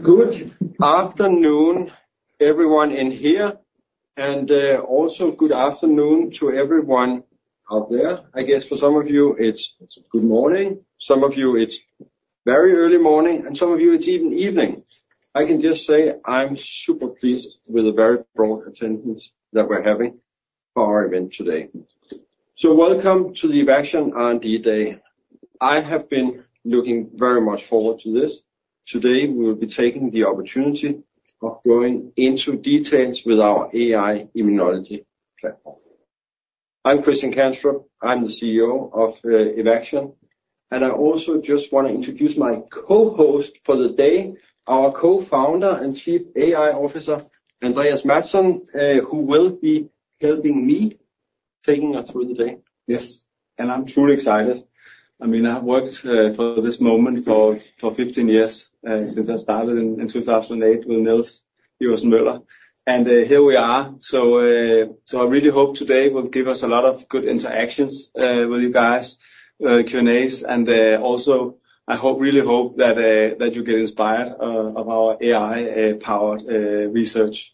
Good afternoon, everyone in here, and also good afternoon to everyone out there. I guess for some of you it's, it's good morning; some of you it's very early morning, and some of you it's even evening. I can just say I'm super pleased with the very broad attendance that we're having for our event today. So welcome to the Evaxion R&D Day. I have been looking very much forward to this. Today we will be taking the opportunity of going into details with our AI-Immunology platform. I'm Christian Kanstrup, I'm the CEO of Evaxion, and I also just want to introduce my co-host for the day, our co-founder and Chief AI Officer, Andreas Mattsson, who will be helping me taking us through the day. Yes, and I'm truly excited. I mean, I've worked for this moment for 15 years, since I started in 2008 with Niels Iversen Møller. And here we are, so I really hope today will give us a lot of good interactions with you guys, Q&As, and also I hope, really hope that you get inspired of our AI-powered research.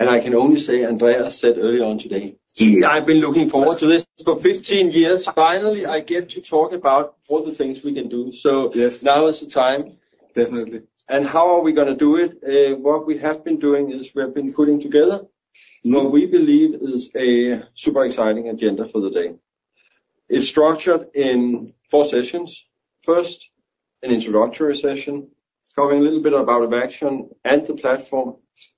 I can only say Andreas said early on today. See, I've been looking forward to this for 15 years. Finally I get to talk about all the things we can do, so now is the time. Definitely. And how are we going to do it? What we have been doing is we have been putting together what we believe is a super exciting agenda for the day. It's structured in four sessions: first, an introductory session, covering a little bit about Evaxion and the platform,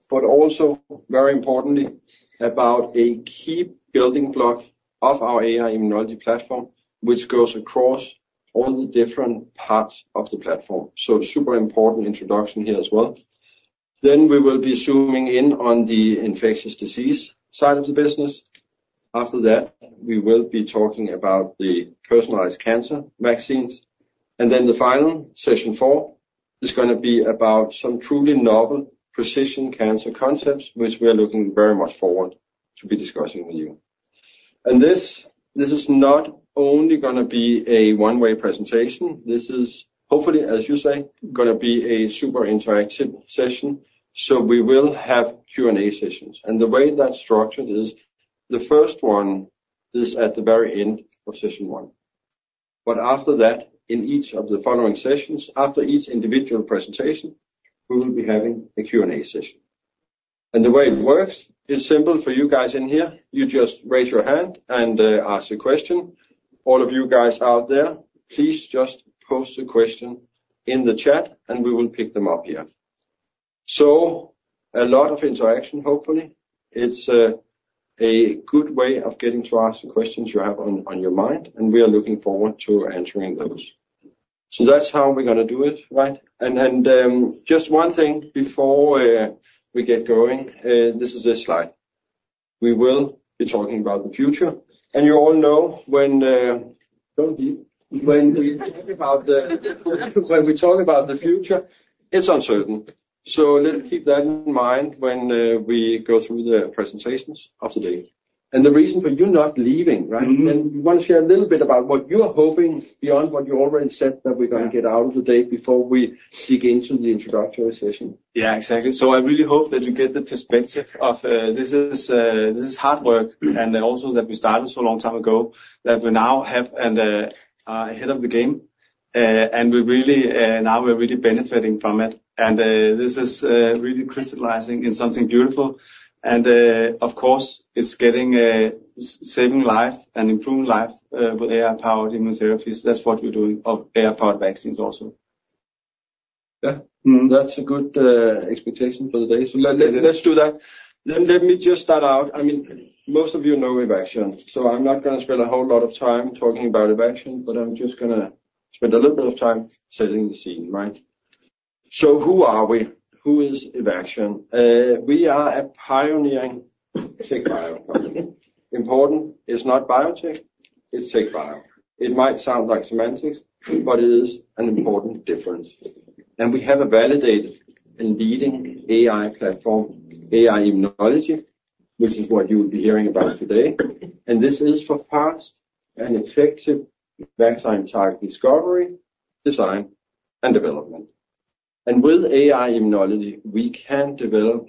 but also, very importantly, about a key building block of our AI-Immunology platform, which goes across all the different parts of the platform. So super important introduction here as well. Then we will be zooming in on the infectious disease side of the business. After that, we will be talking about the personalized cancer vaccines. And then the final, session four, is going to be about some truly novel precision cancer concepts, which we are looking very much forward to be discussing with you. This, this is not only going to be a one-way presentation. This is hopefully, as you say, going to be a super interactive session. So we will have Q&A sessions, and the way that's structured is the first 1 is at the very end of session 1. But after that, in each of the following sessions, after each individual presentation, we will be having a Q&A session. And the way it works is simple for you guys in here. You just raise your hand and ask a question. All of you guys out there, please just post a question in the chat, and we will pick them up here. So a lot of interaction, hopefully. It's a good way of getting to ask the questions you have on, on your mind, and we are looking forward to answering those. So that's how we're going to do it, right? Just one thing before we get going, this is this slide. We will be talking about the future, and you all know—don't leave—when we talk about the future, it's uncertain. So let's keep that in mind when we go through the presentations of the day. And the reason for you not leaving, right? Mm-hmm. You want to share a little bit about what you are hoping beyond what you already said that we're going to get out of the day before we dig into the introductory session. Yeah, exactly. So I really hope that you get the perspective of this is hard work, and also that we started so long time ago, that we now have and are ahead of the game. And we really now we're really benefiting from it, and this is really crystallizing in something beautiful. And, of course, it's getting saving life and improving life with AI-powered immunotherapies. That's what we're doing of AI-powered vaccines also. Yeah. That's a good expectation for the day. So let's do that. Then let me just start out. I mean, most of you know Evaxion, so I'm not going to spend a whole lot of time talking about Evaxion, but I'm just going to spend a little bit of time setting the scene, right? So who are we? Who is Evaxion? We are a pioneering TechBio company. Important: it's not biotech, it's TechBio. It might sound like semantics, but it is an important difference. And we have a validated and leading AI platform, AI-Immunology, which is what you will be hearing about today. And this is for fast and effective vaccine target discovery, design, and development. And with AI-Immunology, we can develop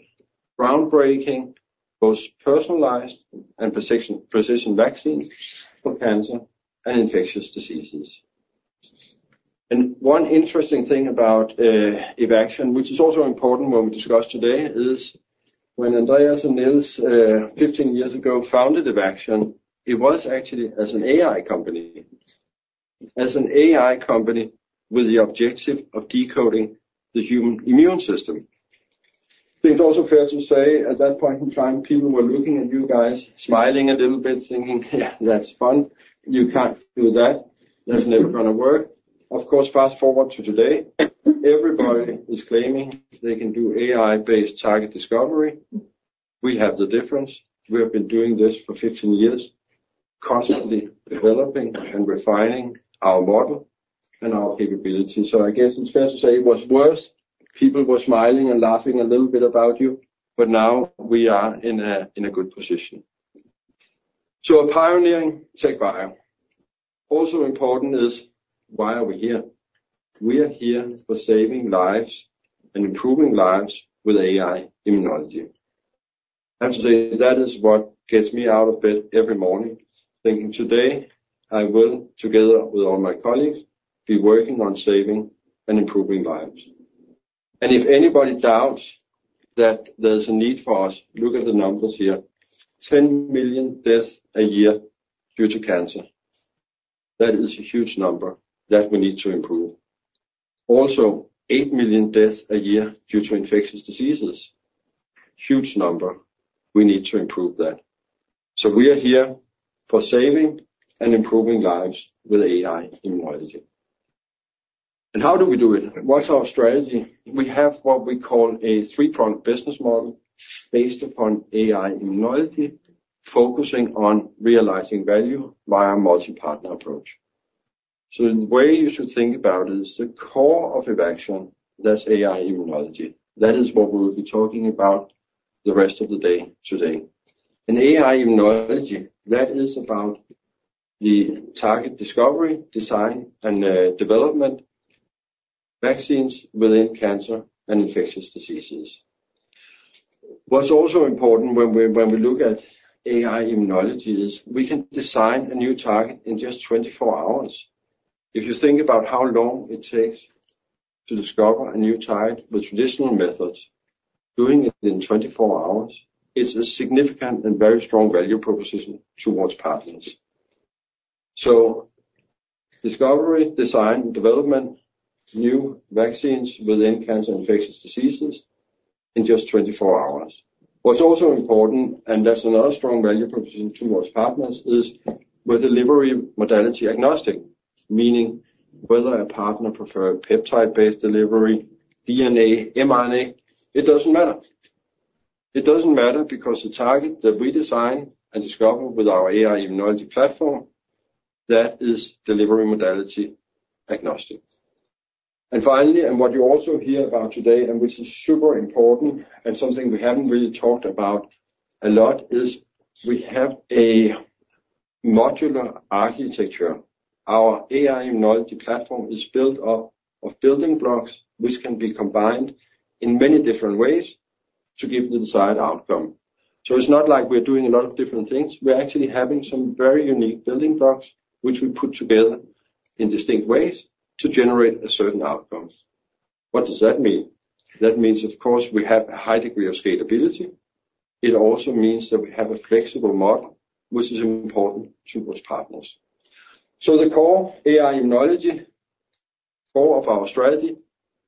groundbreaking, both personalized and precision vaccines for cancer and infectious diseases. One interesting thing about Evaxion, which is also important when we discuss today, is when Andreas and Niels, 15 years ago founded Evaxion, it was actually as an AI company, as an AI company with the objective of decoding the human immune system. It's also fair to say at that point in time people were looking at you guys smiling a little bit, thinking, "Yeah, that's fun. You can't do that. That's never going to work." Of course, fast forward to today, everybody is claiming they can do AI-based target discovery. We have the difference. We have been doing this for 15 years, constantly developing and refining our model and our capabilities. So I guess it's fair to say it was worse. People were smiling and laughing a little bit about you, but now we are in a good position. So a pioneering TechBio. Also important is why are we here? We are here for saving lives and improving lives with AI-Immunology. I have to say that is what gets me out of bed every morning, thinking, "Today I will, together with all my colleagues, be working on saving and improving lives." If anybody doubts that there's a need for us, look at the numbers here: 10 million deaths a year due to cancer. That is a huge number that we need to improve. Also, 8 million deaths a year due to infectious diseases. Huge number. We need to improve that. We are here for saving and improving lives with AI-Immunology. How do we do it? What's our strategy? We have what we call a three-pronged business model based upon AI-Immunology, focusing on realizing value via a multi-partner approach. So the way you should think about it is the core of Evaxion, that's AI immunology. That is what we will be talking about the rest of the day today. And AI immunology, that is about the target discovery, design, and development vaccines within cancer and infectious diseases. What's also important when we look at AI immunology is we can design a new target in just 24 hours. If you think about how long it takes to discover a new target with traditional methods, doing it in 24 hours, it's a significant and very strong value proposition towards partners. So discovery, design, and development new vaccines within cancer and infectious diseases in just 24 hours. What's also important, and that's another strong value proposition towards partners, is with delivery modality agnostic, meaning whether a partner prefers peptide-based delivery, DNA, mRNA, it doesn't matter. It doesn't matter because the target that we design and discover with our AI-Immunology platform, that is delivery modality agnostic. And finally, and what you also hear about today, and which is super important and something we haven't really talked about a lot, is we have a modular architecture. Our AI-Immunology platform is built up of building blocks which can be combined in many different ways to give the desired outcome. So it's not like we're doing a lot of different things. We're actually having some very unique building blocks which we put together in distinct ways to generate certain outcomes. What does that mean? That means, of course, we have a high degree of scalability. It also means that we have a flexible model, which is important to those partners. So the core AI-Immunology, core of our strategy,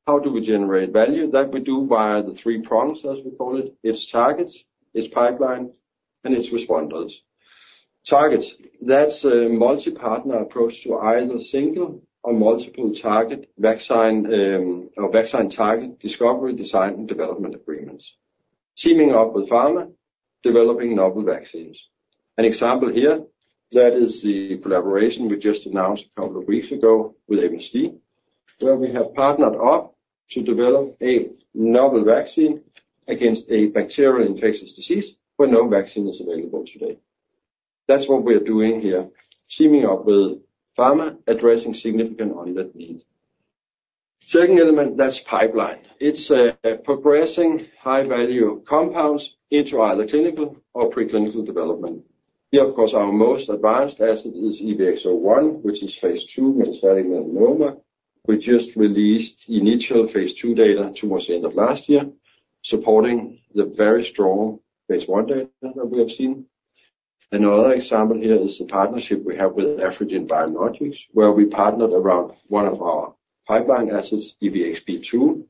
how do we generate value? That we do via the three prongs, as we call it: its targets, its pipeline, and its responders. Targets, that's, multi-partner approach to either single or multiple target vaccine, or vaccine target discovery, design, and development agreements. Teaming up with pharma, developing novel vaccines. An example here, that is the collaboration we just announced a couple of weeks ago with MSD, where we have partnered up to develop a novel vaccine against a bacterial infectious disease where no vaccine is available today. That's what we are doing here, teaming up with pharma, addressing significant unmet needs. Second element, that's pipeline. It's, progressing high-value compounds into either clinical or preclinical development. Here, of course, our most advanced asset is EVX-01, which is phase 2 metastatic melanoma. We just released initial phase 2 data towards the end of last year, supporting the very strong phase 1 data that we have seen. Another example here is the partnership we have with Afrigen Biologics, where we partnered around one of our pipeline assets, EVX-B2,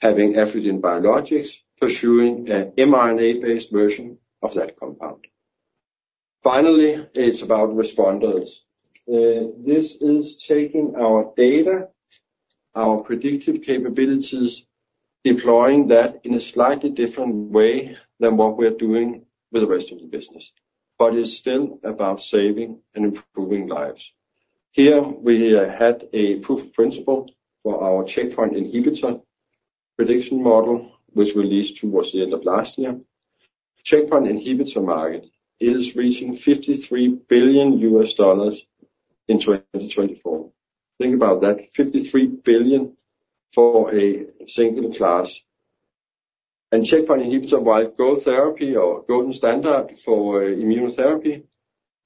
having Afrigen Biologics pursuing an mRNA-based version of that compound. Finally, it's about responders. This is taking our data, our predictive capabilities, deploying that in a slightly different way than what we are doing with the rest of the business, but it's still about saving and improving lives. Here we had a proof of principle for our checkpoint inhibitor prediction model, which released towards the end of last year. Checkpoint inhibitor market is reaching $53 billion in 2024. Think about that: $53 billion for a single class. And checkpoint inhibitor, while gold therapy or golden standard for immunotherapy,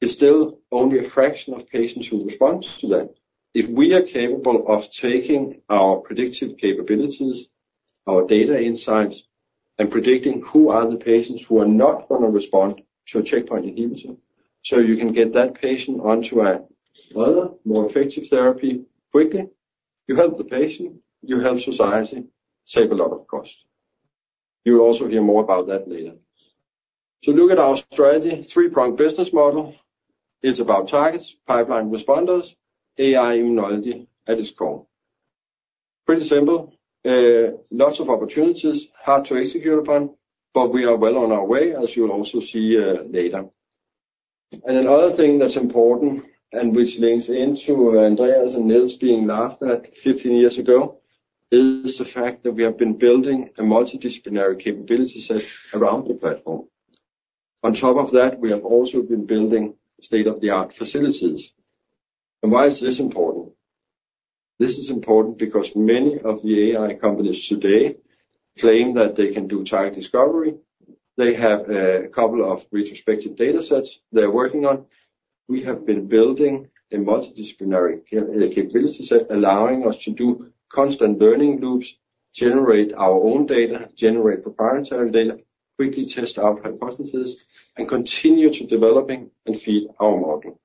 is still only a fraction of patients who respond to that. If we are capable of taking our predictive capabilities, our data insights, and predicting who are the patients who are not going to respond to a checkpoint inhibitor so you can get that patient onto another, more effective therapy quickly, you help the patient, you help society save a lot of cost. You'll also hear more about that later. Look at our strategy: three-pronged business model. It's about targets, pipeline, responders, AI immunology at its core. Pretty simple, lots of opportunities, hard to execute upon, but we are well on our way, as you will also see, later. Another thing that's important and which links into Andreas and Nils being laughed at 15 years ago is the fact that we have been building a multidisciplinary capability set around the platform. On top of that, we have also been building state-of-the-art facilities. Why is this important? This is important because many of the AI companies today claim that they can do target discovery. They have a couple of retrospective data sets they're working on. We have been building a multidisciplinary capability set allowing us to do constant learning loops, generate our own data, generate proprietary data, quickly test out hypotheses, and continue to develop and feed our model.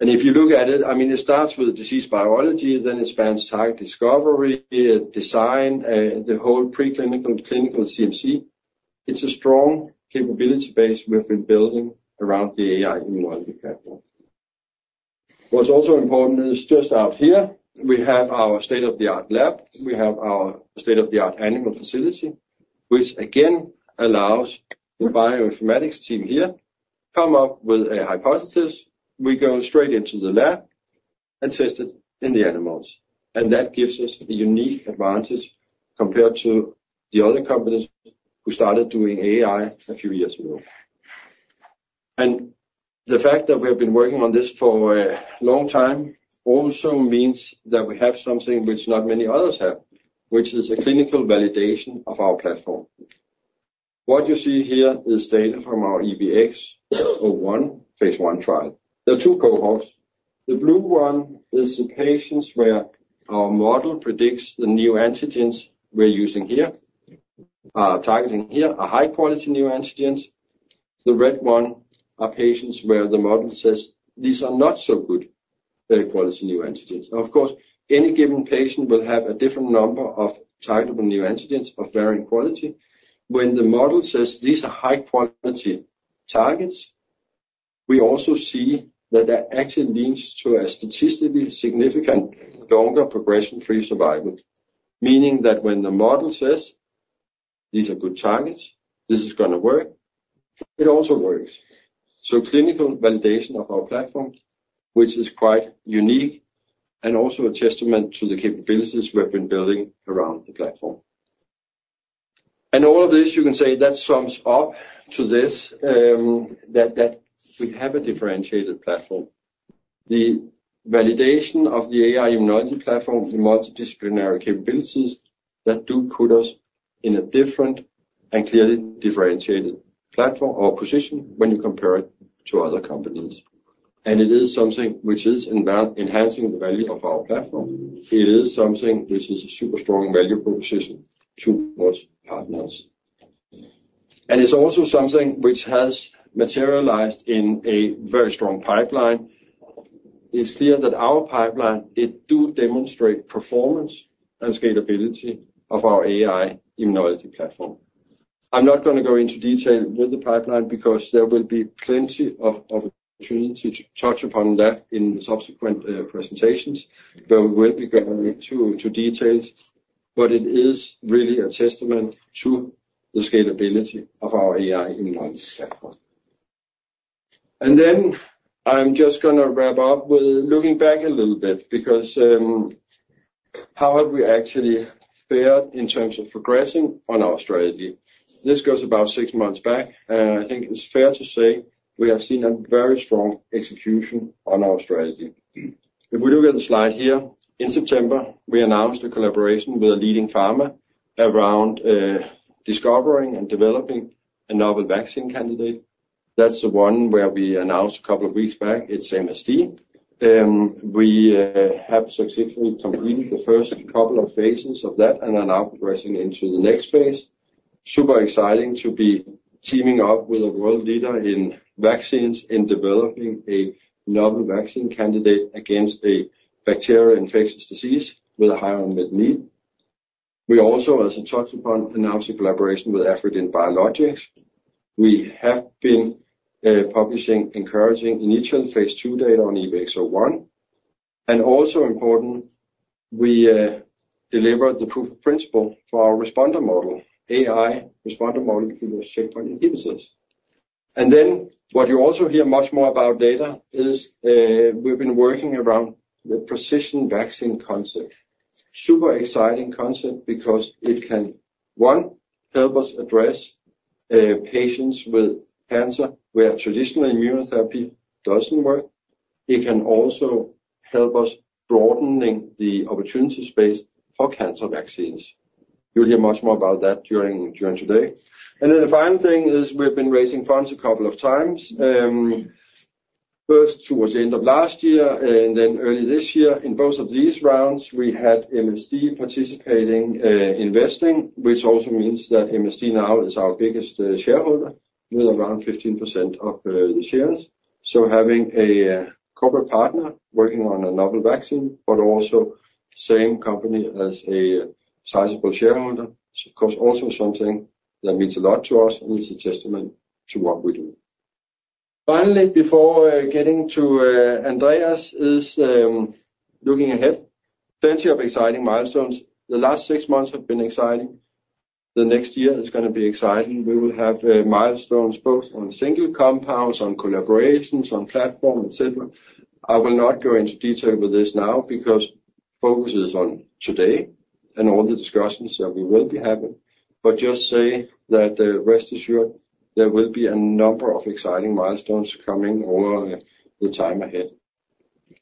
And if you look at it, I mean, it starts with disease biology, then it spans target discovery, design, the whole preclinical, clinical CMC. It's a strong capability base we've been building around the AI immunology platform. What's also important is just out here, we have our state-of-the-art lab. We have our state-of-the-art animal facility, which again allows the bioinformatics team here to come up with a hypothesis. We go straight into the lab and test it in the animals, and that gives us a unique advantage compared to the other companies who started doing AI a few years ago. The fact that we have been working on this for a long time also means that we have something which not many others have, which is a clinical validation of our platform. What you see here is data from our EVX-01 phase 1 trial. There are 2 cohorts. The blue one is the patients where our model predicts the neoantigens we're using here, targeting here, are high-quality neoantigens. The red one are patients where the model says these are not so good, quality neoantigens. Of course, any given patient will have a different number of targetable neoantigens of varying quality. When the model says these are high-quality targets, we also see that that actually leads to a statistically significant longer progression-free survival, meaning that when the model says these are good targets, this is going to work, it also works. So clinical validation of our platform, which is quite unique and also a testament to the capabilities we've been building around the platform. All of this, you can say, sums up to this, that we have a differentiated platform. The validation of the AI immunology platform, the multidisciplinary capabilities, that do put us in a different and clearly differentiated platform or position when you compare it to other companies. And it is something which is enhancing the value of our platform. It is something which is a super strong value proposition towards partners. And it's also something which has materialized in a very strong pipeline. It's clear that our pipeline, it do demonstrate performance and scalability of our AI immunology platform. I'm not going to go into detail with the pipeline because there will be plenty of opportunity to touch upon that in the subsequent presentations, where we will be going into details, but it is really a testament to the scalability of our AI immunology platform. And then I'm just going to wrap up with looking back a little bit because, how have we actually fared in terms of progressing on our strategy? This goes about six months back, and I think it's fair to say we have seen a very strong execution on our strategy. If we look at the slide here, in September, we announced a collaboration with a leading pharma around discovering and developing a novel vaccine candidate. That's the one where we announced a couple of weeks back. It's MSD. We have successfully completed the first couple of phases of that and are now progressing into the next phase. Super exciting to be teaming up with a world leader in vaccines in developing a novel vaccine candidate against a bacterial infectious disease with a higher unmet need. We also, as I touched upon, announced a collaboration with Afrigen Biologics. We have been publishing encouraging initial phase 2 data on EVX-01. And also important, we delivered the proof of principle for our responder model, AI responder model for those checkpoint inhibitors. And then what you also hear much more about today is, we've been working around the precision vaccine concept. Super exciting concept because it can, one, help us address patients with cancer where traditional immunotherapy doesn't work. It can also help us broaden the opportunity space for cancer vaccines. You'll hear much more about that during today. And then the final thing is we've been raising funds a couple of times, first towards the end of last year, and then early this year. In both of these rounds, we had MSD participating, investing, which also means that MSD now is our biggest shareholder with around 15% of the shares. So having a corporate partner working on a novel vaccine, but also same company as a sizable shareholder, of course, also something that means a lot to us and is a testament to what we do. Finally, before getting to Andreas, looking ahead. Plenty of exciting milestones. The last six months have been exciting. The next year is going to be exciting. We will have milestones both on single compounds, on collaborations, on platform, etc. I will not go into detail with this now because focus is on today and all the discussions that we will be having, but just say that, rest assured, there will be a number of exciting milestones coming over the time ahead.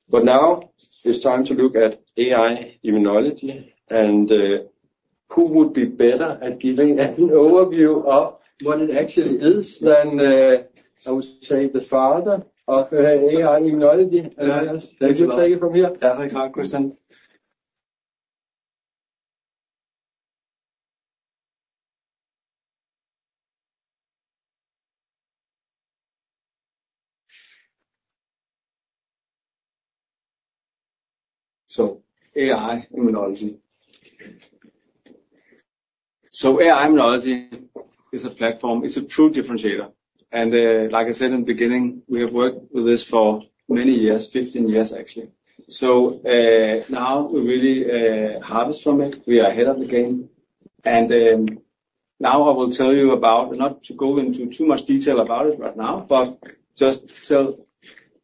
But now it's time to look at AI-Immunology and, who would be better at giving an overview of what it actually is than, I would say, the father of AI-Immunology. Andreas, will you take it from here? Ja, tak, Christian. So, AI-Immunology. So, AI-Immunology is a platform, it's a true differentiator, and, like I said in the beginning, we have worked with this for many years, 15 years actually. So, now we really harvest from it, we are ahead of the game, and now I will tell you about, not to go into too much detail about it right now, but just tell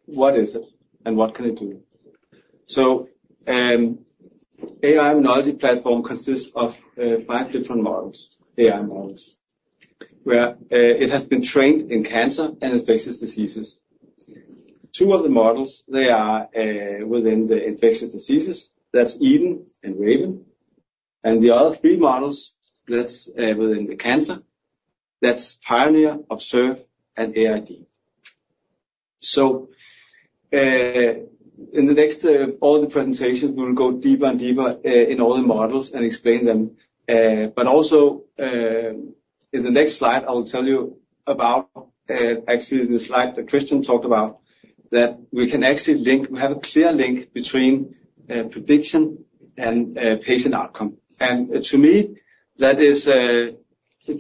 what is it and what can it do. So, the AI-Immunology™ platform consists of five different models, AI models, where it has been trained in cancer and infectious diseases. Two of the models, they are within the infectious diseases, that's EDEN™ and RAVEN™, and the other three models, that's within the cancer, that's PIONEER™, OBSERVE™, and AI-DEEP™. So, in the next all the presentations, we will go deeper and deeper in all the models and explain them, but also in the next slide, I will tell you about actually the slide that Christian talked about, that we can actually link, we have a clear link between prediction and patient outcome. And to me, that is the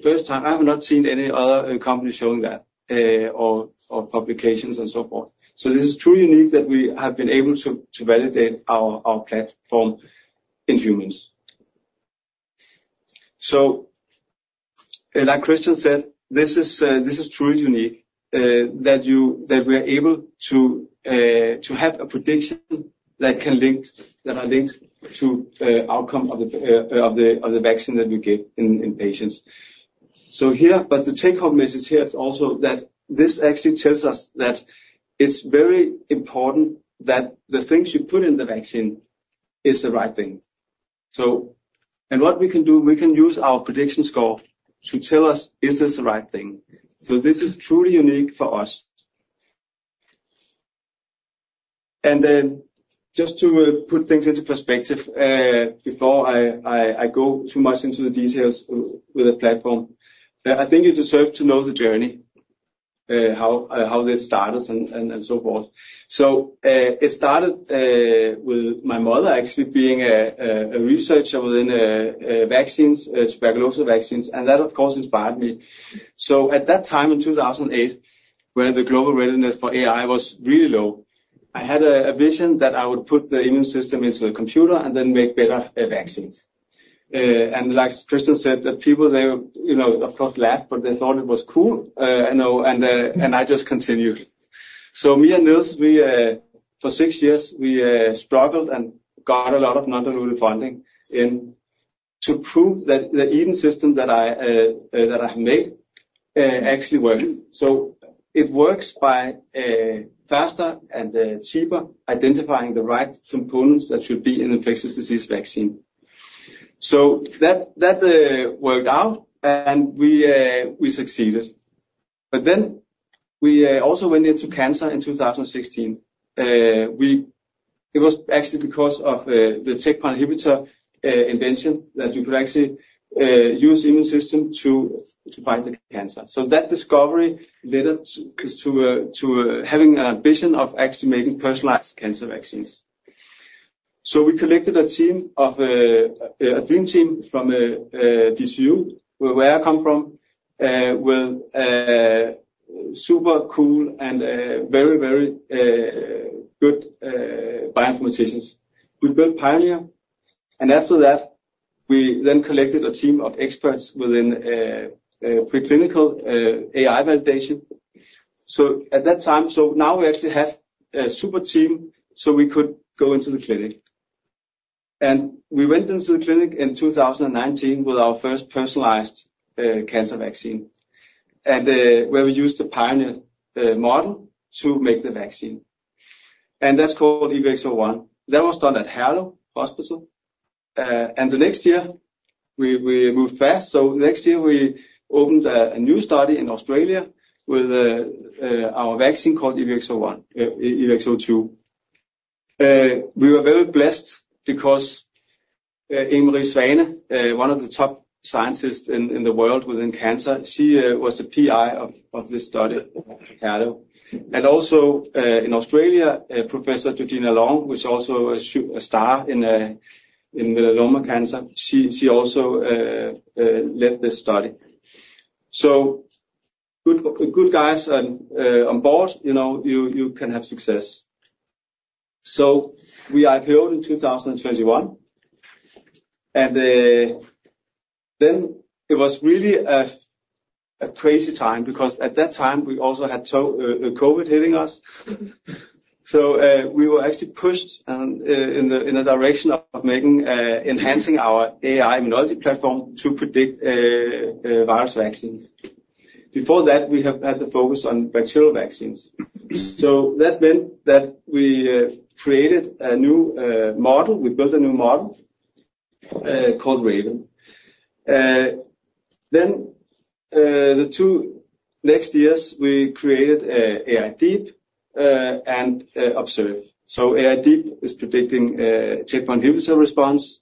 first time I have not seen any other company showing that, or publications and so forth. So this is truly unique that we have been able to validate our platform in humans. So, like Christian said, this is truly unique that we are able to have a prediction that can link to outcome of the vaccine that we get in patients. But the take-home message here is also that this actually tells us that it's very important that the things you put in the vaccine are the right thing. And what we can do, we can use our prediction score to tell us, is this the right thing? So this is truly unique for us. Then, just to put things into perspective, before I go too much into the details with the platform, I think you deserve to know the journey, how this started and so forth. So, it started with my mother actually being a researcher within vaccines, tuberculosis vaccines, and that, of course, inspired me. So at that time, in 2008, where the global readiness for AI was really low, I had a vision that I would put the immune system into a computer and then make better vaccines. And like Christian said, that people, they, you know, of course laughed, but they thought it was cool, you know, and I just continued. So me and Niels, for six years, we struggled and got a lot of non-diluted funding in to prove that the EDEN™ system that I have made actually worked. So it works by faster and cheaper identifying the right components that should be in an infectious disease vaccine. So that worked out, and we succeeded. But then we also went into cancer in 2016. It was actually because of the checkpoint inhibitor invention that you could actually use the immune system to fight the cancer. So that discovery led us to having an ambition of actually making personalized cancer vaccines. So we collected a team of a dream team from DTU, where I come from, with super cool and very, very good bioinformaticians. We built PIONEER™, and after that, we then collected a team of experts within preclinical AI validation. So at that time, so now we actually had a super team so we could go into the clinic. And we went into the clinic in 2019 with our first personalized cancer vaccine, and where we used the PIONEER™ model to make the vaccine. And that's called EVX-01. That was done at Herlev Hospital. And the next year, we, we moved fast. So the next year, we opened a new study in Australia with our vaccine called EVX-01, EVX-02. We were very blessed because Ingrid Svane, one of the top scientists in the world within cancer, she was the PI of this study at Herlev. And also in Australia, Professor Georgina Long, who's also a star in melanoma cancer, she also led this study. So good, good guys and on board, you know, you can have success. So we IPO'd in 2021, and then it was really a crazy time because at that time we also had COVID hitting us. So we were actually pushed in the direction of enhancing our AI-Immunology platform to predict virus vaccines. Before that, we have had the focus on bacterial vaccines. So that meant that we created a new model. We built a new model, called RAVEN. Then the two next years, we created AI-DEEP and OBSERVE. So AI-DEEP is predicting checkpoint inhibitor response,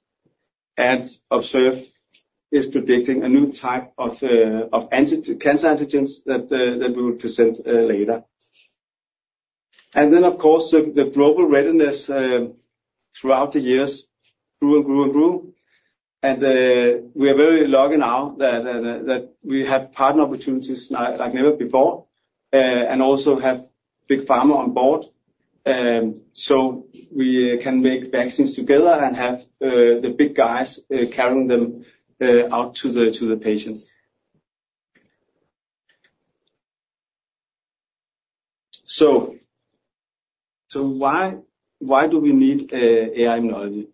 and OBSERVE is predicting a new type of cancer antigens that we will present later. And then, of course, the global readiness throughout the years grew and grew and grew. And we are very lucky now that we have partner opportunities like never before, and also have Big Pharma on board. So we can make vaccines together and have the big guys carrying them out to the patients. So why do we need AI-Immunology?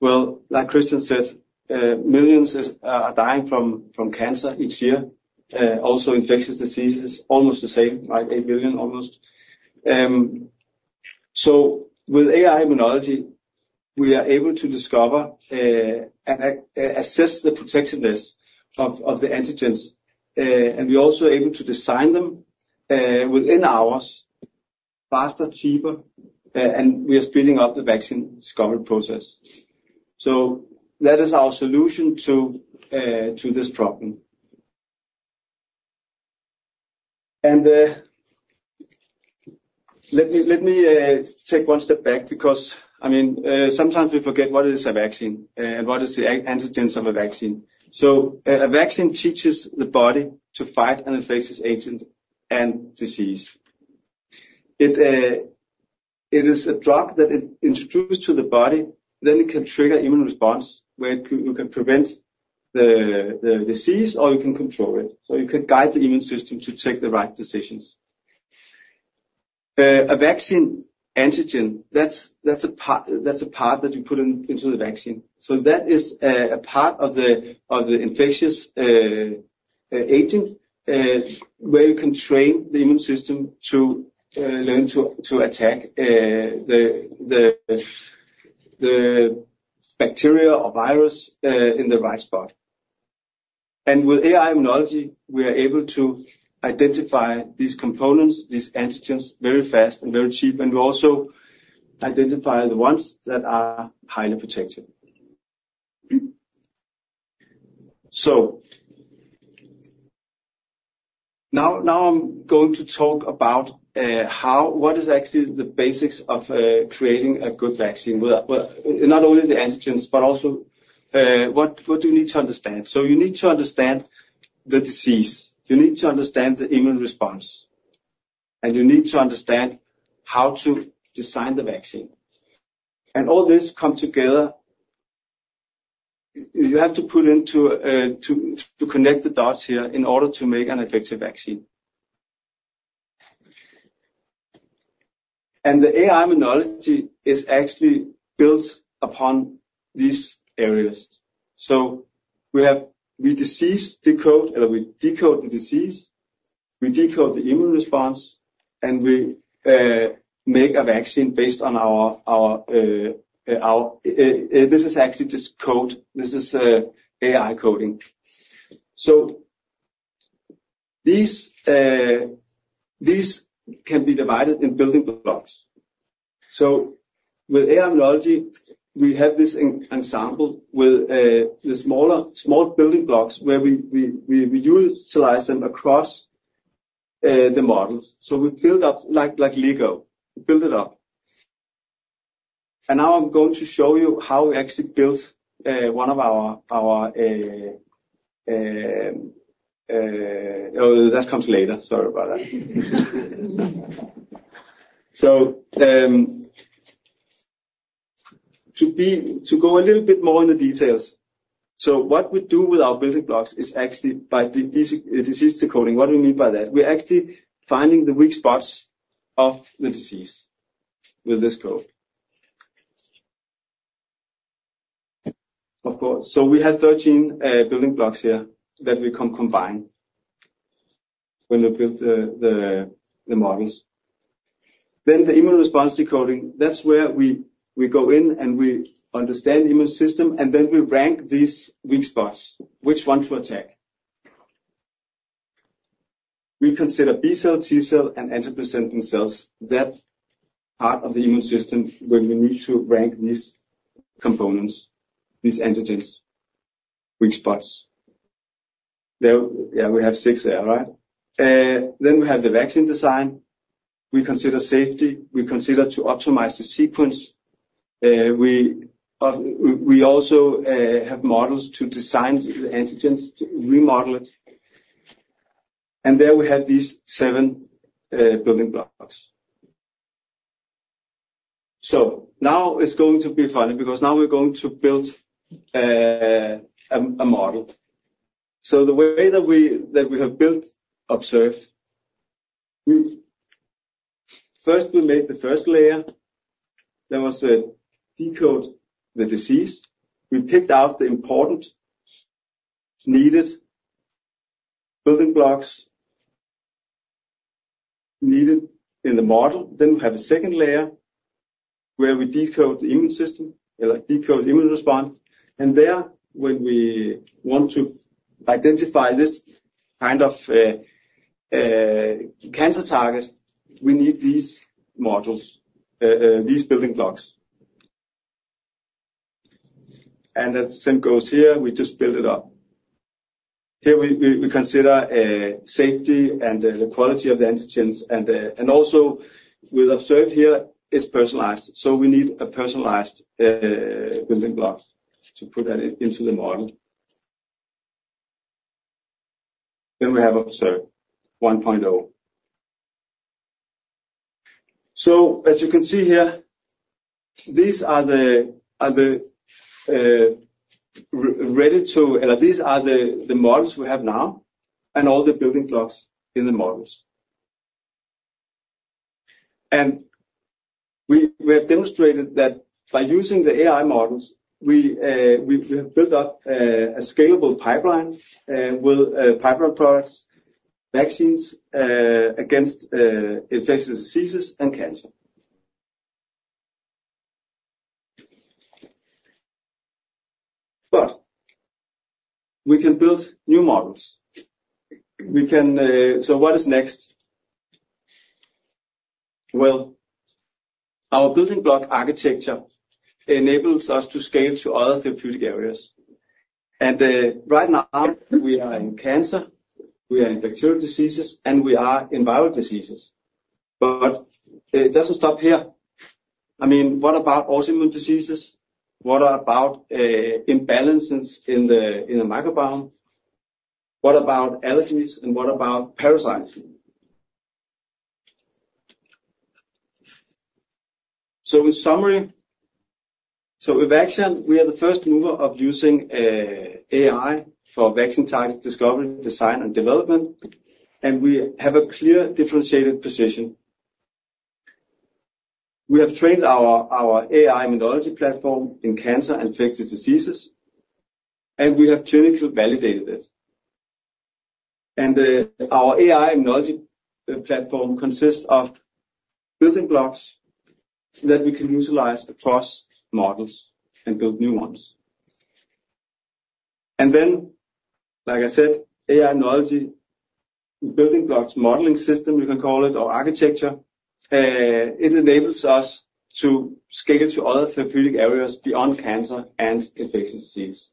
Well, like Christian said, millions are dying from cancer each year, also infectious diseases, almost the same, right? Almost 8 million. So with AI-Immunology, we are able to discover and assess the protectiveness of the antigens. And we are also able to design them within hours, faster, cheaper, and we are speeding up the vaccine discovery process. So that is our solution to this problem. Let me take one step back because, I mean, sometimes we forget what it is a vaccine, and what is the antigens of a vaccine. So a vaccine teaches the body to fight an infectious agent and disease. It is a drug that introduces to the body, then it can trigger immune response where you can prevent the disease or you can control it. So you can guide the immune system to take the right decisions. A vaccine antigen, that's a part that you put into the vaccine. So that is a part of the infectious agent, where you can train the immune system to learn to attack the bacteria or virus in the right spot. And with AI-Immunology, we are able to identify these components, these antigens very fast and very cheap, and we also identify the ones that are highly protected. So now I'm going to talk about what is actually the basics of creating a good vaccine with not only the antigens, but also what do you need to understand? So you need to understand the disease. You need to understand the immune response. And you need to understand how to design the vaccine. And all this comes together. You have to put into to connect the dots here in order to make an effective vaccine. And the AI immunology is actually built upon these areas. So we have we decode the disease, we decode the immune response, and we make a vaccine based on our this is actually just code. This is AI coding. So these can be divided in building blocks. So with AI-Immunology, we have this ensemble with the small building blocks where we utilize them across the models. So we build up like Lego. We build it up. And now I'm going to show you how we actually built one of our, oh, that comes later. Sorry about that. So to go a little bit more in the details. So what we do with our building blocks is actually by the disease decoding. What do we mean by that? We're actually finding the weak spots of the disease with this code. Of course. So we have 13 building blocks here that we can combine when we build the models. Then the immune response decoding, that's where we go in and we understand the immune system, and then we rank these weak spots, which one to attack. We consider B cell, T cell, and antigen presenting cells, that part of the immune system when we need to rank these components, these antigens, weak spots. There, yeah, we have six there, right? Then we have the vaccine design. We consider safety. We consider to optimize the sequence. We also have models to design the antigens, to remodel it. And there we have these seven building blocks. So now it's going to be funny because now we're going to build a model. So the way that we have built OBSERVE, we first made the first layer. That was to decode the disease. We picked out the important needed building blocks needed in the model. Then we have a second layer where we decode the immune system or decode immune response. And there, when we want to identify this kind of cancer target, we need these modules, these building blocks. The same goes here. We just build it up. Here we consider safety and the quality of the antigens. And also with OBSERVE here, it's personalized. So we need a personalized building block to put that into the model. Then we have OBSERVE 1.0. So as you can see here, these are the models we have now and all the building blocks in the models. And we have demonstrated that by using the AI models, we have built up a scalable pipeline with pipeline products, vaccines against infectious diseases and cancer. But we can build new models. We can, so what is next? Well, our building block architecture enables us to scale to other therapeutic areas. And right now we are in cancer, we are in bacterial diseases, and we are in viral diseases. But it doesn't stop here. I mean, what about autoimmune diseases? What about imbalances in the microbiome? What about allergies and what about parasites? So in summary, with Evaxion, we are the first mover of using AI for vaccine target discovery, design, and development. And we have a clear differentiated position. We have trained our AI immunology platform in cancer and infectious diseases, and we have clinically validated it. And our AI immunology platform consists of building blocks that we can utilize across models and build new ones. And then, like I said, AI knowledge, building blocks modeling system, you can call it, or architecture, it enables us to scale to other therapeutic areas beyond cancer and infectious disease.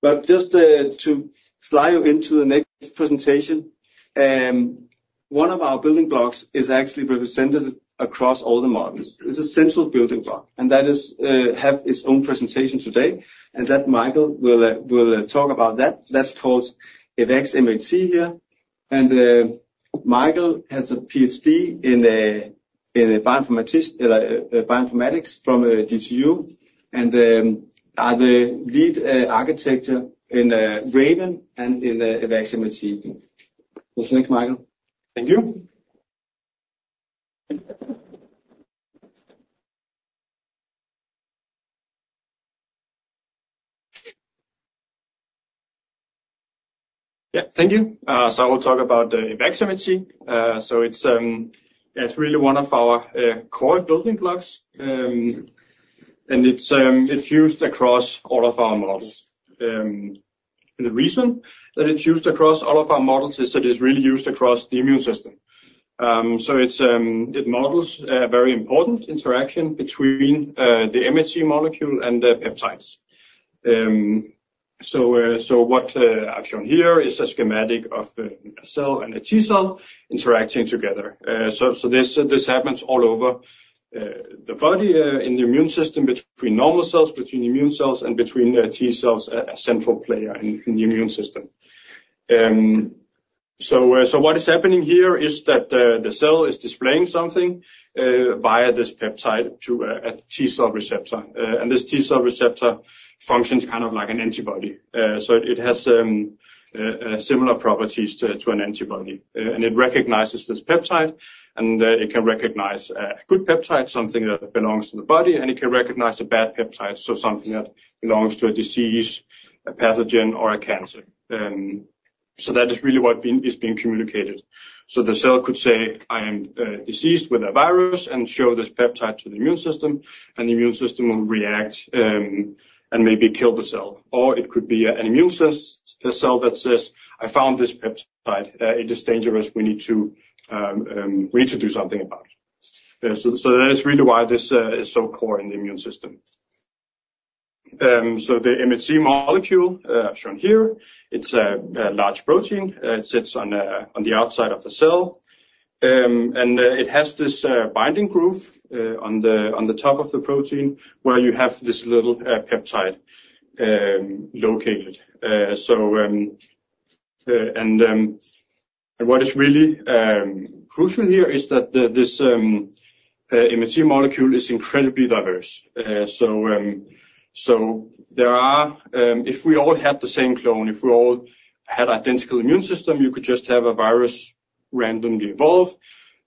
But just to fly you into the next presentation, one of our building blocks is actually represented across all the models. It's a central building block, and that is, has its own presentation today. And that Michael will talk about that. That's called EVX-MHC here. And Michael has a PhD in bioinformatics from DTU and is the lead architect in RAVEN and in EVX-MHC. Thanks, Michael. Thank you. Yeah, thank you. So I will talk about EVX-MHC. So it's, yeah, it's really one of our core building blocks. And it's used across all of our models. The reason that it's used across all of our models is that it's really used across the immune system. So it models a very important interaction between the MHC molecule and the peptides. So what I've shown here is a schematic of a cell and a T cell interacting together. So this happens all over the body, in the immune system, between normal cells, between immune cells, and between T cells, a central player in the immune system. So what is happening here is that the cell is displaying something via this peptide to a T cell receptor. And this T cell receptor functions kind of like an antibody. So it has similar properties to an antibody. It recognizes this peptide, and it can recognize a good peptide, something that belongs to the body, and it can recognize a bad peptide, so something that belongs to a disease, a pathogen, or a cancer. That is really what is being communicated. The cell could say, "I am diseased with a virus," and show this peptide to the immune system, and the immune system will react, and maybe kill the cell. Or it could be an immune cell that says, "I found this peptide. It is dangerous. We need to, we need to do something about it." So that is really why this is so core in the immune system. The MHC molecule, shown here, is a large protein. It sits on the outside of the cell. It has this binding groove on the top of the protein where you have this little peptide located. So, what is really crucial here is that this MHC molecule is incredibly diverse. So there are, if we all had the same clone, if we all had an identical immune system, you could just have a virus randomly evolve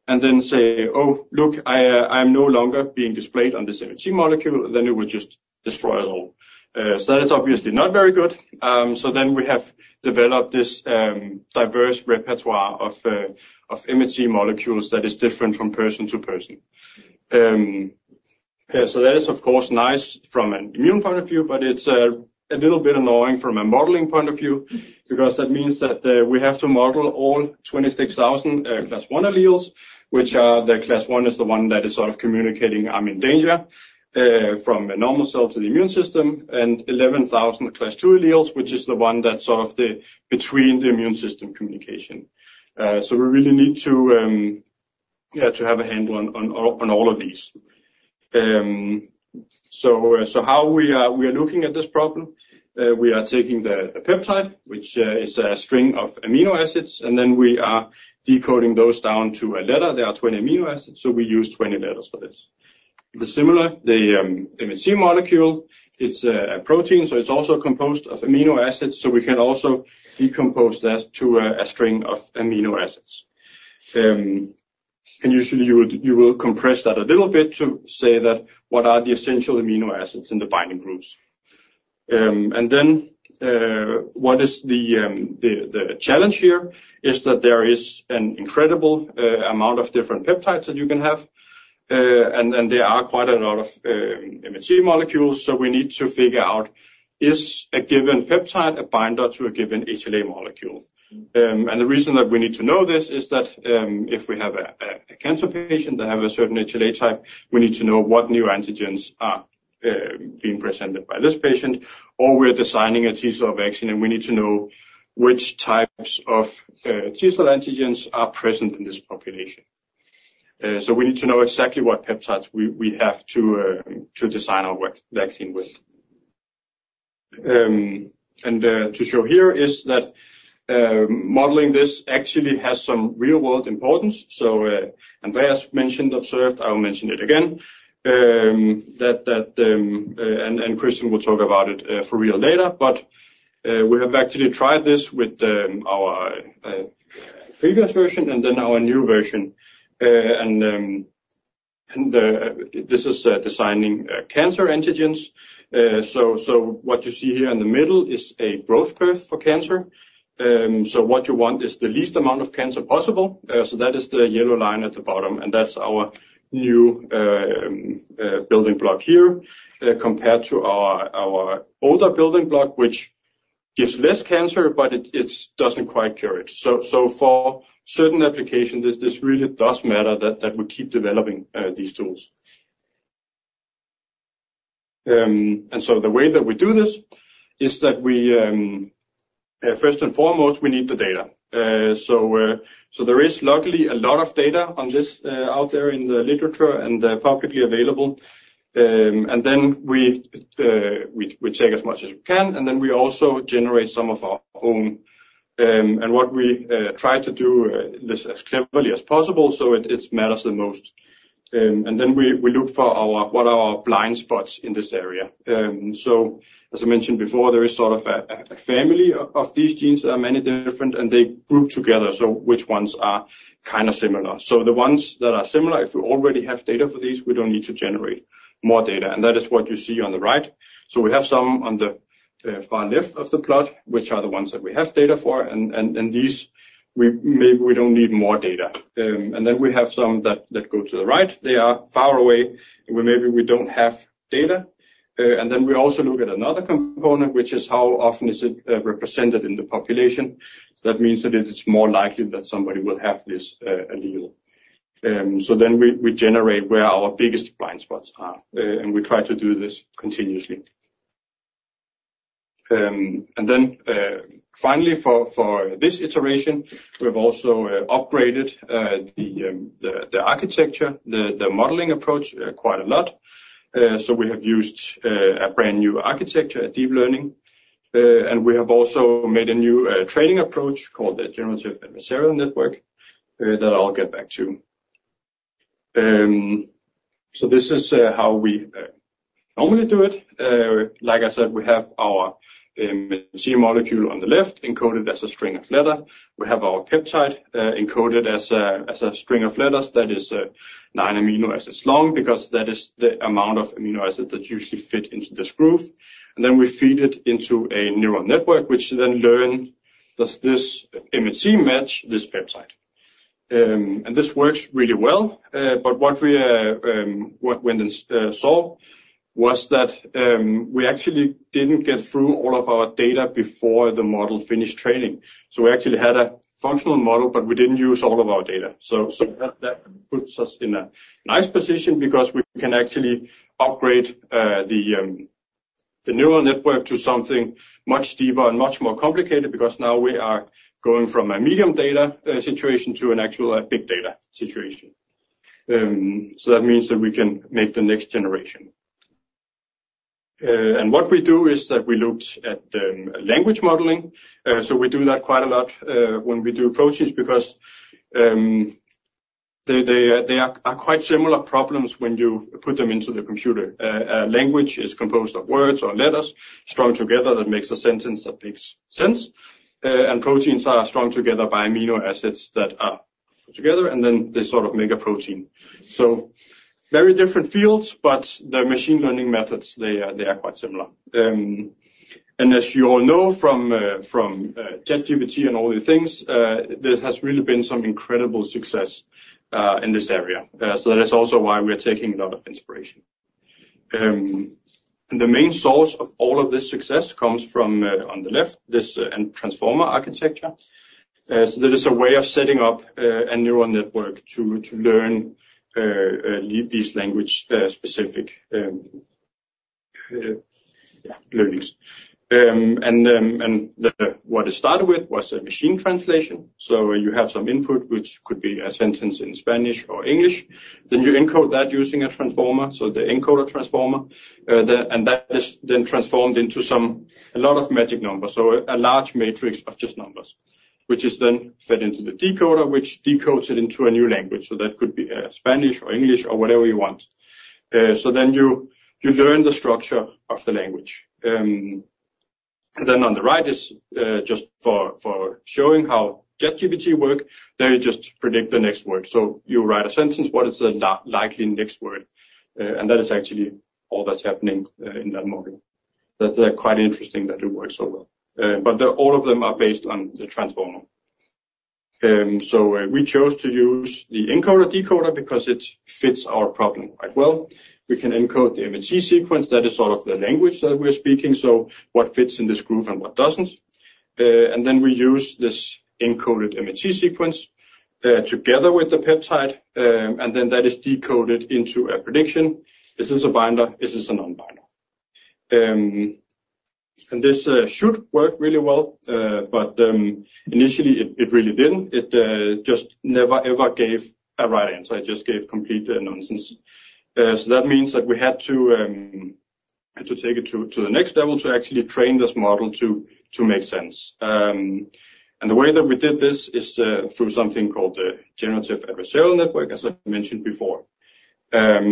and then say, "Oh, look, I'm no longer being displayed on this MHC molecule," then it would just destroy us all. So that is obviously not very good. So then we have developed this diverse repertoire of MHC molecules that is different from person to person. Yeah, so that is, of course, nice from an immune point of view, but it's a little bit annoying from a modeling point of view because that means that we have to model all 26,000 class one alleles, which are the class one is the one that is sort of communicating, "I'm in danger," from a normal cell to the immune system, and 11,000 Class II alleles, which is the one that's sort of the between the immune system communication. So we really need to, yeah, to have a handle on all of these. So how we are looking at this problem. We are taking the peptide, which is a string of amino acids, and then we are decoding those down to a letter. There are 20 amino acids, so we use 20 letters for this. The similar, the MHC molecule, it's a protein, so it's also composed of amino acids, so we can also decompose that to a string of amino acids. Usually you will compress that a little bit to say that what are the essential amino acids in the binding groups. And then, what is the challenge here is that there is an incredible amount of different peptides that you can have. And there are quite a lot of MHC molecules, so we need to figure out is a given peptide a binder to a given HLA molecule? The reason that we need to know this is that, if we have a cancer patient that have a certain HLA type, we need to know what new antigens are being presented by this patient, or we're designing a T-cell vaccine, and we need to know which types of T-cell antigens are present in this population. So we need to know exactly what peptides we have to design our vaccine with. To show here is that modeling this actually has some real-world importance. So, Andreas mentioned OBSERVE. I'll mention it again. Christian will talk about it for real later. But we have actually tried this with our previous version and then our new version. This is designing cancer antigens. So what you see here in the middle is a growth curve for cancer. What you want is the least amount of cancer possible. That is the yellow line at the bottom. And that's our new building block here, compared to our older building block, which gives less cancer, but it doesn't quite cure it. So for certain applications, this really does matter that we keep developing these tools. And the way that we do this is that, first and foremost, we need the data. So there is luckily a lot of data on this out there in the literature and publicly available. And then we take as much as we can, and then we also generate some of our own. And what we try to do is this as cleverly as possible so it matters the most. And then we look for what are our blind spots in this area. So as I mentioned before, there is sort of a family of these genes that are many different, and they group together. So which ones are kind of similar? So the ones that are similar, if we already have data for these, we don't need to generate more data. And that is what you see on the right. So we have some on the far left of the plot, which are the ones that we have data for. And these, we maybe don't need more data. And then we have some that go to the right. They are far away where maybe we don't have data. And then we also look at another component, which is how often is it represented in the population. That means that it, it's more likely that somebody will have this allele. So then we generate where our biggest blind spots are. And we try to do this continuously. And then, finally, for this iteration, we've also upgraded the architecture, the modeling approach quite a lot. So we have used a brand new architecture, a deep learning. And we have also made a new training approach called the generative adversarial network, that I'll get back to. So this is how we normally do it. Like I said, we have our MHC molecule on the left encoded as a string of letters. We have our peptide encoded as a string of letters. That is nine amino acids long because that is the amount of amino acids that usually fit into this groove. And then we feed it into a neural network, which then learns, does this MHC match this peptide? And this works really well. But what we then saw was that we actually didn't get through all of our data before the model finished training. So we actually had a functional model, but we didn't use all of our data. So that puts us in a nice position because we can actually upgrade the neural network to something much deeper and much more complicated because now we are going from a medium data situation to an actual big data situation. So that means that we can make the next generation. And what we do is that we looked at language modeling. So we do that quite a lot when we do proteins because they are quite similar problems when you put them into the computer. A language is composed of words or letters strung together that makes a sentence that makes sense. And proteins are strung together by amino acids that are put together, and then they sort of make a protein. So very different fields, but the machine learning methods are quite similar. And as you all know from ChatGPT and all the things, there has really been some incredible success in this area. So that is also why we are taking a lot of inspiration. And the main source of all of this success comes from, on the left, this transformer architecture. So that is a way of setting up a neural network to learn these language-specific learnings. And what it started with was a machine translation. So you have some input, which could be a sentence in Spanish or English. Then you encode that using a transformer. So the encoder transformer, that is then transformed into some a lot of magic numbers. So a large matrix of just numbers, which is then fed into the decoder, which decodes it into a new language. So that could be Spanish or English or whatever you want. So then you learn the structure of the language. Then on the right is just for showing how ChatGPT works. There you just predict the next word. So you write a sentence, what is the likely next word? And that is actually all that's happening in that model. That's quite interesting that it works so well. But all of them are based on the transformer. So, we chose to use the encoder decoder because it fits our problem quite well. We can encode the MHC sequence. That is sort of the language that we are speaking. So what fits in this groove and what doesn't. And then we use this encoded MHC sequence, together with the peptide. And then that is decoded into a prediction. This is a binder. This is a non-binder. And this should work really well. But initially it really didn't. It just never, ever gave a right answer. It just gave complete nonsense. So that means that we had to take it to the next level to actually train this model to make sense. And the way that we did this is through something called the generative adversarial network, as I mentioned before.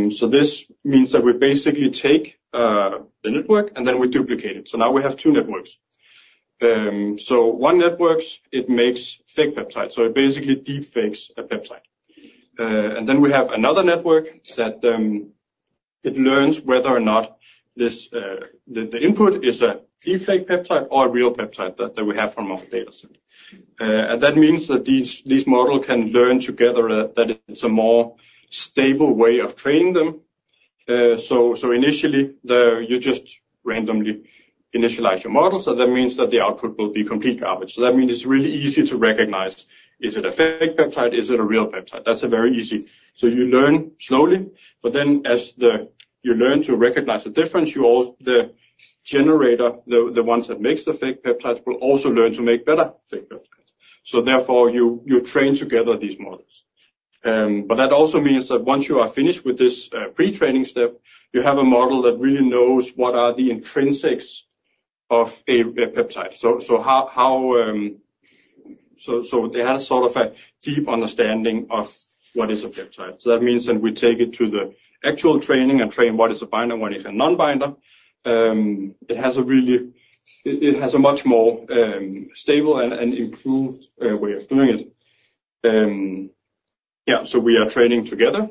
So this means that we basically take the network and then we duplicate it. So now we have two networks. So one network, it makes fake peptides. So it basically deepfakes a peptide. And then we have another network that it learns whether or not this, the input is a deepfake peptide or a real peptide that we have from our data set. And that means that these models can learn together that it's a more stable way of training them. So, so initially you just randomly initialize your models. So that means that the output will be complete garbage. So that means it's really easy to recognize, is it a fake peptide? Is it a real peptide? That's very easy. So you learn slowly, but then as you learn to recognize the difference, you all the generator, the ones that make the fake peptides will also learn to make better fake peptides. So therefore you train together these models. But that also means that once you are finished with this pretraining step, you have a model that really knows what are the intrinsics of a peptide. So they had a sort of a deep understanding of what is a peptide. So that means that we take it to the actual training and train what is a binder, what is a non-binder. It has a much more stable and improved way of doing it. Yeah, so we are training together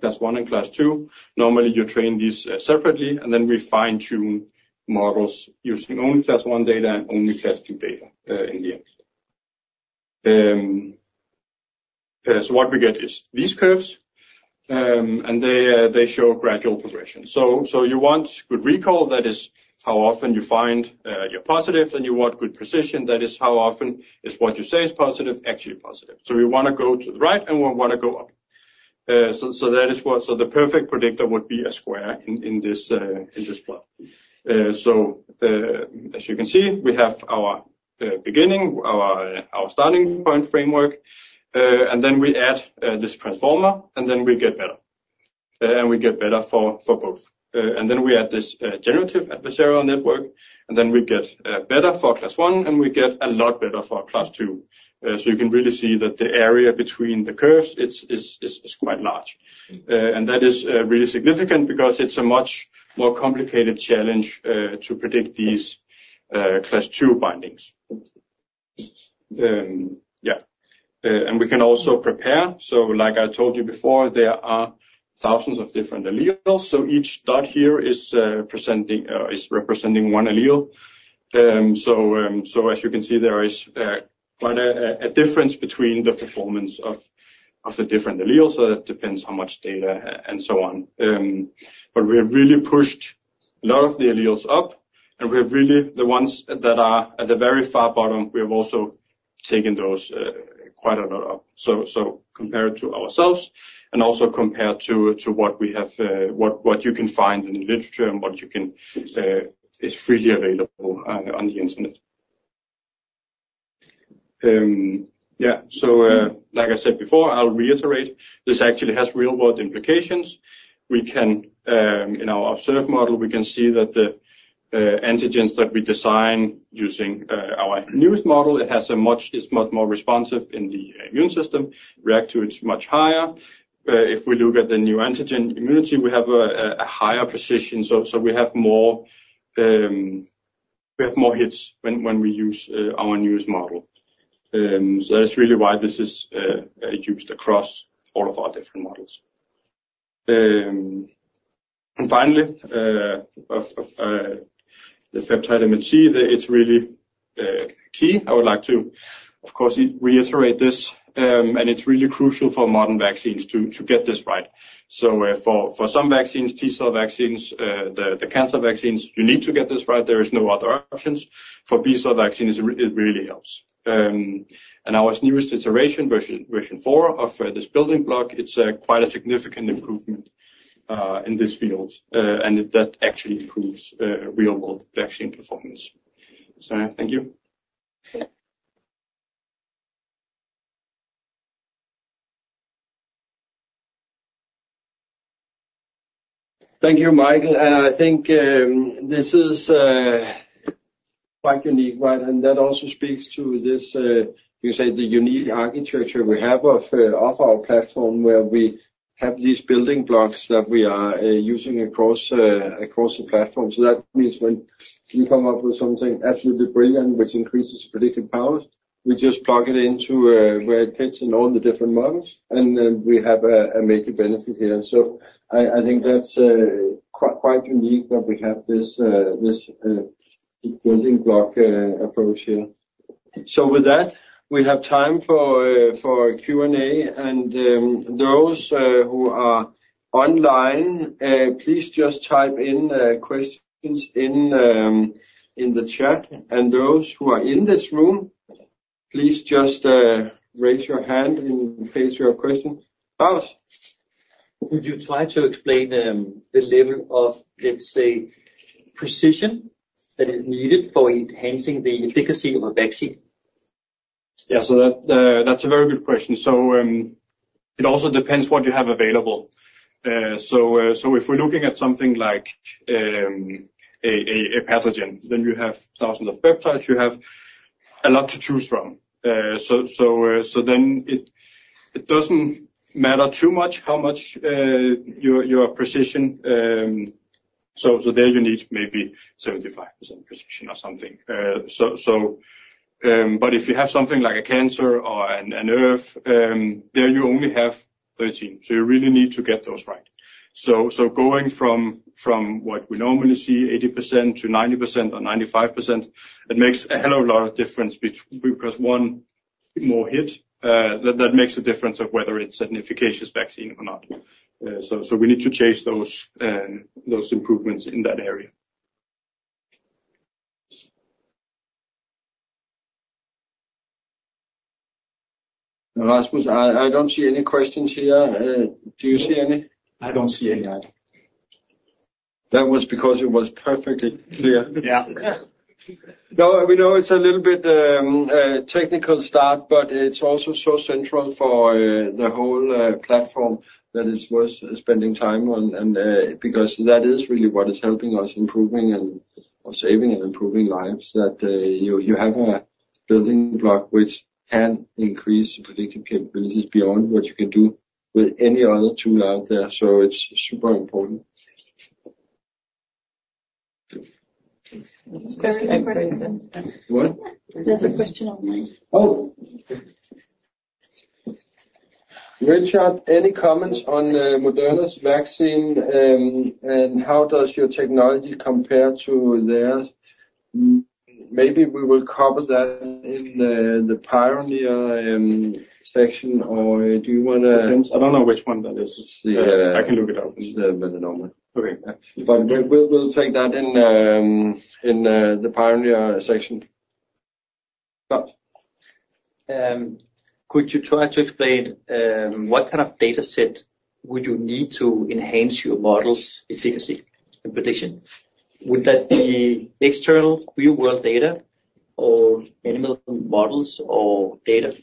class one and class two. Normally you train these separately, and then we fine-tune models using only class one data and only class two data, in the end. So what we get is these curves. And they show gradual progression. So you want good recall. That is how often you find your positive. Then you want good precision. That is how often is what you say is positive, actually positive. So we want to go to the right and we want to go up. So that is what the perfect predictor would be a square in this plot. So, as you can see, we have our beginning, our starting point framework. And then we add this transformer and then we get better. And we get better for both. and then we add this generative adversarial network and then we get better for class one and we get a lot better for class two. So you can really see that the area between the curves, it's quite large. And that is really significant because it's a much more complicated challenge to predict these class two bindings. Yeah. And we can also prepare. So like I told you before, there are thousands of different alleles. So each dot here is representing one allele. So as you can see, there is quite a difference between the performance of the different alleles. So that depends how much data and so on. But we have really pushed a lot of the alleles up and we have really the ones that are at the very far bottom, we have also taken those quite a lot up. So compared to ourselves and also compared to what we have, what you can find in the literature and what is freely available on the internet. Yeah. So, like I said before, I'll reiterate, this actually has real-world implications. We can in our OBSERVE model see that the antigens that we design using our newest model, it's much more responsive in the immune system, react to it much higher. If we look at the neoantigen immunity, we have a higher precision. So we have more hits when we use our newest model. So that is really why this is used across all of our different models. And finally, of the peptide MHC, it's really key. I would like to, of course, reiterate this. And it's really crucial for modern vaccines to get this right. So, for some vaccines, T cell vaccines, the cancer vaccines, you need to get this right. There are no other options. For B cell vaccines, it really helps. And our newest iteration, version four of this building block, it's quite a significant improvement in this field. And that actually improves real-world vaccine performance. So thank you. Thank you, Michael. And I think this is quite unique, right? And that also speaks to this, you can say the unique architecture we have of our platform where we have these building blocks that we are using across the platform. So that means when we come up with something absolutely brilliant, which increases predictive powers, we just plug it into where it fits in all the different models. And then we have a major benefit here. So I think that's quite unique that we have this building block approach here. So with that, we have time for Q&A. And those who are online, please just type in questions in the chat. And those who are in this room, please just raise your hand in case you have a question. Klaus. Would you try to explain the level of, let's say, precision that is needed for enhancing the efficacy of a vaccine? Yeah. So that's a very good question. So it also depends what you have available. So if we're looking at something like a pathogen, then you have thousands of peptides. You have a lot to choose from. So then it doesn't matter too much how much your precision. So there you need maybe 75% precision or something. So but if you have something like a cancer or an ERV, there you only have 13. So you really need to get those right. So going from what we normally see, 80%-90% or 95%, it makes a hell of a lot of difference because one more hit that makes a difference of whether it's an efficacious vaccine or not. So we need to chase those improvements in that area. And Rasmus, I don't see any questions here. Do you see any? I don't see any. That was because it was perfectly clear. Yeah. No, we know it's a little bit technical start, but it's also so central for the whole platform that it's worth spending time on. And because that is really what is helping us improving and or saving and improving lives, that you have a building block which can increase the predictive capabilities beyond what you can do with any other tool out there. So it's super important. Question online. Oh. Richard, any comments on Moderna's vaccine and how does your technology compare to theirs? Maybe we will cover that in the PIONEER section. Or do you want to? I don't know which one that is. I can look it up. Okay. But we'll take that in the PIONEER section. Klaus. Could you try to explain what kind of data set would you need to enhance your model's efficacy and prediction? Would that be external real-world data or animal models or data?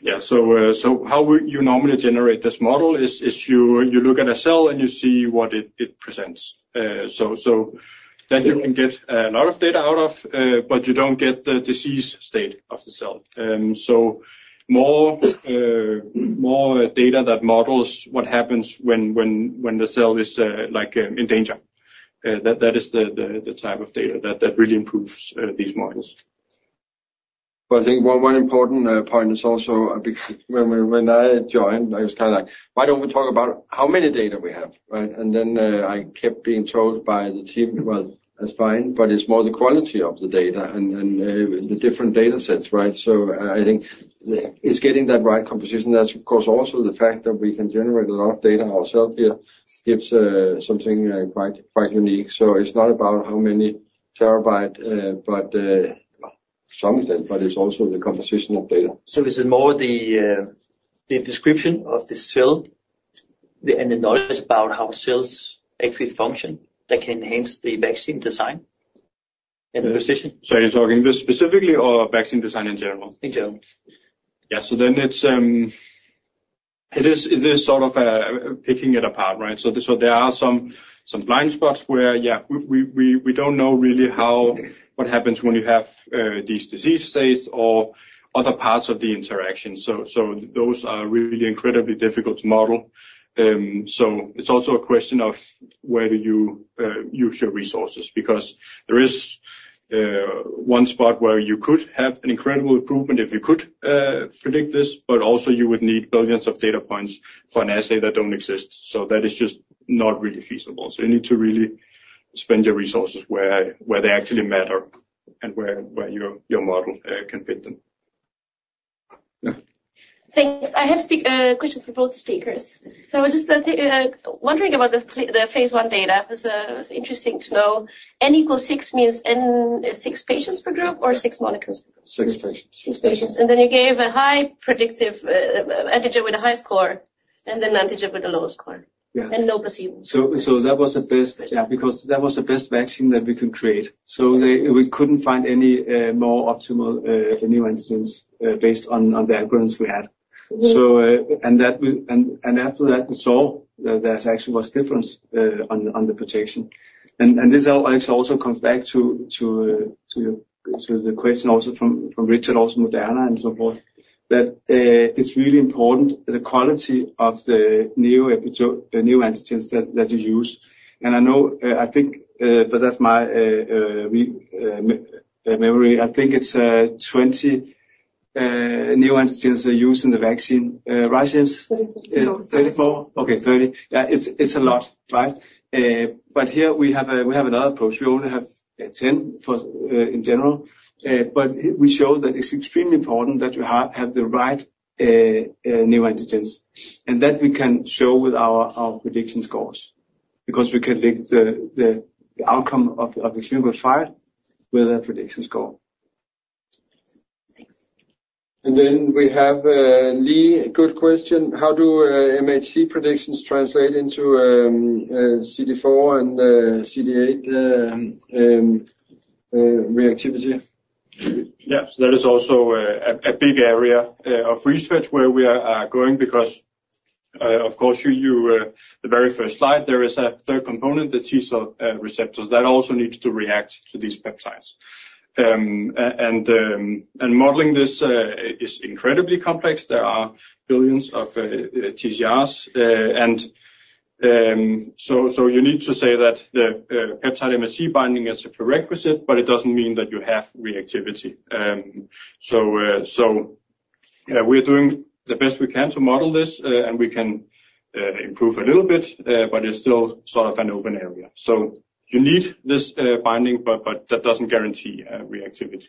Yeah. So how do you normally generate this model is you look at a cell and you see what it presents. So then you can get a lot of data out of, but you don't get the disease state of the cell. So more data that models what happens when the cell is, like, in danger. That is the type of data that really improves these models. Well, I think one important point is also because when I joined, I was kind of like, why don't we talk about how many data we have, right? Then, I kept being told by the team, well, that's fine, but it's more the quality of the data and the different data sets, right? So I think it's getting that right composition. That's, of course, also the fact that we can generate a lot of data ourselves here gives something quite unique. So it's not about how many terabyte, but to some extent, but it's also the composition of data. So is it more the description of the cell and the knowledge about how cells actually function that can enhance the vaccine design and the precision? So are you talking this specifically or vaccine design in general? In general. Yeah. So then it's it is sort of picking it apart, right? So there are some blind spots where, yeah, we don't know really how what happens when you have these disease states or other parts of the interaction. So those are really incredibly difficult to model. So it's also a question of where do you use your resources? Because there is one spot where you could have an incredible improvement if you could predict this, but also you would need billions of data points for an assay that don't exist. So that is just not really feasible. So you need to really spend your resources where they actually matter and where your model can fit them. Yeah. Thanks. I have specific questions for both speakers. So I was just wondering about the phase one data. It was interesting to know n=6 means n=6 patients per group or 6 monochromes per group? 6 patients. And then you gave a highly predictive antigen with a high score and then an antigen with a low score. Yeah. And no placebo. So that was the best, yeah, because that was the best vaccine that we could create. So we couldn't find any more optimal neoantigens based on the algorithms we had. So and after that, we saw that there actually was difference on the protection. And this also comes back to the question also from Richard, also Moderna and so forth, that it's really important the quality of the neoantigens that you use. And I know, I think, but that's my remote memory. I think it's 20 neoantigens are used in the vaccine. Rasmussen? 34. 34? Okay. 30. Yeah. It's a lot, right? But here we have another approach. We only have 10 in general. But we show that it's extremely important that you have the right neoantigens and that we can show with our prediction scores because we can link the outcome of the clinical trial with a prediction score. Thanks. And then we have, Lee, a good question. How do MHC predictions translate into CD4 and CD8 reactivity? Yeah. So that is also a big area of research where we are going because, of course, you, the very first slide, there is a third component, the T-cell receptors that also need to react to these peptides. And modeling this is incredibly complex. There are billions of TCRs. You need to say that the peptide MHC binding is a prerequisite, but it doesn't mean that you have reactivity. We are doing the best we can to model this, and we can improve a little bit, but it's still sort of an open area. So you need this binding, but that doesn't guarantee reactivity.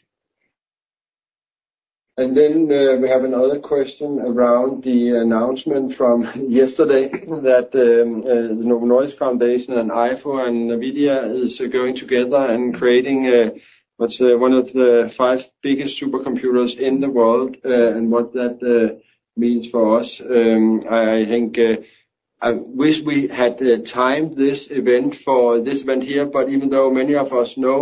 And then we have another question around the announcement from yesterday that the Novo Nordisk Foundation and EIFO and NVIDIA is going together and creating what's one of the five biggest supercomputers in the world, and what that means for us. I think I wish we had timed this event for this event here. But even though many of us know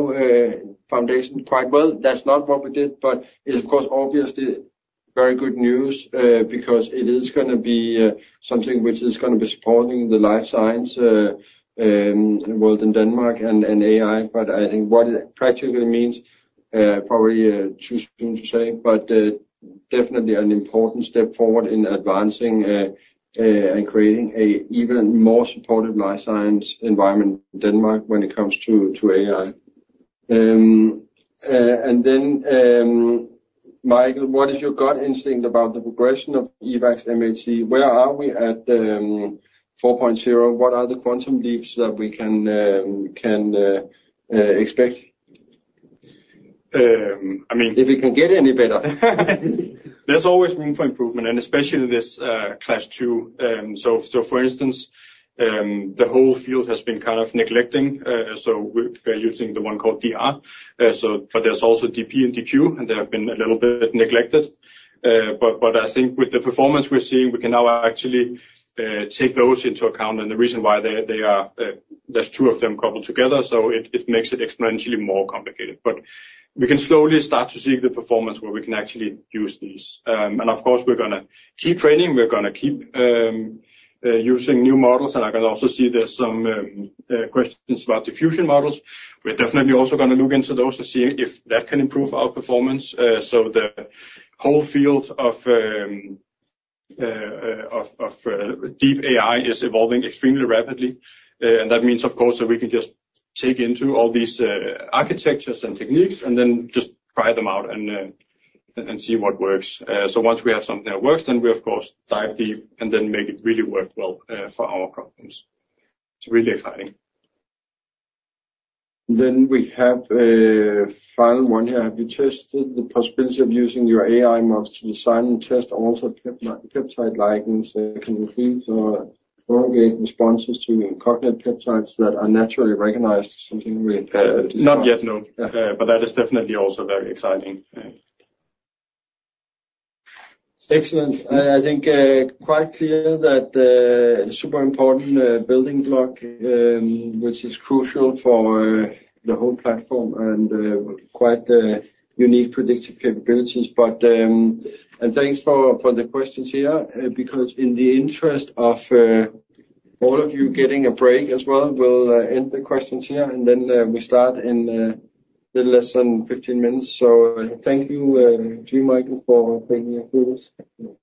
foundation quite well, that's not what we did. But it's, of course, obviously very good news, because it is going to be something which is going to be supporting the life science world in Denmark and and AI. But I think what it practically means, probably too soon to say, but definitely an important step forward in advancing and creating an even more supported life science environment in Denmark when it comes to to AI. And then, Michael, what is your gut instinct about the progression of EVX-MHC? Where are we at, 4.0? What are the quantum leaps that we can can expect? I mean. If we can get any better. There's always room for improvement, and especially this class two. So, so for instance, the whole field has been kind of neglecting, so we're using the one called DR. So but there's also DP and DQ, and they have been a little bit neglected. But I think with the performance we're seeing, we can now actually take those into account. And the reason why they are, there's two of them coupled together, so it makes it exponentially more complicated. But we can slowly start to see the performance where we can actually use these. And of course, we're going to keep training. We're going to keep using new models. And I can also see there's some questions about diffusion models. We're definitely also going to look into those and see if that can improve our performance. So the whole field of deep AI is evolving extremely rapidly. And that means, of course, that we can just take into all these architectures and techniques and then just try them out and see what works. So once we have something that works, then we, of course, dive deep and then make it really work well, for our problems. It's really exciting. Then we have, final one here. Have you tested the possibility of using your AI models to design and test also peptide ligands that can include or augment responses to cognate peptides that are naturally recognized? Something we, Not yet, no. But that is definitely also very exciting. Excellent. I, I think, quite clear that, super important, building block, which is crucial for, the whole platform and, quite, unique predictive capabilities. But, and thanks for, for the questions here, because in the interest of, all of you getting a break as well, we'll, end the questions here, and then, we start in, a little less than 15 minutes. So, thank you, to you, Michael, for taking the questions.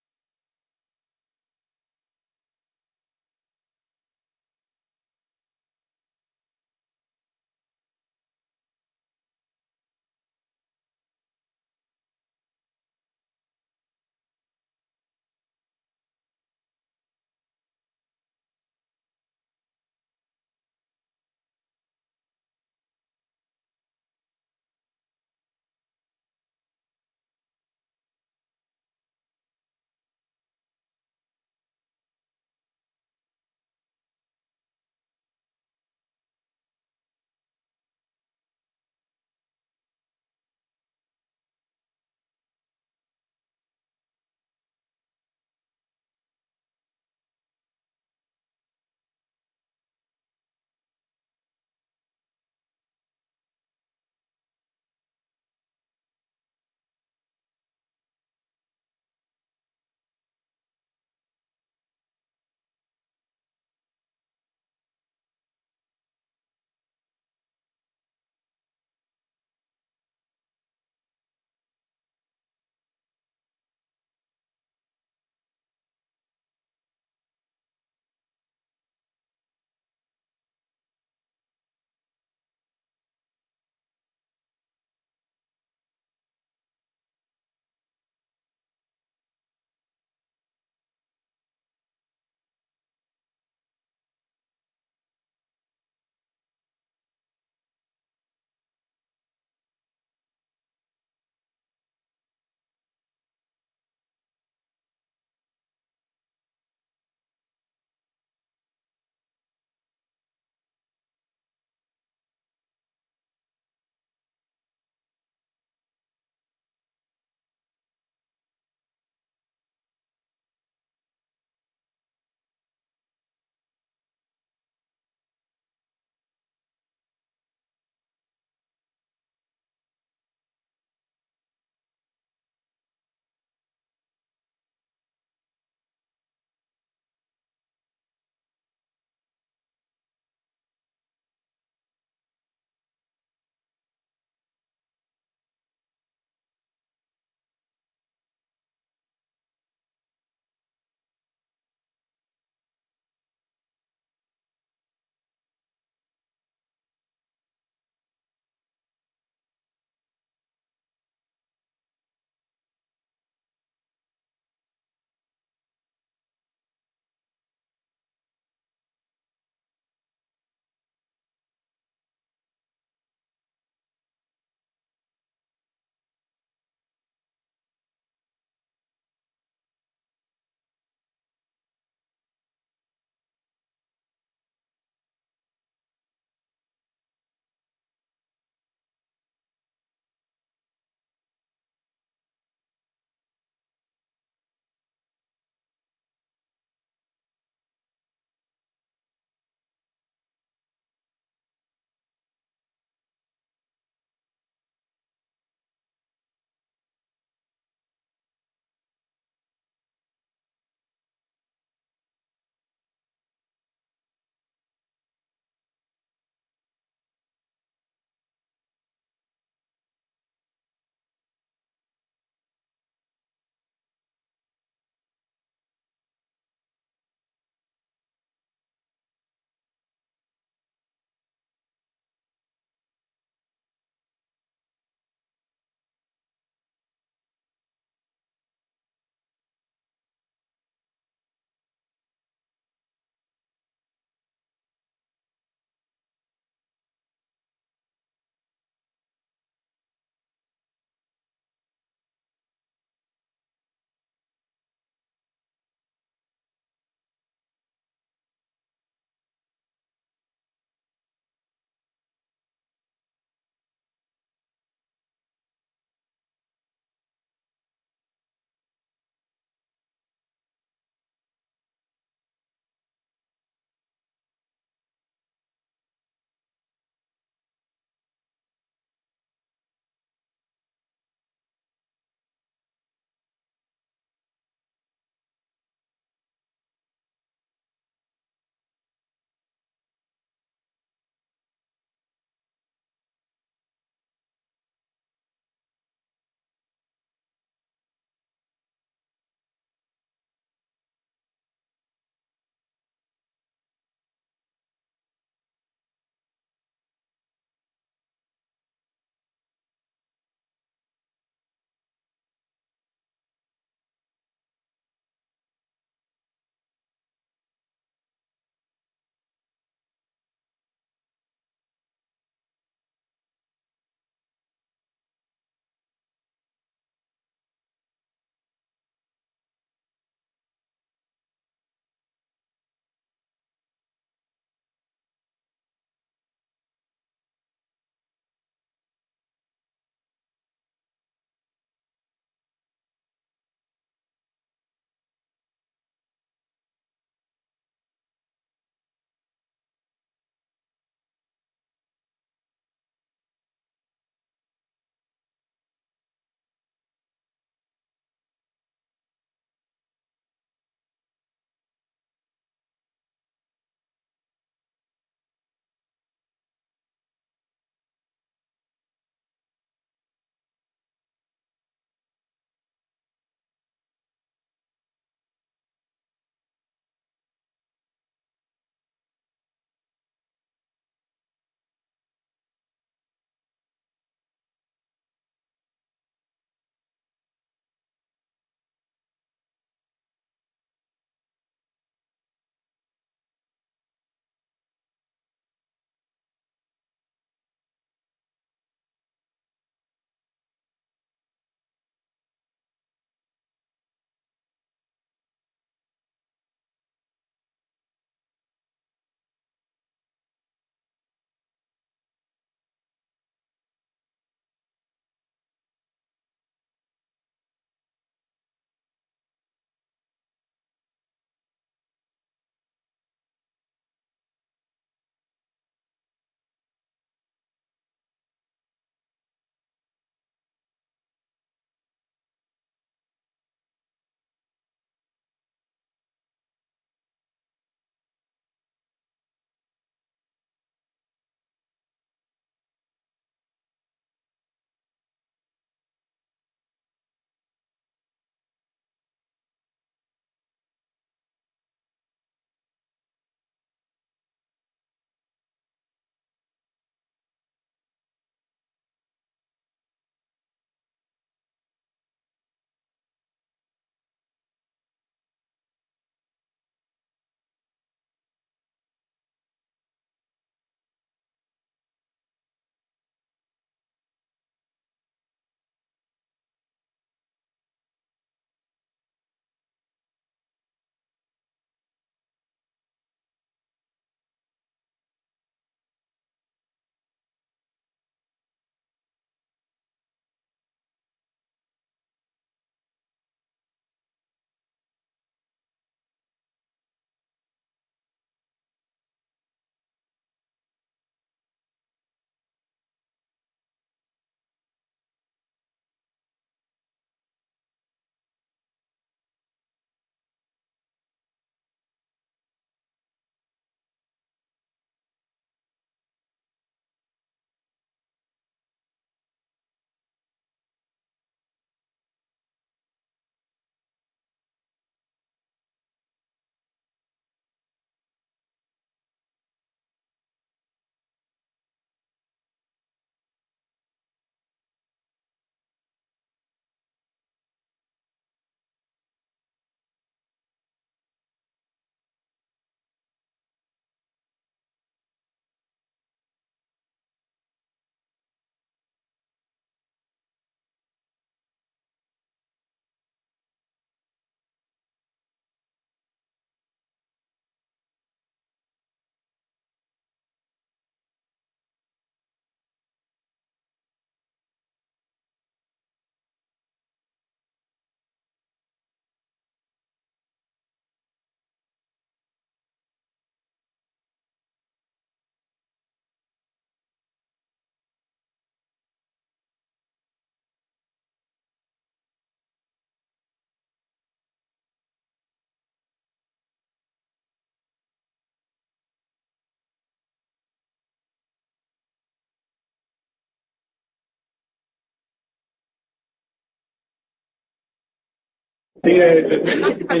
Okay, take a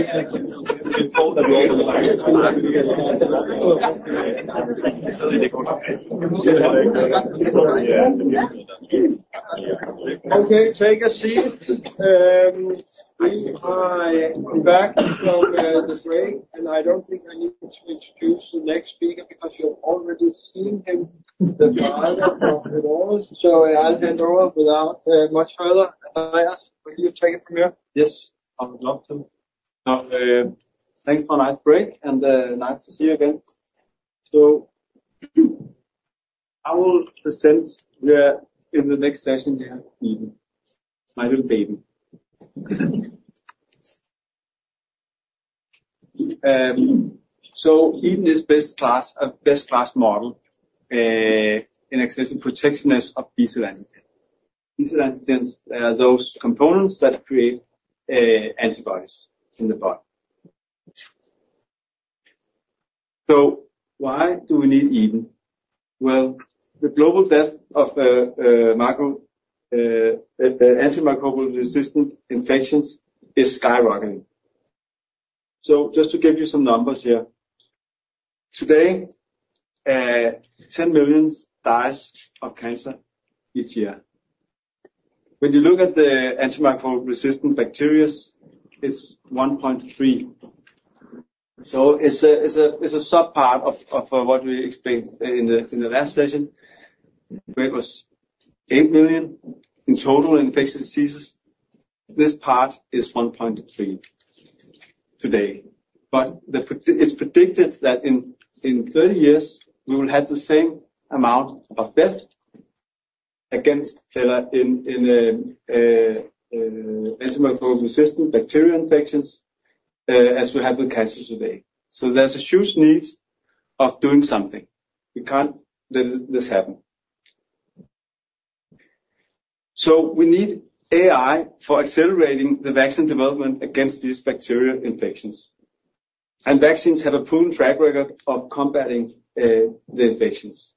seat. We're back from the break, and I don't think I need to introduce the next speaker because you have already seen him, the father of it all. So I'll hand over without much further ado. Will you take it from here? Yes, I would love to. Now, thanks for a nice break, and nice to see you again. So I will present, yeah, in the next session here, EDEN, my little baby. So EDEN is best-in-class, best-in-class model, in assessing protective B-cell antigens. B-cell antigens are those components that create antibodies in the body. So why do we need EDEN? Well, the global deaths from antimicrobial resistant infections is skyrocketing. So just to give you some numbers here, today, 10 million die of cancer each year. When you look at the antimicrobial resistant bacterias, it's 1.3. So it's a subpart of what we explained in the last session, where it was 8 million in total in infectious diseases. This part is 1.3 today. But it's predicted that in 30 years, we will have the same amount of deaths as cancer in antimicrobial resistant bacterial infections, as we have with cancer today. So there's a huge need of doing something. We can't let this happen. So we need AI for accelerating the vaccine development against these bacterial infections. And vaccines have a proven track record of combating the infections.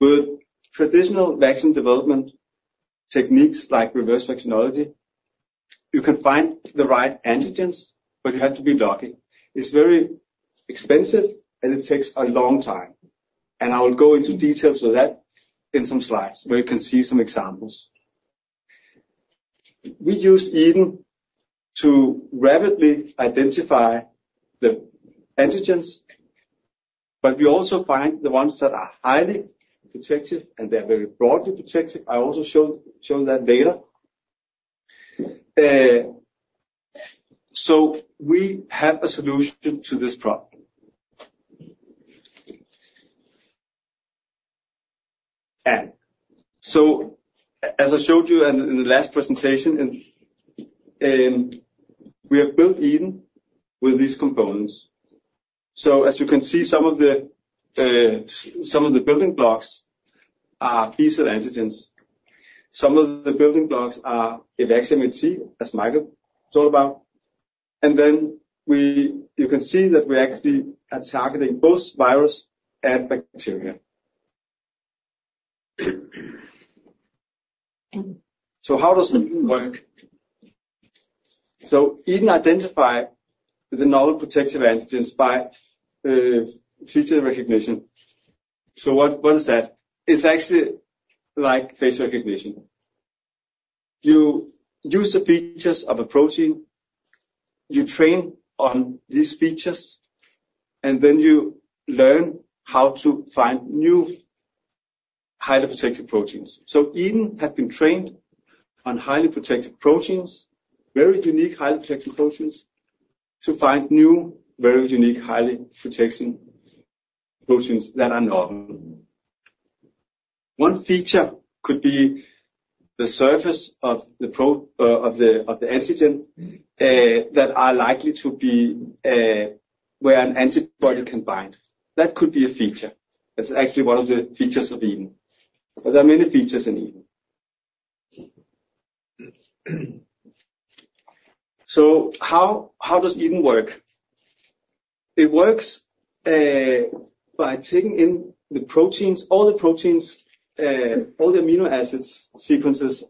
With traditional vaccine development techniques like reverse vaccinology, you can find the right antigens, but you have to be lucky. It's very expensive, and it takes a long time. And I will go into details with that in some slides where you can see some examples. We use EDEN™ to rapidly identify the antigens, but we also find the ones that are highly protective, and they are very broadly protective. I also showed that later, so we have a solution to this problem. As I showed you in the last presentation, we have built EDEN™ with these components. So as you can see, some of the building blocks are B-cell antigens. Some of the building blocks are Evaxion Biotech, as Michael talked about. And then you can see that we actually are targeting both virus and bacteria. So how does EDEN™ work? EDEN™ identifies the novel protective antigens by feature recognition. So what is that? It's actually like face recognition. You use the features of a protein, you train on these features, and then you learn how to find new highly protective proteins. So EDEN™ has been trained on highly protective proteins, very unique highly protective proteins, to find new, very unique, highly protective proteins that are novel. One feature could be the surface of the pro, of the, of the antigen, that are likely to be, where an antibody can bind. That could be a feature. That's actually one of the features of EDEN™. But there are many features in EDEN™. So how does EDEN™ work? It works by taking in the proteins, all the proteins, all the amino acid sequences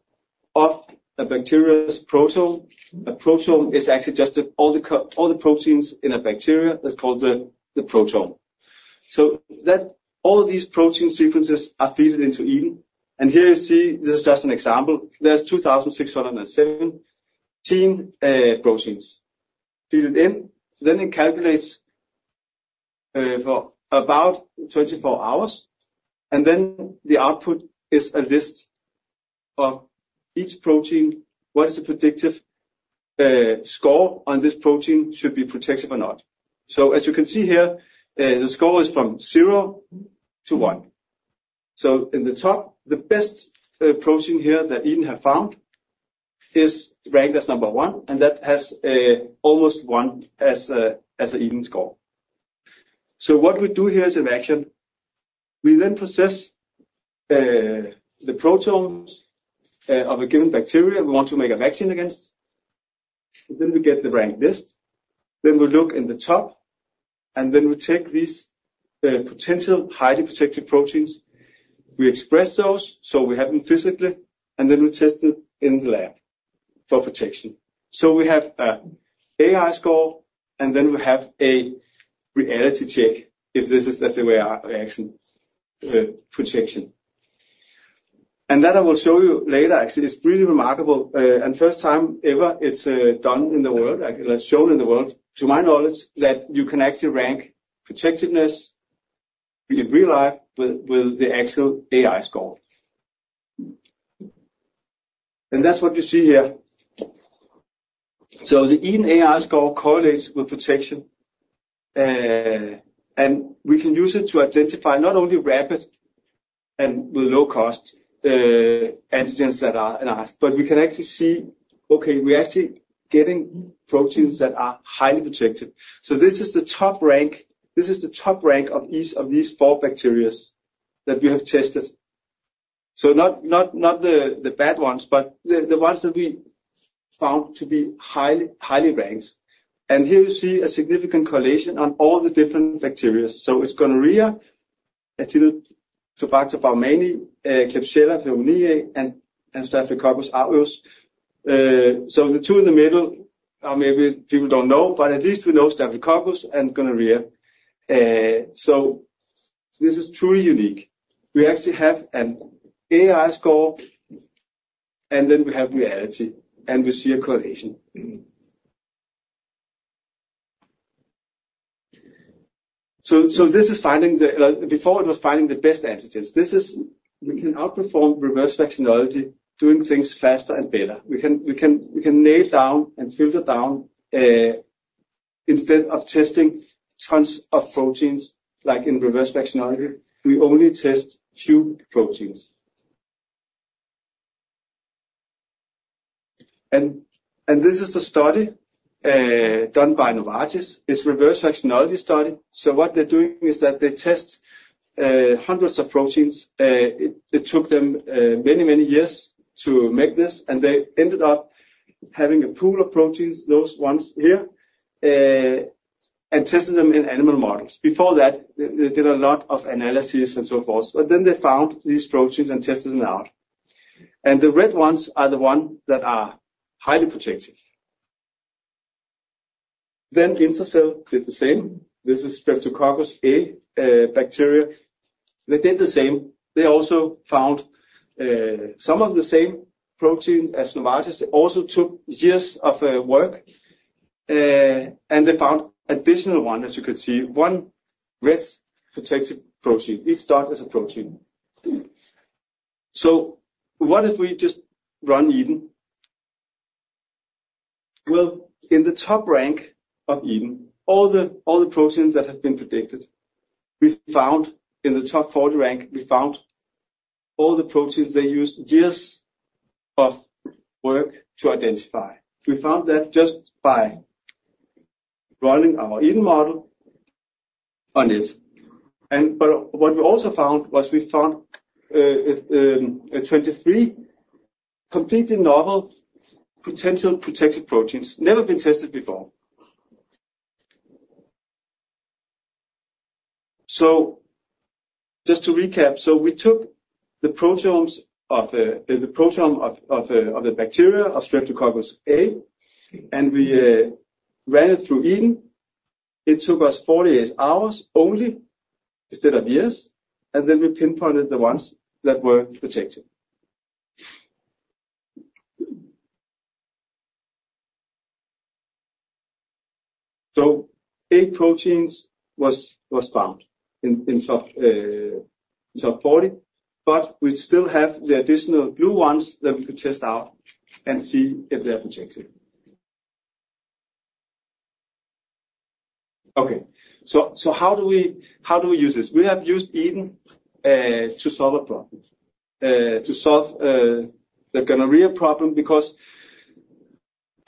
of a bacteria's proteome. A proteome is actually just all the proteins in a bacteria. That's called the proteome. So all of these protein sequences are fed into EDEN™. And here you see, this is just an example. There's 2,607 proteins fed in. Then it calculates for about 24 hours. Then the output is a list of each protein, what is the predictive score on this protein should be protective or not. So as you can see here, the score is from 0 to 1. So in the top, the best protein here that EDEN has found is ranked as number one, and that has almost one as an EDEN score. So what we do here is in Evaxion, we then process the proteome of a given bacterium we want to make a vaccine against. Then we get the ranked list. Then we look in the top, and then we take these potential highly protective proteins. We express those, so we have them physically, and then we test it in the lab for protection. So we have an AI score, and then we have a reality check if this is, that's the way our Evaxion protection. And that I will show you later, actually, is really remarkable. And first time ever it's done in the world, actually, shown in the world, to my knowledge, that you can actually rank protectiveness in real life with the actual AI score. And that's what you see here. So the EDEN AI score correlates with protection, and we can use it to identify not only rapid and with low cost, antigens that are an ask, but we can actually see, okay, we're actually getting proteins that are highly protected. So this is the top rank. This is the top rank of each of these four bacteria that we have tested. So not the bad ones, but the ones that we found to be highly ranked. And here you see a significant correlation on all the different bacteria. So it's gonorrhea, Acinetobacter baumannii, Klebsiella pneumoniae, and Staphylococcus aureus. So the two in the middle are maybe people don't know, but at least we know Staphylococcus and gonorrhea. So this is truly unique. We actually have an AI score, and then we have reality, and we see a correlation. So this is finding the, before it was finding the best antigens. This is, we can outperform reverse vaccinology doing things faster and better. We can nail down and filter down, instead of testing tons of proteins like in reverse vaccinology, we only test few proteins. And this is a study done by Novartis. It's a reverse vaccinology study. So what they're doing is that they test hundreds of proteins. It took them many, many years to make this, and they ended up having a pool of proteins, those ones here, and tested them in animal models. Before that, they did a lot of analyses and so forth, but then they found these proteins and tested them out. And the red ones are the ones that are highly protected. Then Intercell did the same. This is Streptococcus A, bacteria. They did the same. They also found some of the same protein as Novartis. It also took years of work, and they found additional one, as you can see, one red protective protein. Each dot is a protein. So what if we just run Eden? Well, in the top rank of Eden, all the proteins that have been predicted, we found in the top 40 rank, we found all the proteins they used years of work to identify. We found that just by running our EDEN model on it. But what we also found was 23 completely novel potential protective proteins, never been tested before. So just to recap, we took the proteome of the bacteria of Staphylococcus aureus, and we ran it through EDEN. It took us 48 hours only instead of years, and then we pinpointed the ones that were protected. So eight proteins was found in top 40, but we still have the additional blue ones that we could test out and see if they are protected. Okay, so how do we use this? We have used EDEN to solve a problem, the gonorrhea problem because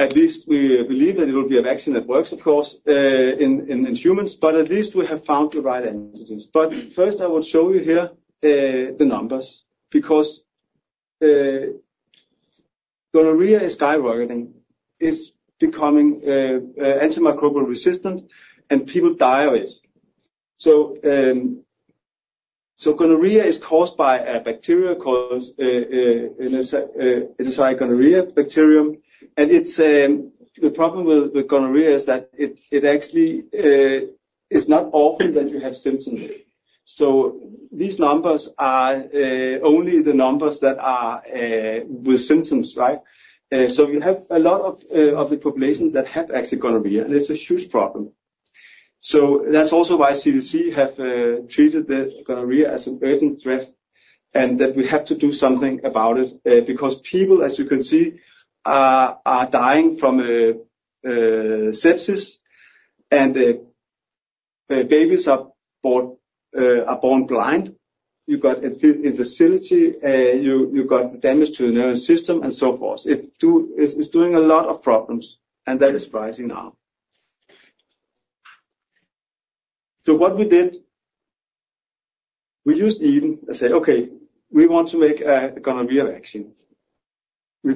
at least we believe that it will be a vaccine that works, of course, in humans, but at least we have found the right antigens. But first, I would show you here the numbers because gonorrhea is skyrocketing, is becoming antimicrobial resistant, and people die of it. So gonorrhea is caused by a bacteria called Neisseria gonorrhoeae. And it's the problem with gonorrhea is that it actually is not often that you have symptoms. So these numbers are only the numbers that are with symptoms, right? So you have a lot of the populations that have actually gonorrhea, and it's a huge problem. So that's also why CDC have treated the gonorrhea as an urgent threat and that we have to do something about it, because people, as you can see, are dying from sepsis, and babies are born blind. You got an infertility, you got the damage to the nervous system and so forth. It's doing a lot of problems, and that is rising now. So what we did, we used EDEN and said, "Okay, we want to make a gonorrhea vaccine." We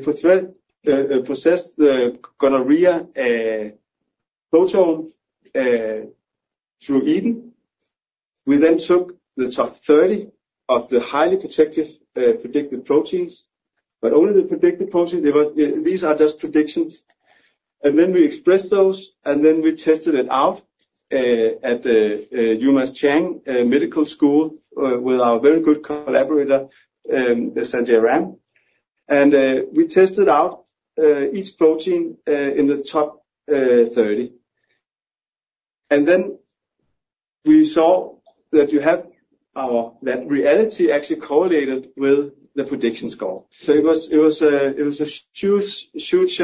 processed the gonorrhea proteome through EDEN. We then took the top 30 of the highly protective, predicted proteins, but only the predicted proteins. These are just predictions. And then we expressed those, and then we tested it out at UMass Chan Medical School, with our very good collaborator, Sanjay Ram. And we tested out each protein in the top 30. Then we saw that reality actually correlated with the prediction score. So it was a huge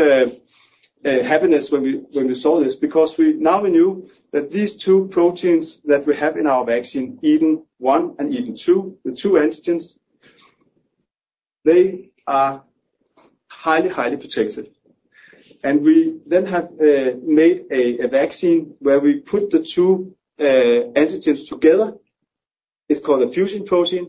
happiness when we saw this because we now knew that these two proteins that we have in our vaccine, EDEN-1 and EDEN-2, the two antigens, they are highly protected. And we then have made a vaccine where we put the two antigens together. It's called a fusion protein.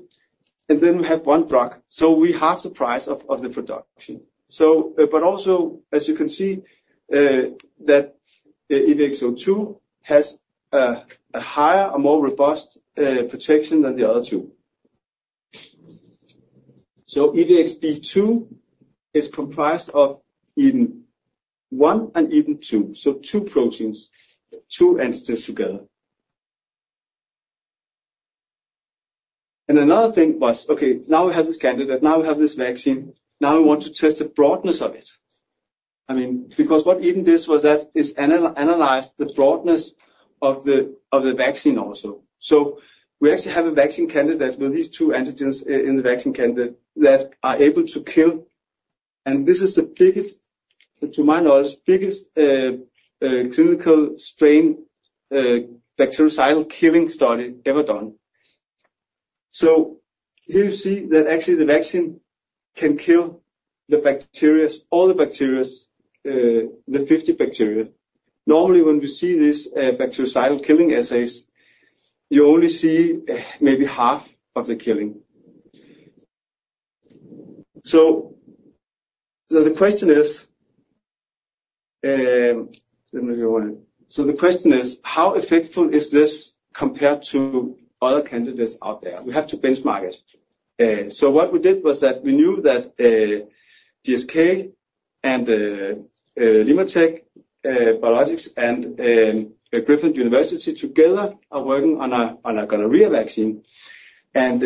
And then we have one drug. So we halve the price of the production. So but also, as you can see, that EVX-B2 has a higher, more robust protection than the other two. So EVX-B2 is comprised of EDEN-1 and EDEN-2. So two proteins, two antigens together. And another thing was, okay, now we have this candidate, now we have this vaccine, now we want to test the broadness of it. I mean, because what EDEN™ did was that it analyzed the broadness of the, of the vaccine also. So we actually have a vaccine candidate with these two antigens in the vaccine candidate that are able to kill. And this is the biggest, to my knowledge, biggest, clinical strain, bactericidal killing study ever done. So here you see that actually the vaccine can kill the bacteria, all the bacteria, the 50 bacteria. Normally when we see this, bactericidal killing assays, you only see maybe half of the killing. So, so the question is, let me move your way. So the question is, how effective is this compared to other candidates out there? We have to benchmark it. So what we did was that we knew that GSK and LimmaTech Biologics and Griffith University together are working on a gonorrhea vaccine. And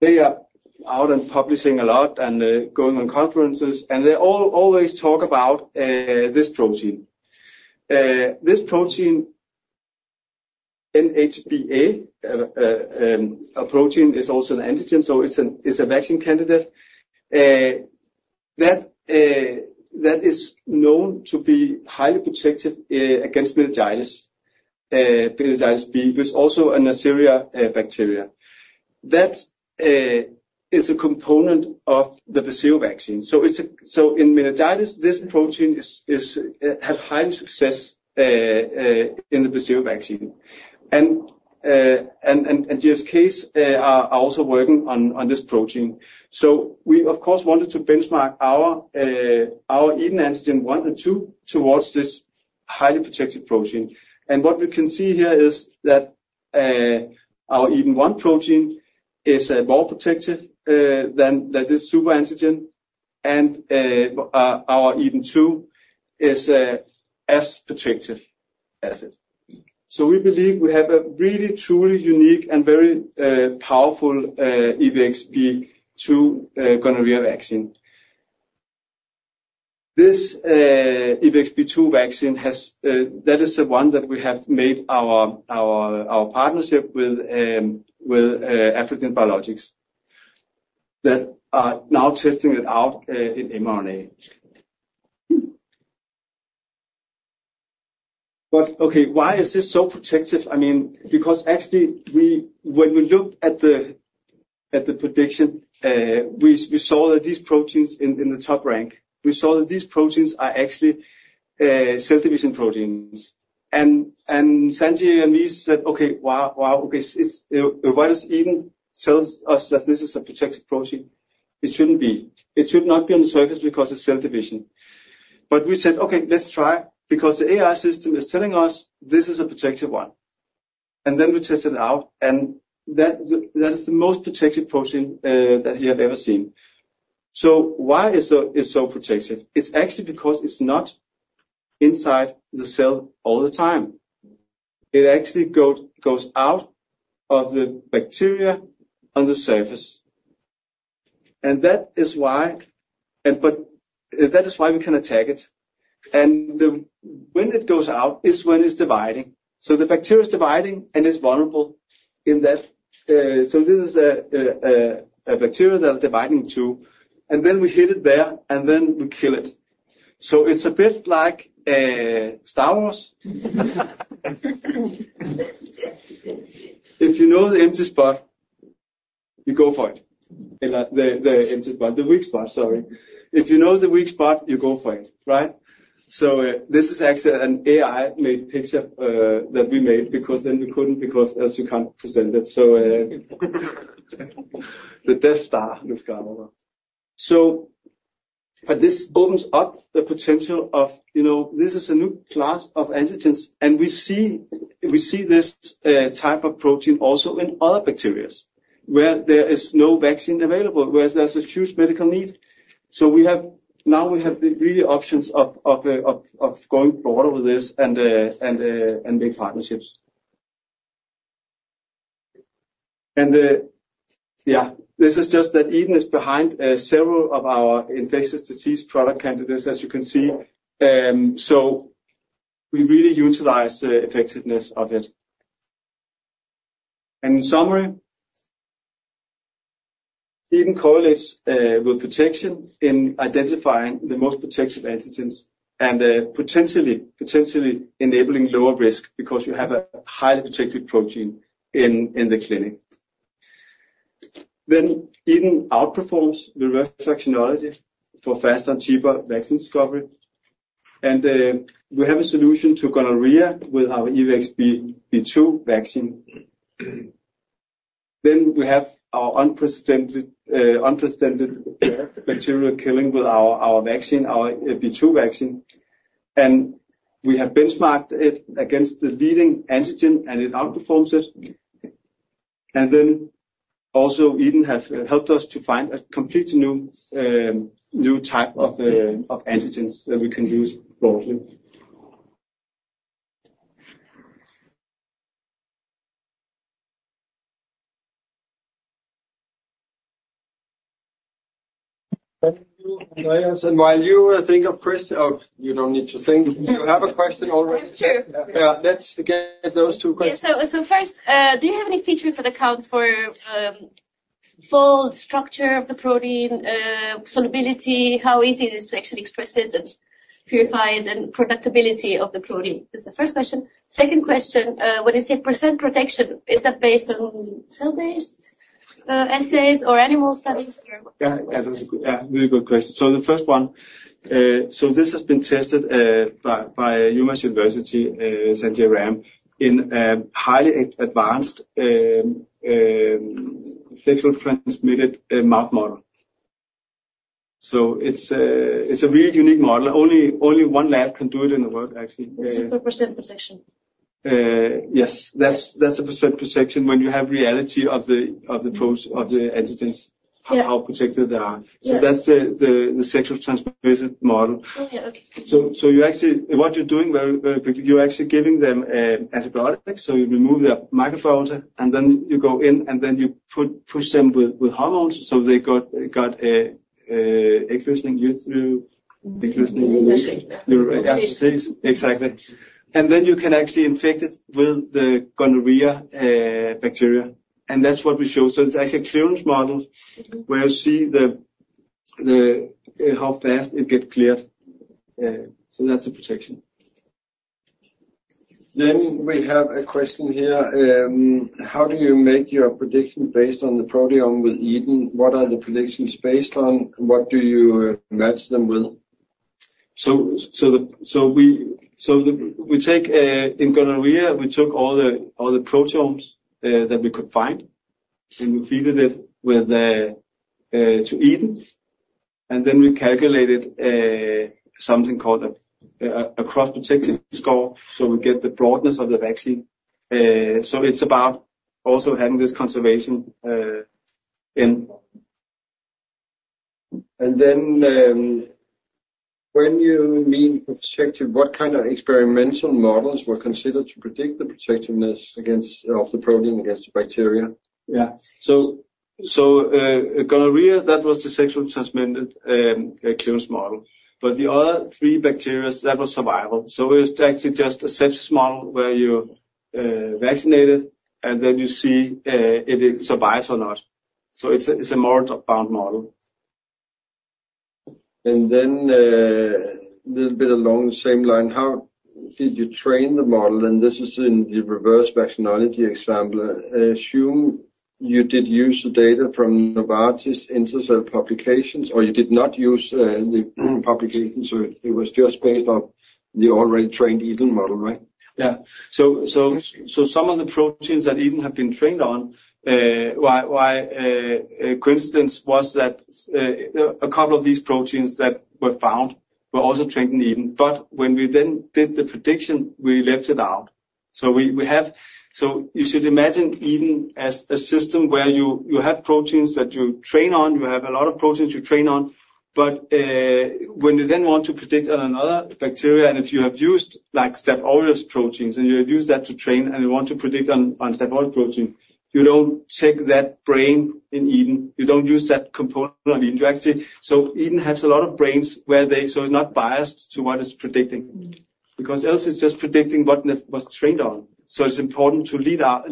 they are out publishing a lot and going on conferences, and they always talk about this protein, NHBA, a protein that is also an antigen, so it's a vaccine candidate that is known to be highly protective against meningitis B, which is also a Neisseria bacteria. That is a component of the Bexsero vaccine. So in meningitis, this protein had high success in the Bexsero vaccine. And GSK is also working on this protein. So we, of course, wanted to benchmark our EDEN-1 and EDEN-2 towards this highly protective protein. And what we can see here is that our EDEN-1 protein is more protective than this super antigen. And our EDEN-2 is as protective as it. So we believe we have a really truly unique and very powerful EVX-B2 gonorrhea vaccine. This EVX-B2 vaccine, that is the one that we have made our partnership with Afrigen Biologics that are now testing it out in mRNA. But okay, why is this so protective? I mean, because actually we, when we looked at the prediction, we saw that these proteins in the top rank, we saw that these proteins are actually cell division proteins. And Sanjay and me said, "Okay, wow, wow, okay, why does EDEN tell us that this is a protective protein? It shouldn't be. It should not be on the surface because of cell division." But we said, "Okay, let's try because the AI system is telling us this is a protective one." And then we tested it out, and that is the most protective protein that we have ever seen. So why is it so protective? It's actually because it's not inside the cell all the time. It actually goes out of the bacteria on the surface. And that is why, but that is why we can attack it. And when it goes out is when it's dividing. So the bacteria is dividing and it's vulnerable in that, so this is a bacteria that is dividing in two. And then we hit it there and then we kill it. So it's a bit like Star Wars. If you know the empty spot, you go for it. The empty spot, the weak spot, sorry. If you know the weak spot, you go for it, right? So, this is actually an AI-made picture, that we made because then we couldn't because AI solution presented. So, the Death Star looks kind of over. So, but this opens up the potential of, you know, this is a new class of antigens, and we see, we see this type of protein also in other bacterias where there is no vaccine available, whereas there's a huge medical need. So we have, now we have the really options of going broader with this and make partnerships. And, yeah, this is just that EDEN™ is behind several of our infectious disease product candidates, as you can see. So we really utilize the effectiveness of it. In summary, EDEN™ correlates with protection in identifying the most protective antigens and, potentially, potentially enabling lower risk because you have a highly protective protein in, in the clinic. EDEN™ outperforms reverse vaccinology for faster and cheaper vaccine discovery. We have a solution to gonorrhea with our EVX-B2 vaccine. We have our unprecedented, unprecedented bacterial killing with our, our vaccine, our B2 vaccine. We have benchmarked it against the leading antigen and it outperforms it. EDEN™ has helped us to find a completely new, new type of, of antigens that we can use broadly. And you, Andreas, and while you think of questions, oh, you don't need to think. You have a question already? I do. Yeah, let's get those two questions. Yeah, so first, do you have any features that account for fold structure of the protein, solubility, how easy it is to actually express it and purify it, and producibility of the protein? This is the first question. Second question, when you say percent protection, is that based on cell-based assays or animal studies or? Yeah, that's a really good question. So the first one, so this has been tested by UMass Chan Medical School, Sanjay Ram, in a highly advanced sexually transmitted mouse model. So it's a really unique model. Only one lab can do it in the world, actually. It's percent protection. Yes, that's percent protection when you have reality of the, of the pro, of the antigens, how protected they are. So that's the sexually transmitted model. Oh, yeah, okay. So you actually, what you're doing very, very quickly, you're actually giving them antibiotics. So you remove their microbiota, and then you go in, and then you push them with hormones so they got estrous cycling through estrous cycle, yeah, exactly. And then you can actually infect it with the gonorrhea bacteria. And that's what we show. So it's actually a clearance model where you see the how fast it gets cleared. So that's a protection. Then we have a question here. How do you make your prediction based on the proteome with EDEN? What are the predictions based on? What do you match them with? So we take, in gonorrhea, we took all the proteomes that we could find, and we fed it to EDEN. And then we calculated something called a cross-protection score so we get the broadness of the vaccine. So it's about also having this conservation in. And then, when you mean protective, what kind of experimental models were considered to predict the protectiveness against of the protein against the bacteria? Yeah. So, gonorrhea, that was the sexually transmitted clearance model. But the other three bacteria, that was survival. So it's actually just a sepsis model where you vaccinate it, and then you see if it survives or not. So it's a more bound model. And then, a little bit along the same line, how did you train the model? And this is in the reverse vaccinology example. Assume you did use the data from Novartis Intercell publications, or you did not use the publications, so it was just based on the already trained EDEN model, right? Yeah. So some of the proteins that EDEN have been trained on, why coincidence was that a couple of these proteins that were found were also trained in EDEN. But when we then did the prediction, we left it out. So we have, so you should imagine EDEN as a system where you have proteins that you train on, you have a lot of proteins you train on. But when you then want to predict on another bacteria, and if you have used, like, Staph aureus proteins, and you have used that to train, and you want to predict on Staph aureus protein, you don't check that train in EDEN. You don't use that component on EDEN. You actually, so EDEN has a lot of trains where they, so it's not biased to what it's predicting. Because else it's just predicting what was trained on. So it's important to leave out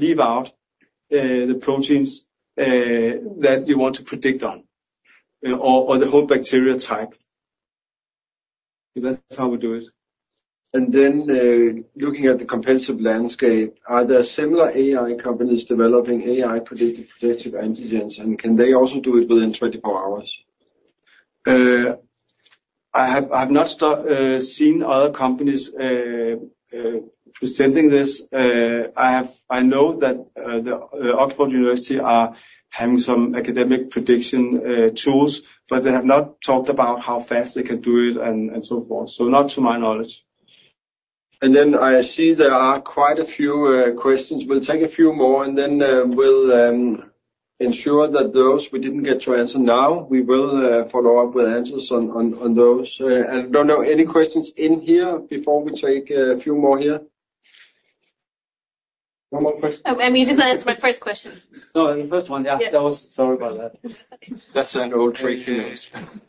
the proteins that you want to predict on, or the whole bacteria type. So that's how we do it. And then, looking at the competitive landscape, are there similar AI companies developing AI-predicted protective antigens, and can they also do it within 24 hours? I have not seen other companies presenting this. I know that Oxford University are having some academic prediction tools, but they have not talked about how fast they can do it and so forth. So not to my knowledge. And then I see there are quite a few questions. We'll take a few more, and then we'll ensure that those we didn't get to answer now, we will follow up with answers on those. And I don't know any questions in here before we take a few more here? One more question. I mean, you didn't answer my first question. No, the first one, yeah. That was, sorry about that. That's an old trick, you know.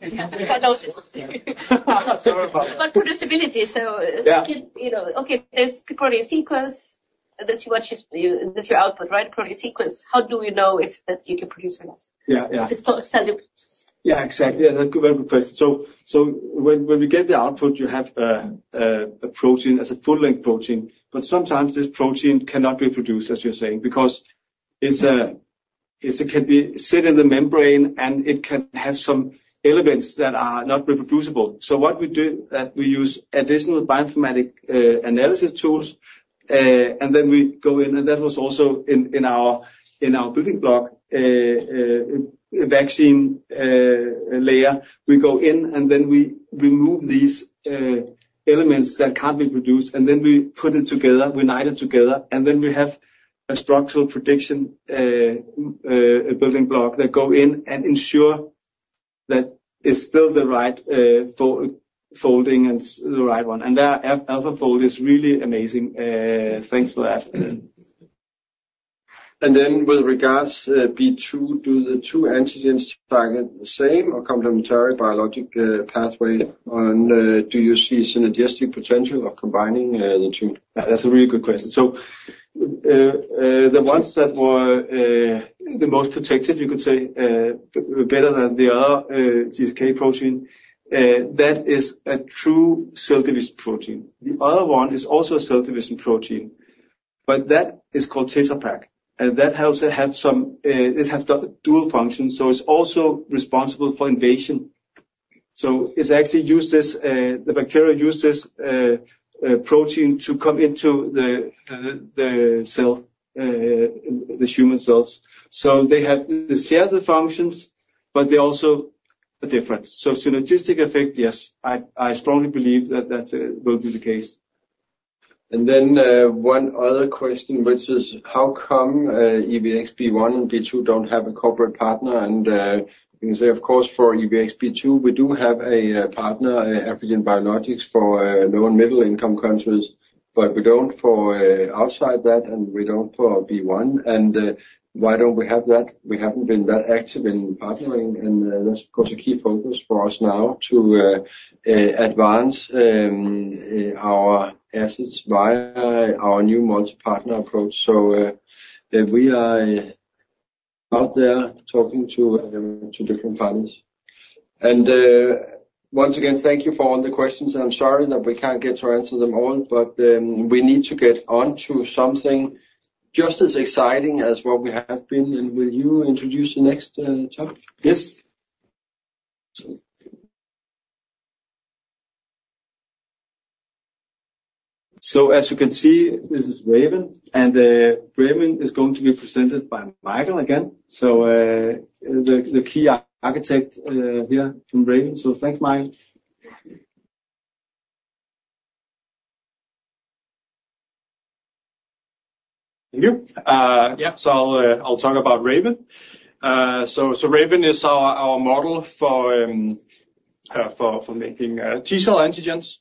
I noticed. Sorry about that. But producibility, so you can, you know, okay, there's protein sequence. That's what you, that's your output, right? Protein sequence. How do you know if that you can produce or not? Yeah, yeah. If it's still cellular. Yeah, exactly. And that's a very good question. So, so when, when we get the output, you have, a protein as a full-length protein. But sometimes this protein cannot be produced, as you're saying, because it's a, it's a, can be sit in the membrane and it can have some elements that are not reproducible. So what we do, that we use additional bioinformatics analysis tools, and then we go in, and that was also in our building block vaccine layer. We go in and then we remove these elements that can't be produced, and then we put it together, we knit it together, and then we have a structural prediction building block that go in and ensure that it's still the right for folding and the right one. And there AlphaFold is really amazing. Thanks for that. And then with regards B2, do the two antigens target the same or complementary biological pathway? And do you see synergistic potential of combining the two? Yeah, that's a really good question. So the ones that were the most protected, you could say, better than the other GSK protein, that is a true cell division protein. The other one is also a cell division protein, but that is called. And that also has some; it has dual functions, so it's also responsible for invasion. So it's actually used; this, the bacteria use this protein to come into the cell, the human cells. So they have the share of the functions, but they're also different. So synergistic effect, yes. I strongly believe that that will be the case. And then, one other question, which is, how come EVX-B1 and EVX-B2 don't have a corporate partner? And you can say, of course, for EVX-B2, we do have a partner, Afrigen Biologics, for low and middle-income countries, but we don't for outside that, and we don't for B1. And why don't we have that? We haven't been that active in partnering, and that's of course a key focus for us now to advance our assets via our new multi-partner approach. So, we are out there talking to different parties. And, once again, thank you for all the questions. I'm sorry that we can't get to answer them all, but we need to get onto something just as exciting as what we have been. And will you introduce the next topic? Yes. So as you can see, this is Raven, and Raven is going to be presented by Michael again. So, the key architect here from Raven. So thanks, Michael. Thank you. Yeah, so I'll talk about Raven. So, Raven is our model for making T-cell antigens,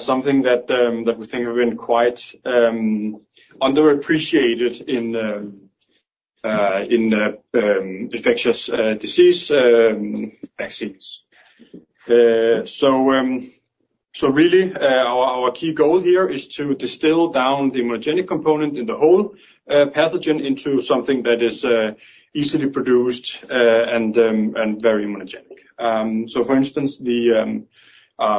something that we think have been quite underappreciated in infectious disease vaccines. So really, our key goal here is to distill down the immunogenic component in the whole pathogen into something that is easily produced and very immunogenic. So for instance, the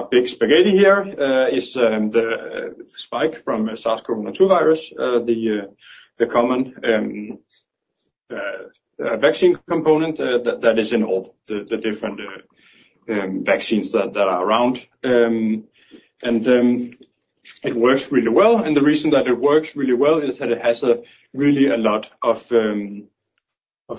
big spaghetti here is the spike from SARS-CoV-2 virus, the common vaccine component that is in all the different vaccines that are around. And it works really well. And the reason that it works really well is that it has really a lot of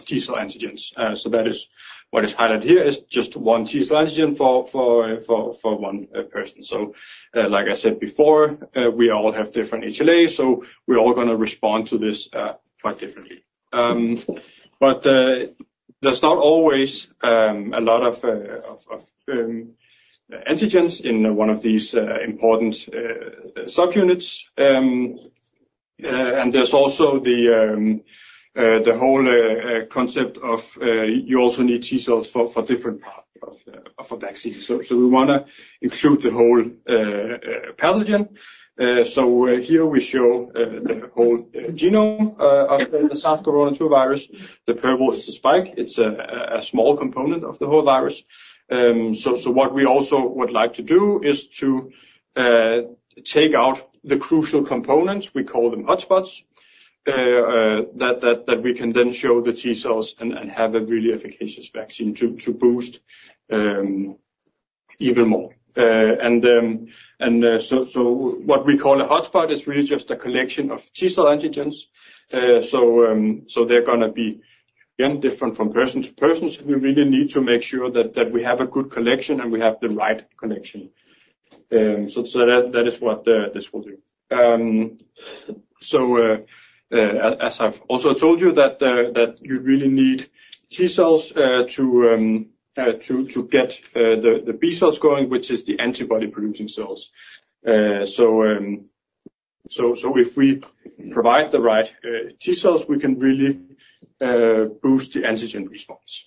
T-cell antigens. So that is what is highlighted here is just one T-cell antigen for one person. So, like I said before, we all have different HLA, so we're all going to respond to this quite differently. But there's not always a lot of antigens in one of these important subunits. And there's also the whole concept of you also need T-cells for different parts of a vaccine. So we want to include the whole pathogen. So here we show the whole genome of the SARS-CoV-2 virus. The purple is the spike. It's a small component of the whole virus. So what we also would like to do is to take out the crucial components. We call them hotspots that we can then show the T-cells and have a really efficacious vaccine to boost even more. And so what we call a hotspot is really just a collection of T-cell antigens. So they're going to be, again, different from person to person. So we really need to make sure that we have a good collection and we have the right connection. So that is what this will do. So, as I've also told you, that you really need T-cells to get the B-cells going, which is the antibody-producing cells. So if we provide the right T-cells, we can really boost the antigen response.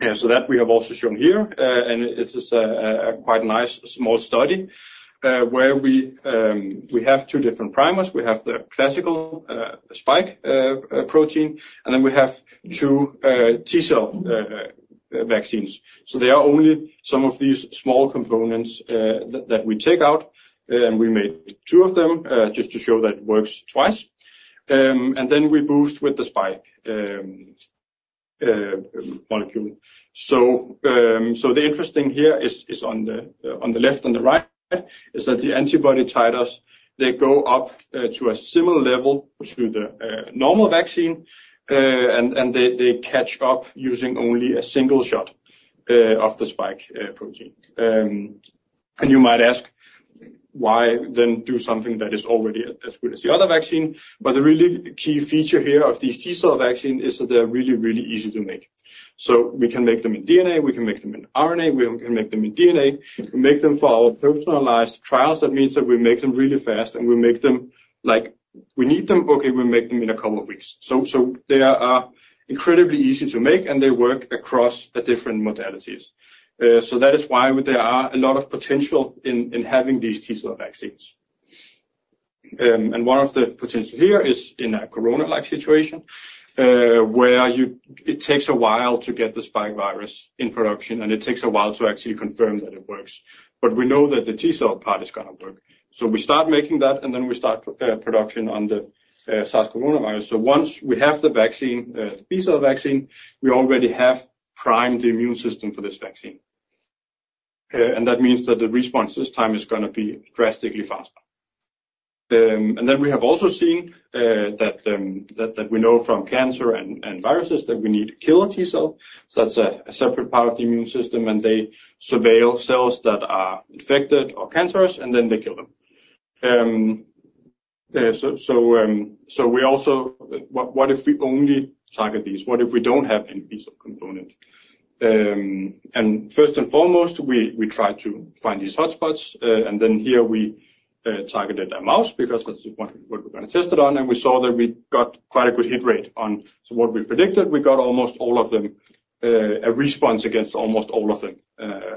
Yeah, so that we have also shown here. And it's just a quite nice small study, where we have two different primers. We have the classical spike protein, and then we have two T-cell vaccines. So they are only some of these small components that we take out. And we made two of them, just to show that it works twice. And then we boost with the spike molecule. So the interesting here is on the left, on the right, is that the antibody titers they go up to a similar level to the normal vaccine. And they catch up using only a single shot of the spike protein. And you might ask, why then do something that is already as good as the other vaccine? But the really key feature here of these T-cell vaccines is that they're really, really easy to make. So we can make them in DNA, we can make them in RNA, we can make them in DNA. We make them for our personalized trials. That means that we make them really fast, and we make them, like, we need them. Okay, we make them in a couple of weeks. So they are incredibly easy to make, and they work across different modalities. So that is why there are a lot of potential in having these T-cell vaccines. One of the potential here is in a corona-like situation, where it takes a while to get the spike virus in production, and it takes a while to actually confirm that it works. But we know that the T-cell part is going to work. So we start making that, and then we start production on the SARS-CoV-2 virus. So once we have the vaccine, the B-cell vaccine, we already have primed the immune system for this vaccine. That means that the response this time is going to be drastically faster. Then we have also seen that we know from cancer and viruses that we need to kill a T-cell. So that's a separate part of the immune system, and they surveil cells that are infected or cancerous, and then they kill them. So we also, what if we only target these? What if we don't have any B-cell component? And first and foremost, we try to find these hotspots. And then here we targeted a mouse because that's what we're going to test it on. And we saw that we got quite a good hit rate, what we predicted, we got almost all of them, a response against almost all of them,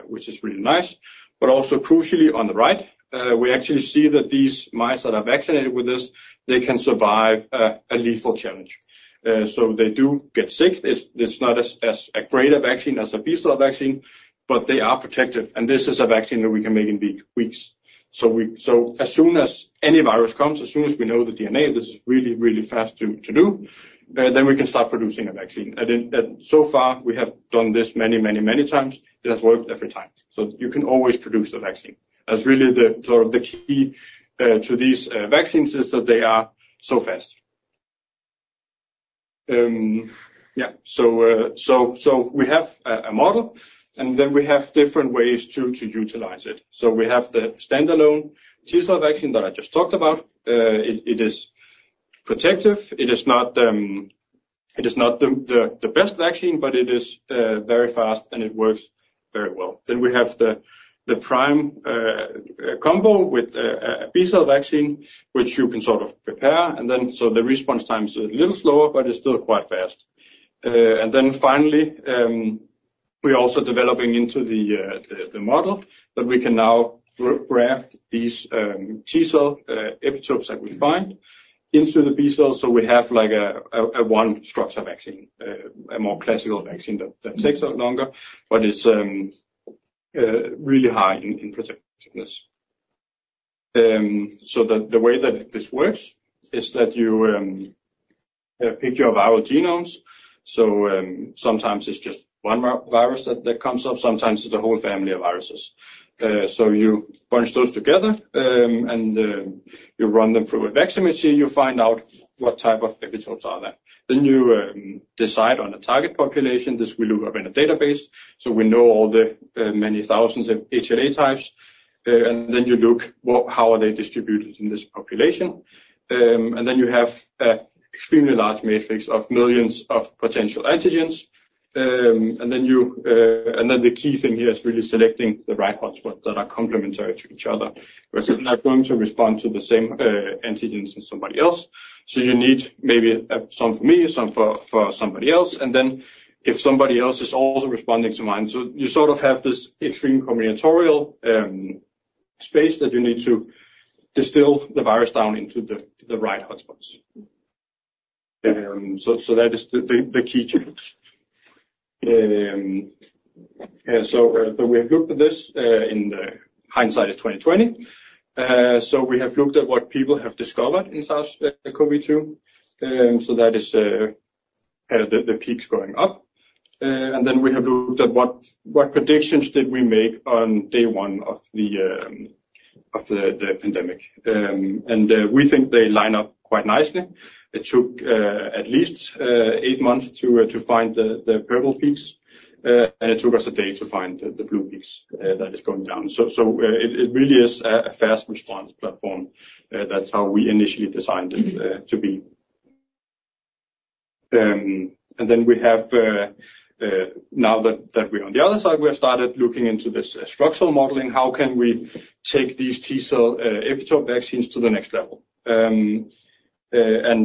which is really nice. But also crucially on the right, we actually see that these mice that are vaccinated with this, they can survive a lethal challenge. So they do get sick. It's not as a greater vaccine as a B-cell vaccine, but they are protective. And this is a vaccine that we can make in weeks. So, as soon as any virus comes, as soon as we know the DNA, this is really fast to do. Then we can start producing a vaccine. And so far we have done this many times. It has worked every time. So you can always produce the vaccine. That's really the key to these vaccines: that they are so fast. Yeah, so we have a model, and then we have different ways to utilize it. So we have the standalone T-cell vaccine that I just talked about. It is protective. It is not the best vaccine, but it is very fast and it works very well. Then we have the prime combo with a B-cell vaccine, which you can sort of prepare. The response time is a little slower, but it's still quite fast. And then finally, we are also developing into the model that we can now graft these T-cell epitopes that we find into the B-cell. So we have like a one-structure vaccine, a more classical vaccine that takes longer, but it's really high in protectiveness. So the way that this works is that you pick your viral genomes. Sometimes it's just one virus that comes up. Sometimes it's a whole family of viruses. So you bunch those together, and you run them through RAVEN™. You find out what type of epitopes are there. Then you decide on a target population. This we look up in a database. So we know all the many thousands of HLA types. And then you look what, how they are distributed in this population. And then you have an extremely large matrix of millions of potential antigens. And then you, and then the key thing here is really selecting the right hotspots that are complementary to each other, whereas they're not going to respond to the same antigens as somebody else. So you need maybe some for me, some for, for somebody else. And then if somebody else is also responding to mine, so you sort of have this extreme combinatorial space that you need to distill the virus down into the right hotspots. So, so that is the, the, the key change. Yeah, so, so we have looked at this in the hindsight of 2020. So we have looked at what people have discovered in SARS-CoV-2. So that is the peaks going up. And then we have looked at what predictions did we make on day one of the pandemic. And we think they line up quite nicely. It took at least eight months to find the purple peaks. And it took us a day to find the blue peaks, that is going down. So it really is a fast response platform. That's how we initially designed it to be. And then we have, now that we're on the other side, we have started looking into this structural modeling. How can we take these T-cell epitope vaccines to the next level? And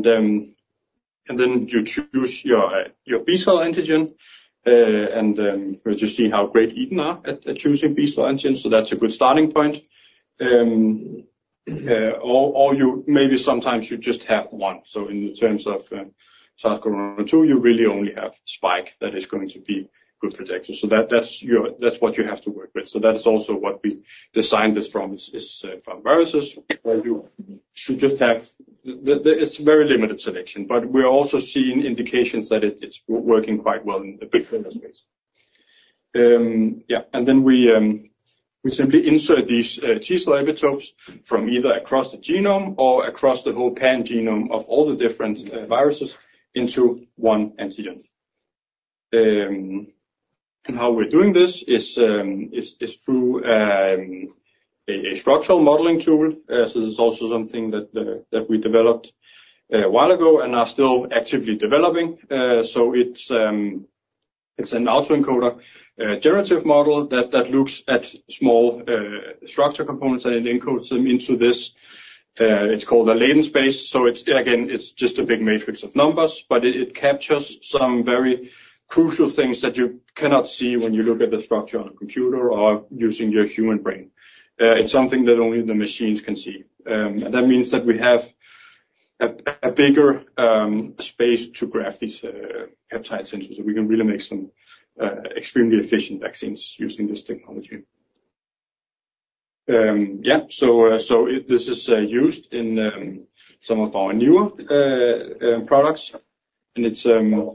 then you choose your B-cell antigen. And we're just seeing how great EDEN are at choosing B-cell antigens. So that's a good starting point. All you maybe sometimes just have one. So in terms of SARS-CoV-2, you really only have spike that is going to be good protection. So that, that's your, that's what you have to work with. So that is also what we designed this from, from viruses, where you should just have the, it's a very limited selection, but we are also seeing indications that it's working quite well in the big space. Yeah, and then we simply insert these T-cell epitopes from either across the genome or across the whole pan-genome of all the different viruses into one antigen. And how we're doing this is through a structural modeling tool. So this is also something that we developed a while ago and are still actively developing. So it's an autoencoder, generative model that looks at small structure components and it encodes them into this. It's called a latent space. So it's, again, just a big matrix of numbers, but it captures some very crucial things that you cannot see when you look at the structure on a computer or using your human brain. It's something that only the machines can see. And that means that we have a bigger space to graft these peptide cells. So we can really make some extremely efficient vaccines using this technology. Yeah, so this is used in some of our newer products. And it's, yeah,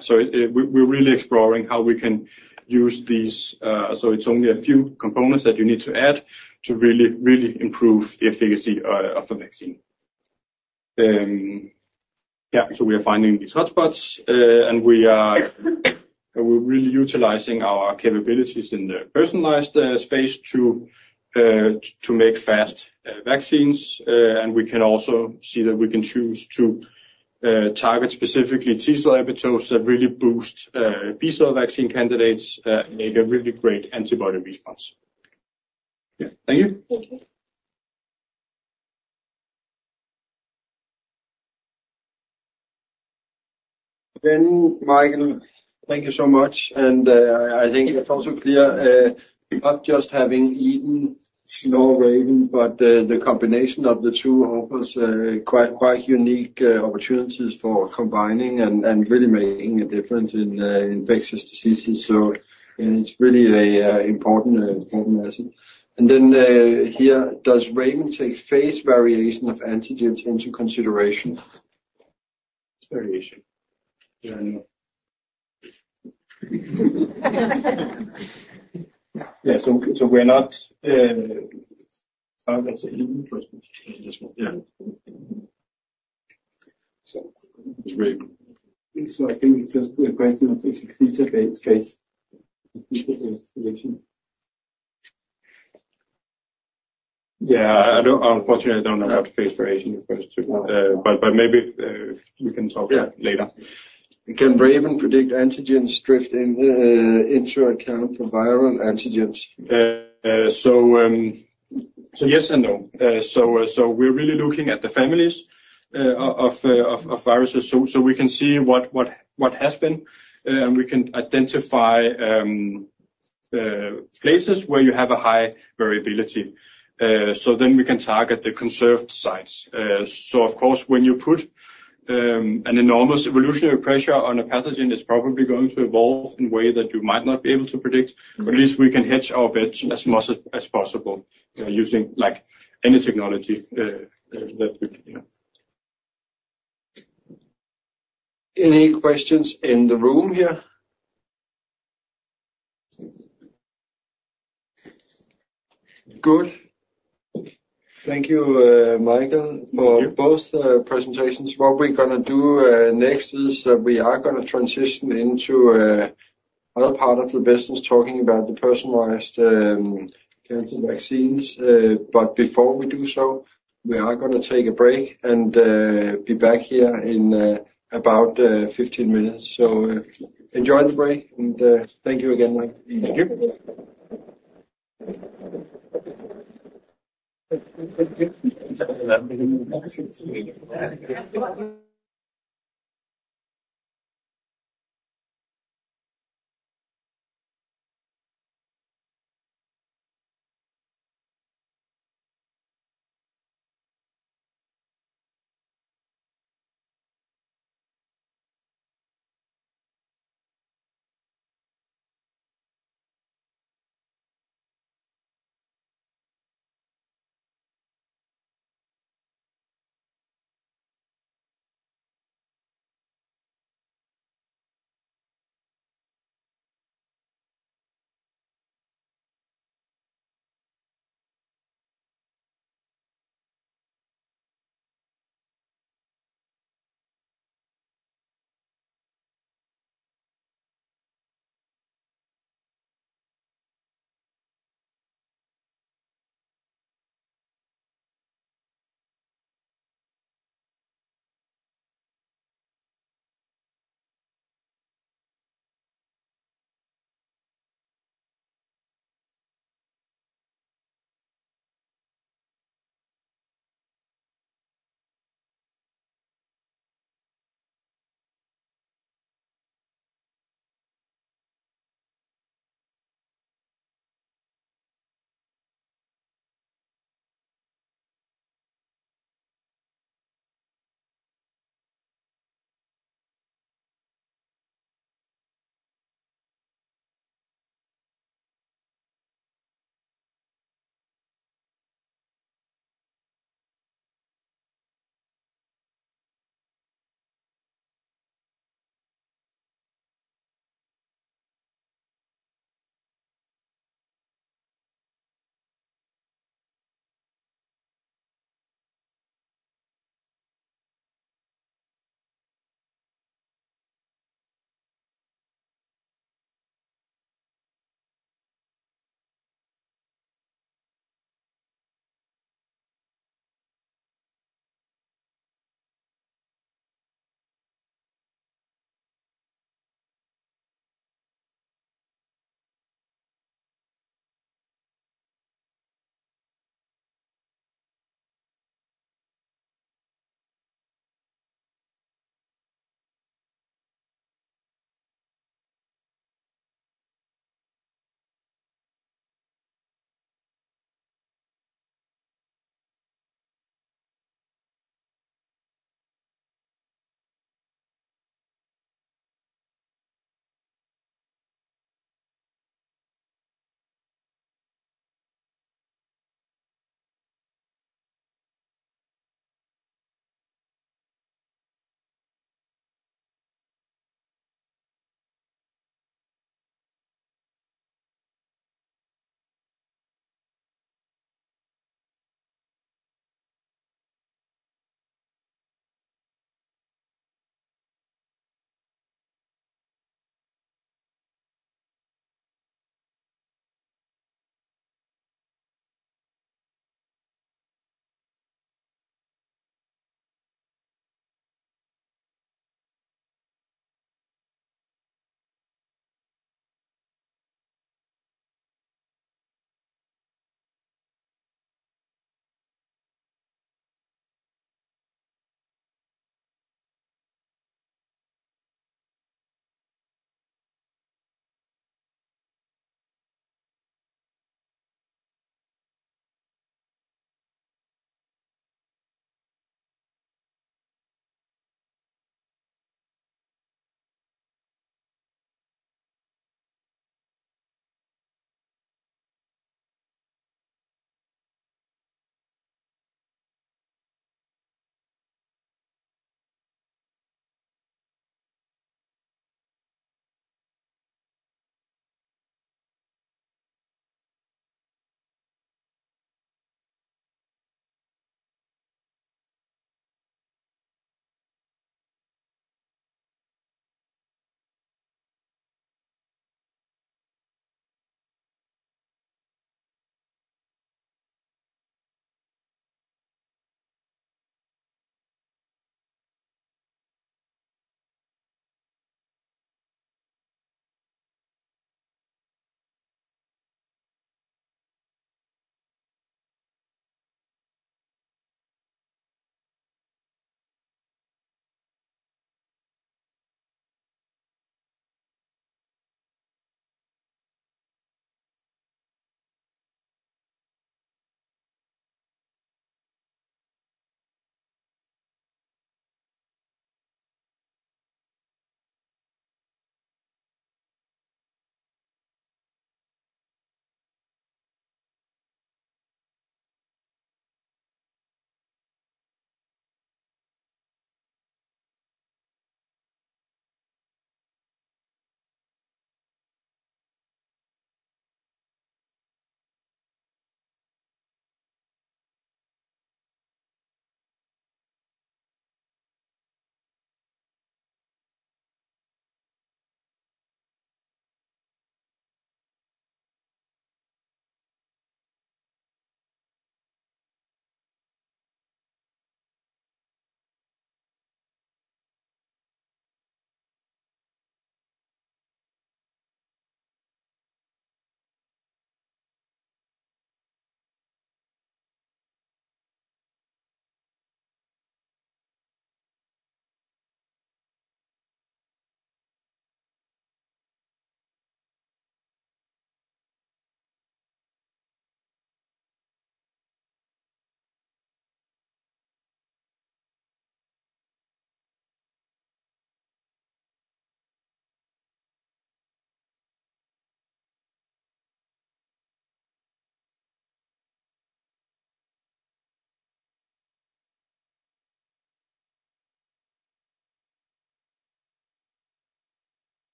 so we're really exploring how we can use these. So it's only a few components that you need to add to really improve the efficacy of the vaccine. Yeah, so we are finding these hotspots, and we are, we're really utilizing our capabilities in the personalized space to make fast vaccines. And we can also see that we can choose to target specifically T-cell epitopes that really boost B-cell vaccine candidates, and make a really great antibody response. Yeah. Thank you. Thank you. Then, Michael, thank you so much. And I think it's also clear, not just having EDEN, RAVEN, but the combination of the two offers quite unique opportunities for combining and really making a difference in infectious diseases. So, and it's really an important important asset. And then, here, does RAVEN take phase variation of antigens into consideration? Variation. Yeah, I know. Yeah, so, so we're not, oh, that's EDEN's question. Yeah. So it's RAVEN. So I think it's just the question of basically the base phase. Yeah, I don't unfortunately, I don't know what phase variation you're supposed to, but maybe we can talk later. Yeah. Can RAVEN predict antigenic drift into account for viral antigens? So yes and no. So we're really looking at the families of viruses. So we can see what has been, and we can identify places where you have a high variability. So then we can target the conserved sites. So of course, when you put an enormous evolutionary pressure on a pathogen, it's probably going to evolve in a way that you might not be able to predict. But at least we can hedge our bets as much as possible, using like any technology that we can, you know. Any questions in the room here? Good. Thank you, Michael, for both presentations. What we're going to do next is we are going to transition into another part of the business talking about the personalized cancer vaccines. But before we do so, we are going to take a break and be back here in about 15 minutes. So, enjoy the break, and thank you again, Mike. Thank you.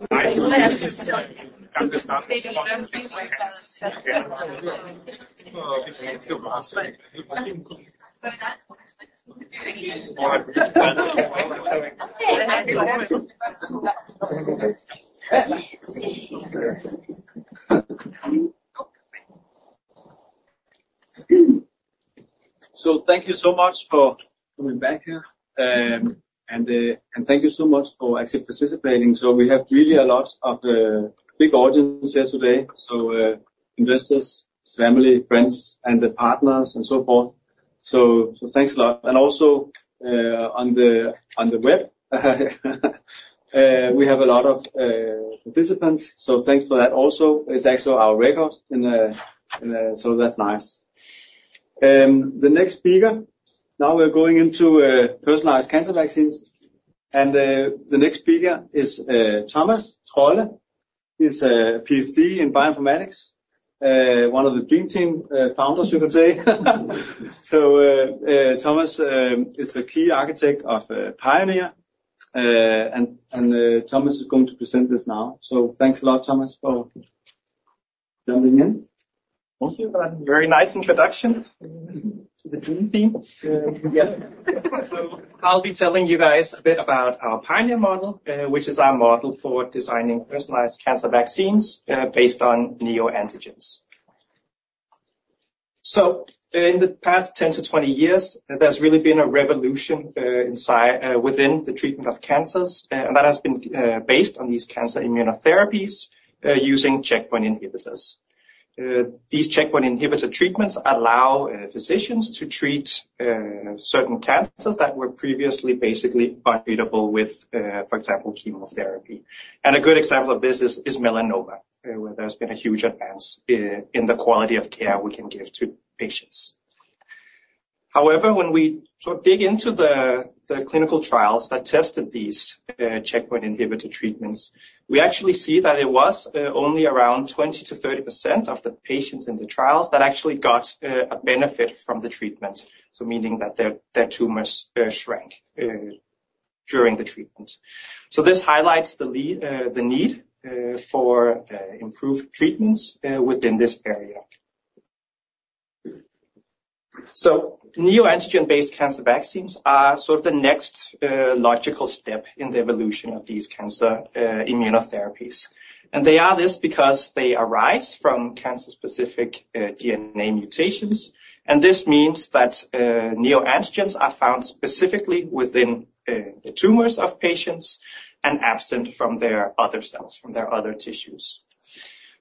So thank you so much for coming back here, and thank you so much for actually participating. So we have really a lot of big audiences here today, so investors, family, friends, and partners, and so forth. So thanks a lot. And also on the web, we have a lot of participants, so thanks for that also. It's actually our record, so that's nice. The next speaker. Now we're going into personalized cancer vaccines. And the next speaker is Thomas Trolle. He's a PhD in bioinformatics, one of the dream team founders, you could say. So Thomas is the key architect of PIONEER, and Thomas is going to present this now. So thanks a lot, Thomas, for jumping in. Thank you. Very nice introduction to the dream team. Yeah. So I'll be telling you guys a bit about our PIONEER model, which is our model for designing personalized cancer vaccines based on neoantigens. So in the past 10-20 years, there's really been a revolution within the treatment of cancers, and that has been based on these cancer immunotherapies using checkpoint inhibitors. These checkpoint inhibitor treatments allow physicians to treat certain cancers that were previously basically untreatable with, for example, chemotherapy. And a good example of this is melanoma, where there's been a huge advance in the quality of care we can give to patients. However, when we sort of dig into the clinical trials that tested these checkpoint inhibitor treatments, we actually see that it was only around 20%-30% of the patients in the trials that actually got a benefit from the treatment, so meaning that their tumors shrank during the treatment. This highlights the need for improved treatments within this area. Neoantigen-based cancer vaccines are sort of the next logical step in the evolution of these cancer immunotherapies. They are this because they arise from cancer-specific DNA mutations, and this means that neoantigens are found specifically within the tumors of patients and absent from their other cells, from their other tissues.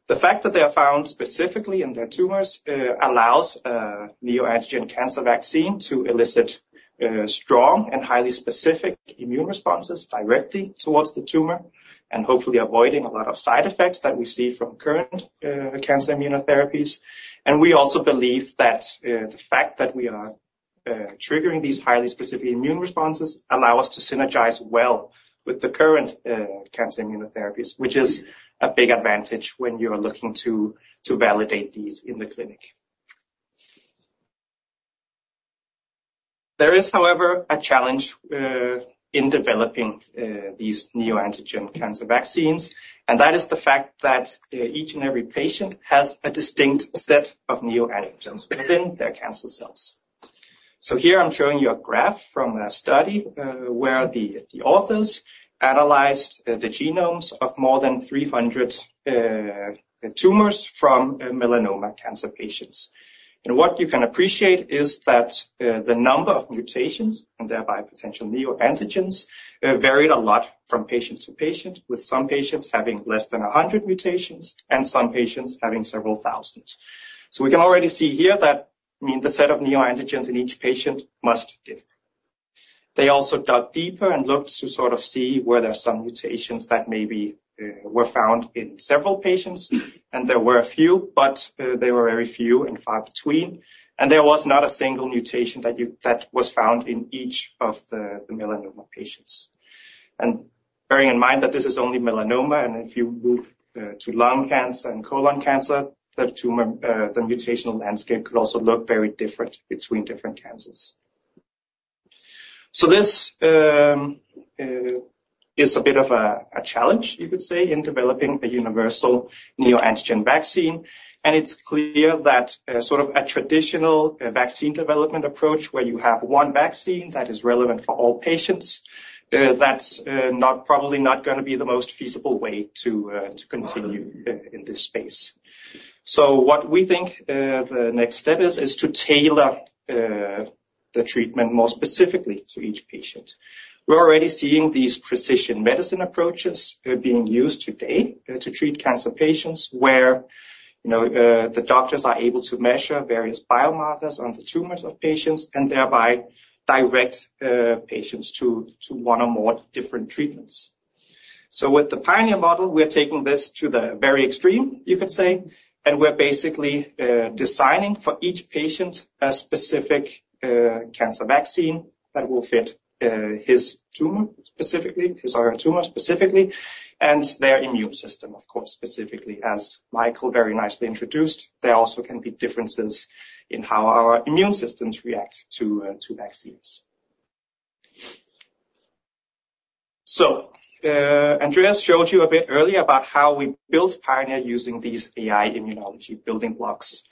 The fact that they are found specifically in their tumors allows a neoantigen cancer vaccine to elicit strong and highly specific immune responses directly towards the tumor, and hopefully avoiding a lot of side effects that we see from current cancer immunotherapies. We also believe that the fact that we are triggering these highly specific immune responses allows us to synergize well with the current cancer immunotherapies, which is a big advantage when you're looking to validate these in the clinic. There is, however, a challenge in developing these neoantigen cancer vaccines, and that is the fact that each and every patient has a distinct set of neoantigens within their cancer cells. Here I'm showing you a graph from a study where the authors analyzed the genomes of more than 300 tumors from melanoma cancer patients. What you can appreciate is that the number of mutations, and thereby potential neoantigens, varied a lot from patient to patient, with some patients having less than 100 mutations and some patients having several thousands. We can already see here that, I mean, the set of neoantigens in each patient must differ. They also dug deeper and looked to sort of see where there are some mutations that maybe were found in several patients, and there were a few, but they were very few and far between. There was not a single mutation that was found in each of the melanoma patients. Bearing in mind that this is only melanoma, and if you move to lung cancer and colon cancer, the mutational landscape could also look very different between different cancers. So this is a bit of a challenge, you could say, in developing a universal neoantigen vaccine. It's clear that sort of a traditional vaccine development approach, where you have one vaccine that is relevant for all patients, that's probably not going to be the most feasible way to continue in this space. So what we think the next step is to tailor the treatment more specifically to each patient. We're already seeing these precision medicine approaches being used today to treat cancer patients, where the doctors are able to measure various biomarkers on the tumors of patients, and thereby direct patients to one or more different treatments. So with the PIONEER model, we're taking this to the very extreme, you could say, and we're basically designing for each patient a specific cancer vaccine that will fit his tumor specifically, his or her tumor specifically, and their immune system, of course, specifically. As Michael very nicely introduced, there also can be differences in how our immune systems react to vaccines. So Andreas showed you a bit earlier about how we built PIONEER using these AI immunology building blocks.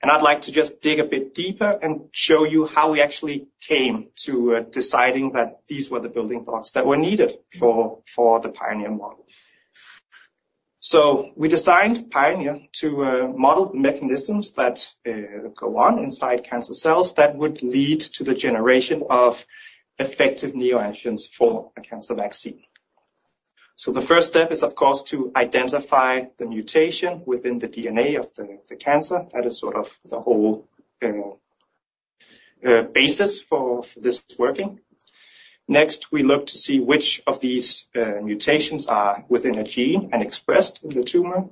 And I'd like to just dig a bit deeper and show you how we actually came to deciding that these were the building blocks that were needed for the PIONEER model. So we designed PIONEER to model mechanisms that go on inside cancer cells that would lead to the generation of effective neoantigens for a cancer vaccine. So the first step is, of course, to identify the mutation within the DNA of the cancer. That is sort of the whole basis for this working. Next, we look to see which of these mutations are within a gene and expressed in the tumor,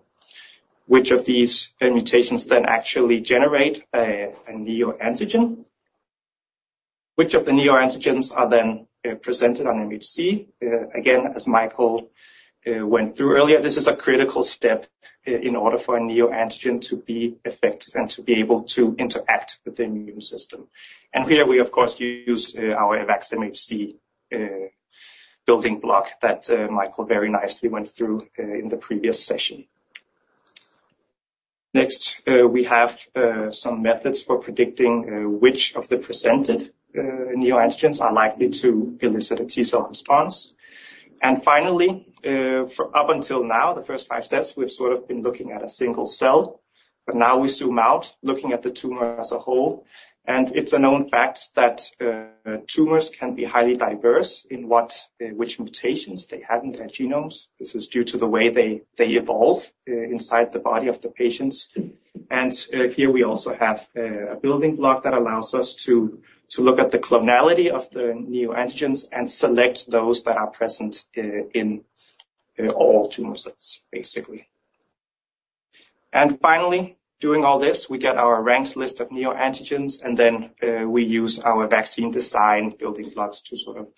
which of these mutations then actually generate a neoantigen, which of the neoantigens are then presented on MHC. Again, as Michael went through earlier, this is a critical step in order for a neoantigen to be effective and to be able to interact with the immune system. And here we, of course, use our EVX-MHC building block that Michael very nicely went through in the previous session. Next, we have some methods for predicting which of the presented neoantigens are likely to elicit a T-cell response. And finally, up until now, the first five steps, we've sort of been looking at a single cell, but now we zoom out, looking at the tumor as a whole. And it's a known fact that tumors can be highly diverse in which mutations they have in their genomes. This is due to the way they evolve inside the body of the patients. And here we also have a building block that allows us to look at the clonality of the neoantigens and select those that are present in all tumor cells, basically. And finally, doing all this, we get our ranked list of neoantigens, and then we use our vaccine design building blocks to sort of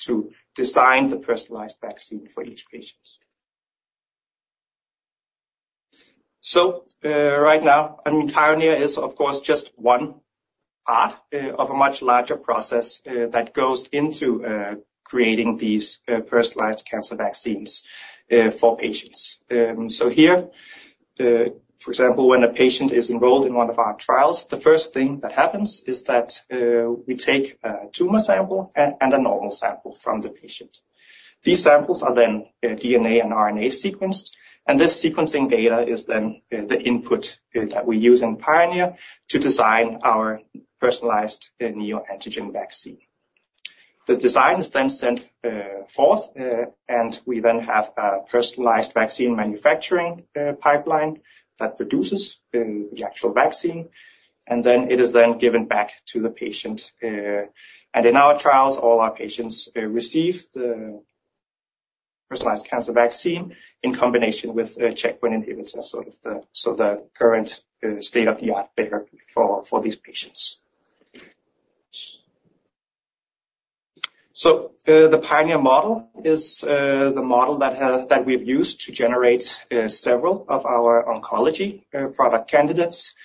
design the personalized vaccine for each patient. So right now, I mean, PIONEER™ is, of course, just one part of a much larger process that goes into creating these personalized cancer vaccines for patients. So here, for example, when a patient is enrolled in one of our trials, the first thing that happens is that we take a tumor sample and a normal sample from the patient. These samples are then DNA and RNA sequenced, and this sequencing data is then the input that we use in PIONEER™ to design our personalized neoantigen vaccine. The design is then sent forth, and we then have a personalized vaccine manufacturing pipeline that produces the actual vaccine, and then it is then given back to the patient. And in our trials, all our patients receive the personalized cancer vaccine in combination with checkpoint inhibitors, sort of the current state-of-the-art therapy for these patients. So the PIONEER™ model is the model that we've used to generate several of our oncology product candidates,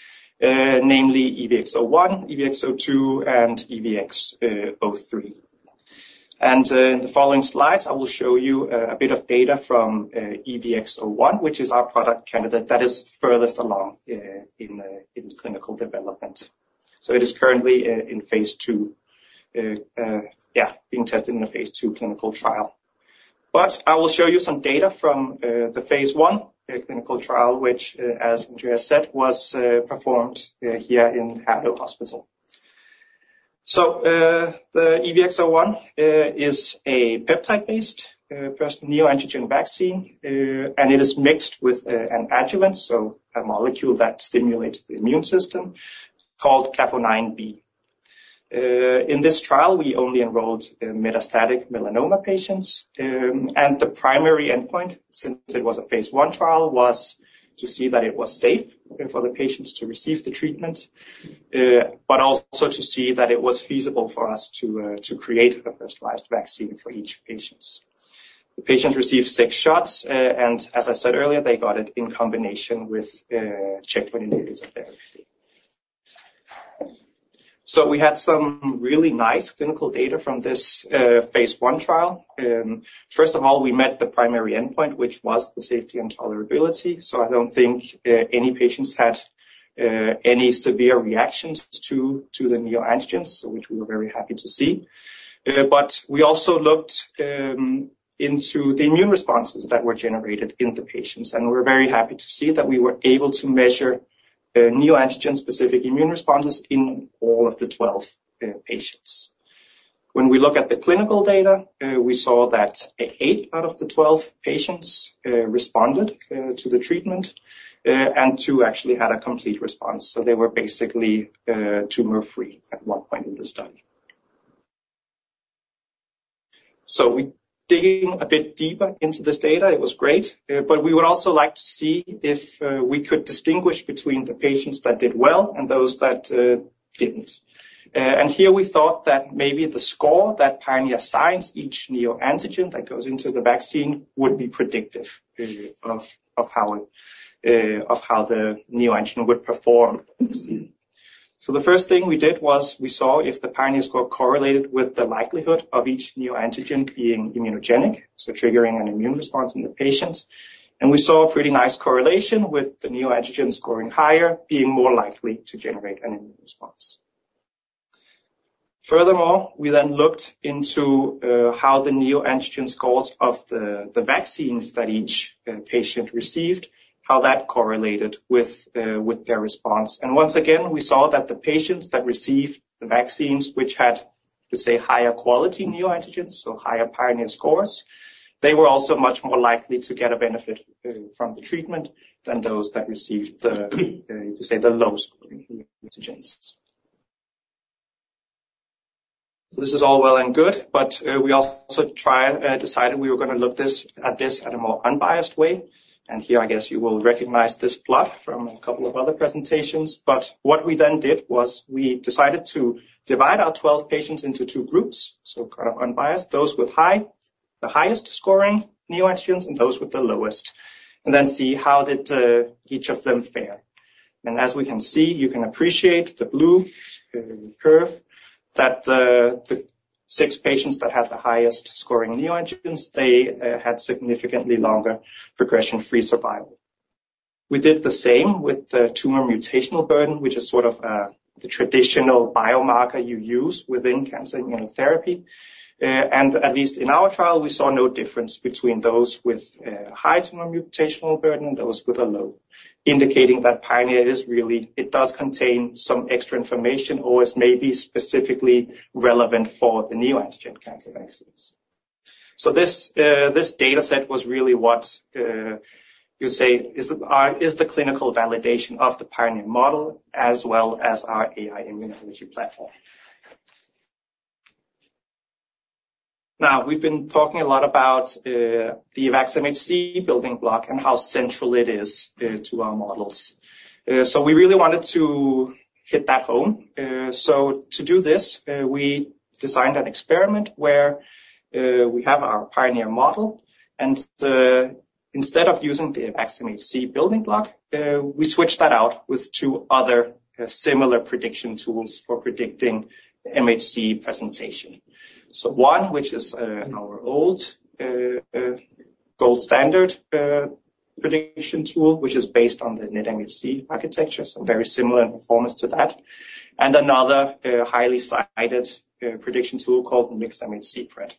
namely EVX-01, EVX-02, and EVX-03. And in the following slides, I will show you a bit of data from EVX-01, which is our product candidate that is furthest along in clinical development. So it is currently in phase 2, yeah, being tested in a phase 2 clinical trial. But I will show you some data from the phase 1 clinical trial, which, as Andreas said, was performed here in Herlev Hospital. So the EVX-01 is a peptide-based neoantigen vaccine, and it is mixed with an adjuvant, so a molecule that stimulates the immune system, called CAF09b. In this trial, we only enrolled metastatic melanoma patients, and the primary endpoint, since it was a phase 1 trial, was to see that it was safe for the patients to receive the treatment, but also to see that it was feasible for us to create a personalized vaccine for each patient. The patients received 6 shots, and as I said earlier, they got it in combination with checkpoint inhibitor therapy. So we had some really nice clinical data from this phase 1 trial. First of all, we met the primary endpoint, which was the safety and tolerability. So I don't think any patients had any severe reactions to the neoantigens, which we were very happy to see. But we also looked into the immune responses that were generated in the patients, and we're very happy to see that we were able to measure neoantigen-specific immune responses in all of the 12 patients. When we look at the clinical data, we saw that eight out of the 12 patients responded to the treatment and two actually had a complete response. So they were basically tumor-free at one point in the study. So we're digging a bit deeper into this data. It was great. But we would also like to see if we could distinguish between the patients that did well and those that didn't. And here we thought that maybe the score that PIONEER assigns each neoantigen that goes into the vaccine would be predictive of how the neoantigen would perform. So the first thing we did was we saw if the PIONEER™ score correlated with the likelihood of each neoantigen being immunogenic, so triggering an immune response in the patients. And we saw a pretty nice correlation with the neoantigen scoring higher being more likely to generate an immune response. Furthermore, we then looked into how the neoantigen scores of the vaccines that each patient received, how that correlated with their response. And once again, we saw that the patients that received the vaccines, which had, let's say, higher quality neoantigens, so higher PIONEER™ scores, they were also much more likely to get a benefit from the treatment than those that received the, you could say, the low scoring neoantigens. So this is all well and good, but we also decided we were going to look at this at a more unbiased way. Here, I guess you will recognize this plot from a couple of other presentations. But what we then did was we decided to divide our 12 patients into two groups, so kind of unbiased, those with the highest scoring neoantigens and those with the lowest, and then see how did each of them fare. And as we can see, you can appreciate the blue curve that the six patients that had the highest scoring neoantigens, they had significantly longer progression-free survival. We did the same with the tumor mutational burden, which is sort of the traditional biomarker you use within cancer immunotherapy. And at least in our trial, we saw no difference between those with a high tumor mutational burden and those with a low, indicating that PIONEER is really it does contain some extra information or is maybe specifically relevant for the neoantigen cancer vaccines. So this data set was really what, you'd say, is the clinical validation of the PIONEER model as well as our AI immunology platform. Now, we've been talking a lot about the EVX-MHC building block and how central it is to our models. So we really wanted to hit that home. So to do this, we designed an experiment where we have our PIONEER model, and instead of using the EVX-MHC building block, we switched that out with two other similar prediction tools for predicting MHC presentation. So one, which is our old gold standard prediction tool, which is based on the NetMHC architecture, so very similar in performance to that, and another highly cited prediction tool called the MixMHCpred.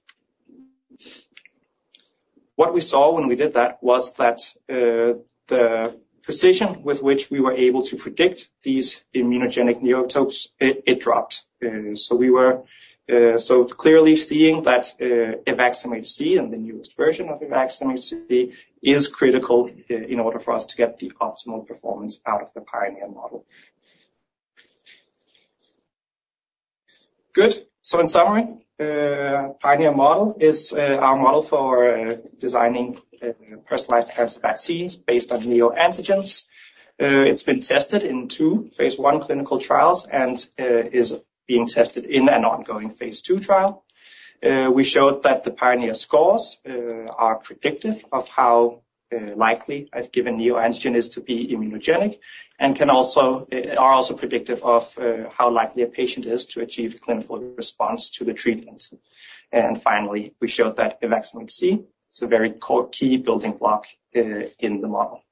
What we saw when we did that was that the precision with which we were able to predict these immunogenic neoantigens, it dropped. So we were so clearly seeing that EVX-MHC and the newest version of EVX-MHC is critical in order for us to get the optimal performance out of the PIONEER model. Good. So in summary, PIONEER model is our model for designing personalized cancer vaccines based on neoantigens. It's been tested in two phase 1 clinical trials and is being tested in an ongoing phase 2 trial. We showed that the PIONEER scores are predictive of how likely a given neoantigen is to be immunogenic and are also predictive of how likely a patient is to achieve clinical response to the treatment. And finally, we showed that EVX-MHC is a very key building block in the model.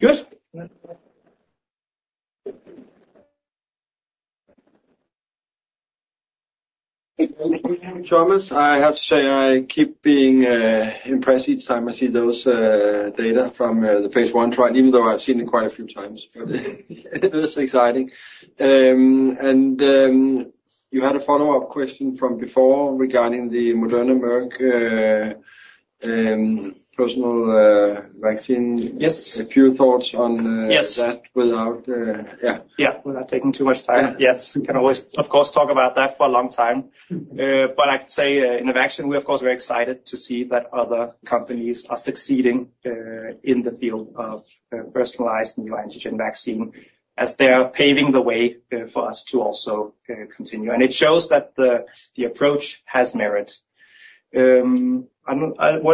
Good. Thank you, Thomas. I have to say, I keep being impressed each time I see those data from the phase 1 trial, even though I've seen it quite a few times. But it is exciting. You had a follow-up question from before regarding the Moderna Merck personalized vaccine. A few thoughts on that without yeah. Yeah, without taking too much time. Yes. We can always, of course, talk about that for a long time. But I could say, in Evaxion, we are, of course, very excited to see that other companies are succeeding in the field of personalized neoantigen vaccine as they are paving the way for us to also continue. And it shows that the approach has merit. Were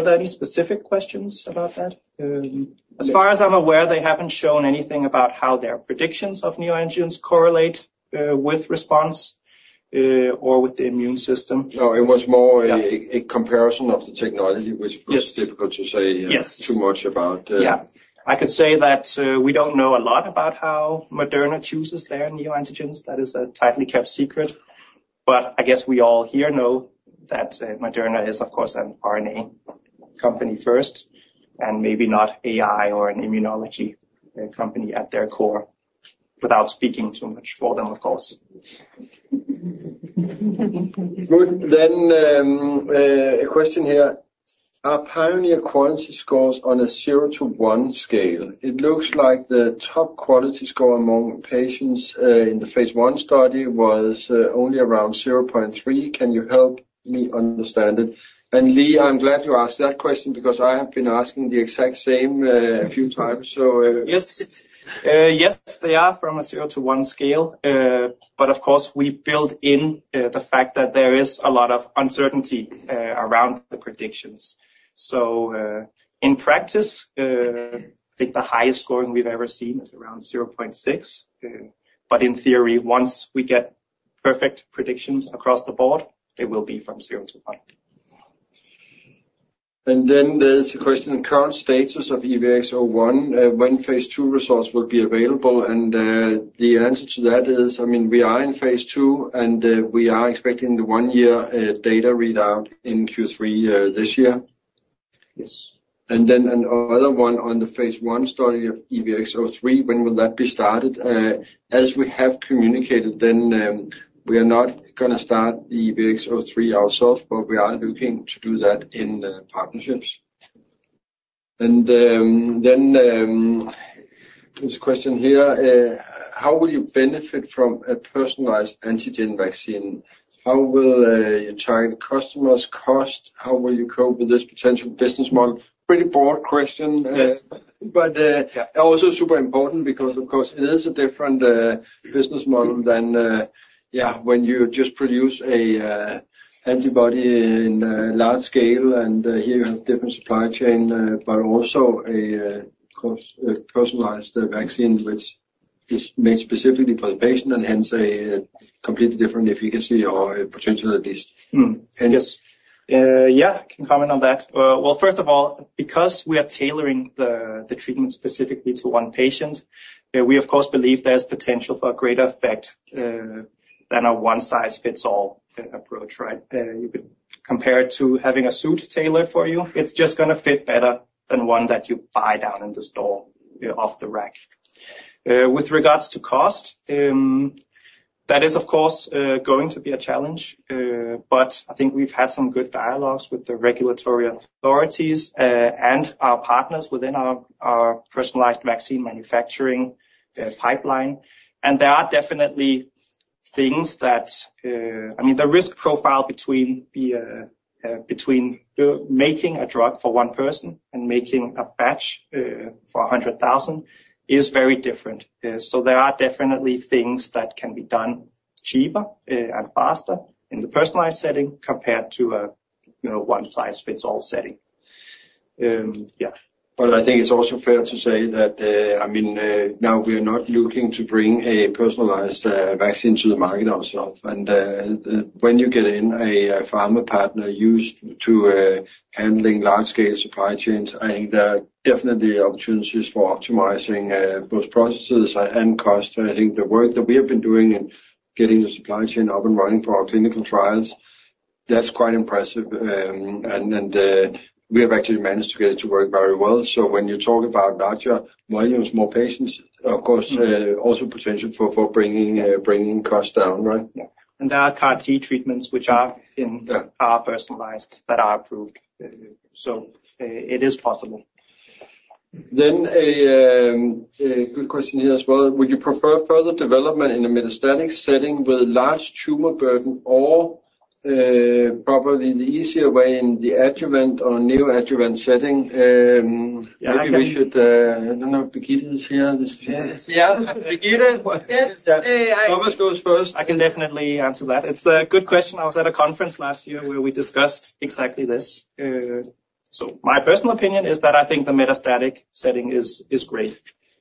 there any specific questions about that? As far as I'm aware, they haven't shown anything about how their predictions of neoantigens correlate with response or with the immune system. No, it was more a comparison of the technology, which was difficult to say too much about. Yeah. I could say that we don't know a lot about how Moderna chooses their neoantigens. That is a tightly kept secret. But I guess we all here know that Moderna is, of course, an RNA company first and maybe not AI or an immunology company at their core without speaking too much for them, of course. Good. Then a question here. Are PIONEER quality scores on a 0 to 1 scale? It looks like the top quality score among patients in the phase one study was only around 0.3. Can you help me understand it? And Lee, I'm glad you asked that question because I have been asking the exact same a few times, so. Yes. Yes, they are from a 0 to 1 scale. But of course, we build in the fact that there is a lot of uncertainty around the predictions. So in practice, I think the highest scoring we've ever seen is around 0.6. But in theory, once we get perfect predictions across the board, it will be from 0 to 1. And then there is a question, the current status of EVX-01, when phase 2 results will be available? And the answer to that is, I mean, we are in phase 2, and we are expecting the 1-year data readout in Q3 this year. And then another one on the phase 1 study of EVX-03, when will that be started? As we have communicated, then we are not going to start the EVX-03 ourselves, but we are looking to do that in partnerships. And then there's a question here. How will you benefit from a personalized antigen vaccine? How will you target customers' costs? How will you cope with this potential business model? Pretty broad question, but also super important because, of course, it is a different business model than, yeah, when you just produce an antibody in large scale, and here you have different supply chain, but also a personalized vaccine which is made specifically for the patient and hence a completely different efficacy or potential at least. Yes. Yeah, I can comment on that. Well, first of all, because we are tailoring the treatment specifically to one patient, we, of course, believe there's potential for a greater effect than a one-size-fits-all approach, right? You could compare it to having a suit tailored for you. It's just going to fit better than one that you buy down in the store off the rack. With regards to cost, that is, of course, going to be a challenge. But I think we've had some good dialogues with the regulatory authorities and our partners within our personalized vaccine manufacturing pipeline. And there are definitely things that I mean, the risk profile between making a drug for one person and making a batch for 100,000 is very different. So there are definitely things that can be done cheaper and faster in the personalized setting compared to a one-size-fits-all setting. Yeah. But I think it's also fair to say that, I mean, now we are not looking to bring a personalized vaccine to the market ourselves. And when you get in a pharma partner used to handling large-scale supply chains, I think there are definitely opportunities for optimizing both processes and cost. I think the work that we have been doing in getting the supply chain up and running for our clinical trials, that's quite impressive. We have actually managed to get it to work very well. So when you talk about larger volumes, more patients, of course, also potential for bringing costs down, right? Yeah. And there are CAR-T treatments which are personalized that are approved. So it is possible. Then a good question here as well. Would you prefer further development in a metastatic setting with large tumor burden or probably the easier way in the adjuvant or neoadjuvant setting? Maybe we should. I don't know if Birgitte is here. This is her. Yeah. Birgitte? Yes. Thomas goes first. I can definitely answer that. It's a good question. I was at a conference last year where we discussed exactly this. So my personal opinion is that I think the metastatic setting is great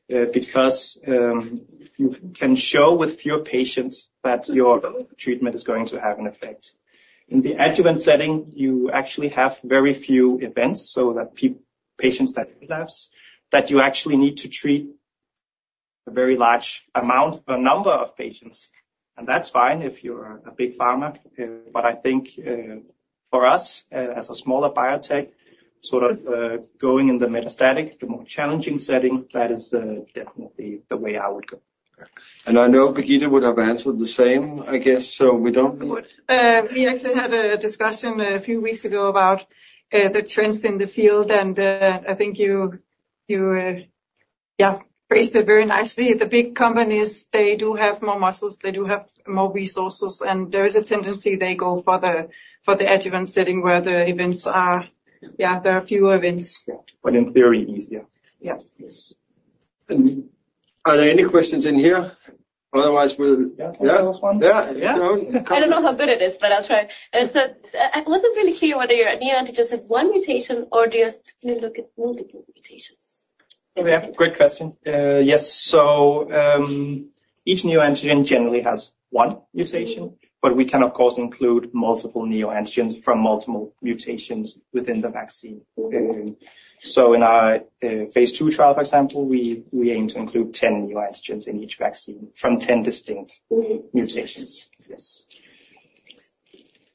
because you can show with fewer patients that your treatment is going to have an effect. In the adjuvant setting, you actually have very few events, so patients that relapse, that you actually need to treat a very large amount or number of patients. And that's fine if you're a big pharma. But I think for us, as a smaller biotech, sort of going in the metastatic, the more challenging setting, that is definitely the way I would go. And I know Birgitte would have answered the same, I guess, so we don't need. We actually had a discussion a few weeks ago about the trends in the field. And I think you, yeah, phrased it very nicely. The big companies, they do have more muscles. They do have more resources. And there is a tendency they go for the adjuvant setting where the events are yeah, there are fewer events. But in theory, easier. Yeah. Yes. And are there any questions in here? Otherwise, we'll. Yeah. One last one. Yeah. I don't know how good it is, but I'll try. So I wasn't really clear whether your neoantigens have one mutation or do you look at multiple mutations? Yeah. Great question. Yes. So each neoantigen generally has one mutation, but we can, of course, include multiple neoantigens from multiple mutations within the vaccine. So in our phase 2 trial, for example, we aim to include 10 neoantigens in each vaccine from 10 distinct mutations. Yes.